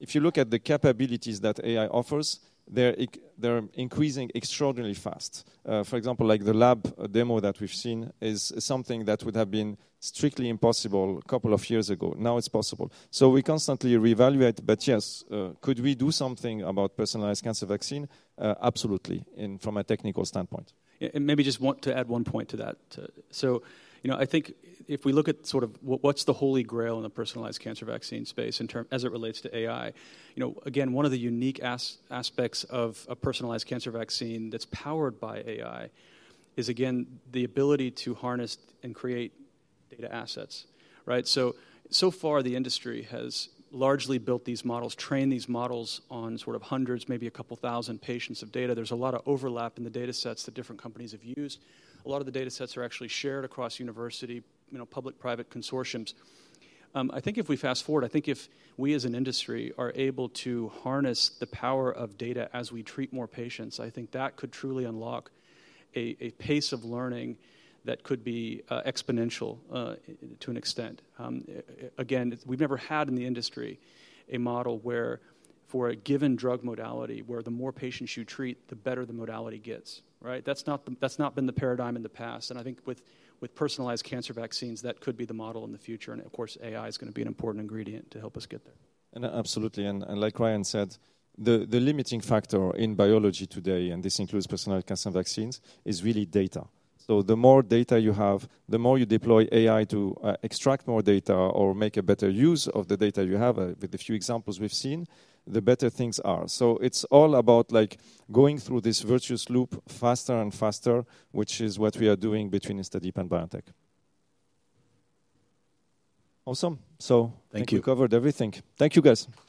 If you look at the capabilities that AI offers, they're increasing extraordinarily fast. For example, like the lab demo that we've seen is something that would have been strictly impossible a couple of years ago. Now it's possible. So we constantly reevaluate, but yes, could we do something about personalized cancer vaccine? Absolutely, indeed from a technical standpoint. Yeah, and maybe just want to add one point to that. So, you know, I think if we look at sort of what's the holy grail in the personalized cancer vaccine space in terms as it relates to AI, you know, again, one of the unique aspects of a personalized cancer vaccine that's powered by AI is, again, the ability to harness and create data assets, right? So, so far, the industry has largely built these models, trained these models on sort of hundreds, maybe a couple thousand patients of data. There's a lot of overlap in the datasets that different companies have used. A lot of the datasets are actually shared across university, you know, public-private consortiums. I think if we fast-forward, I think if we, as an industry, are able to harness the power of data as we treat more patients, I think that could truly unlock a, a pace of learning that could be exponential to an extent. Again, we've never had in the industry a model where for a given drug modality, where the more patients you treat, the better the modality gets, right? That's not the, that's not been the paradigm in the past, and I think with, with personalized cancer vaccines, that could be the model in the future, and of course, AI is gonna be an important ingredient to help us get there. Absolutely, like Ryan said, the limiting factor in biology today, and this includes personalized cancer vaccines, is really data. So the more data you have, the more you deploy AI to extract more data or make a better use of the data you have, with the few examples we've seen, the better things are. So it's all about, like, going through this virtuous loop faster and faster, which is what we are doing between InstaDeep and BioNTech. Awesome. So- Thank you. I think we covered everything. Thank you, guys!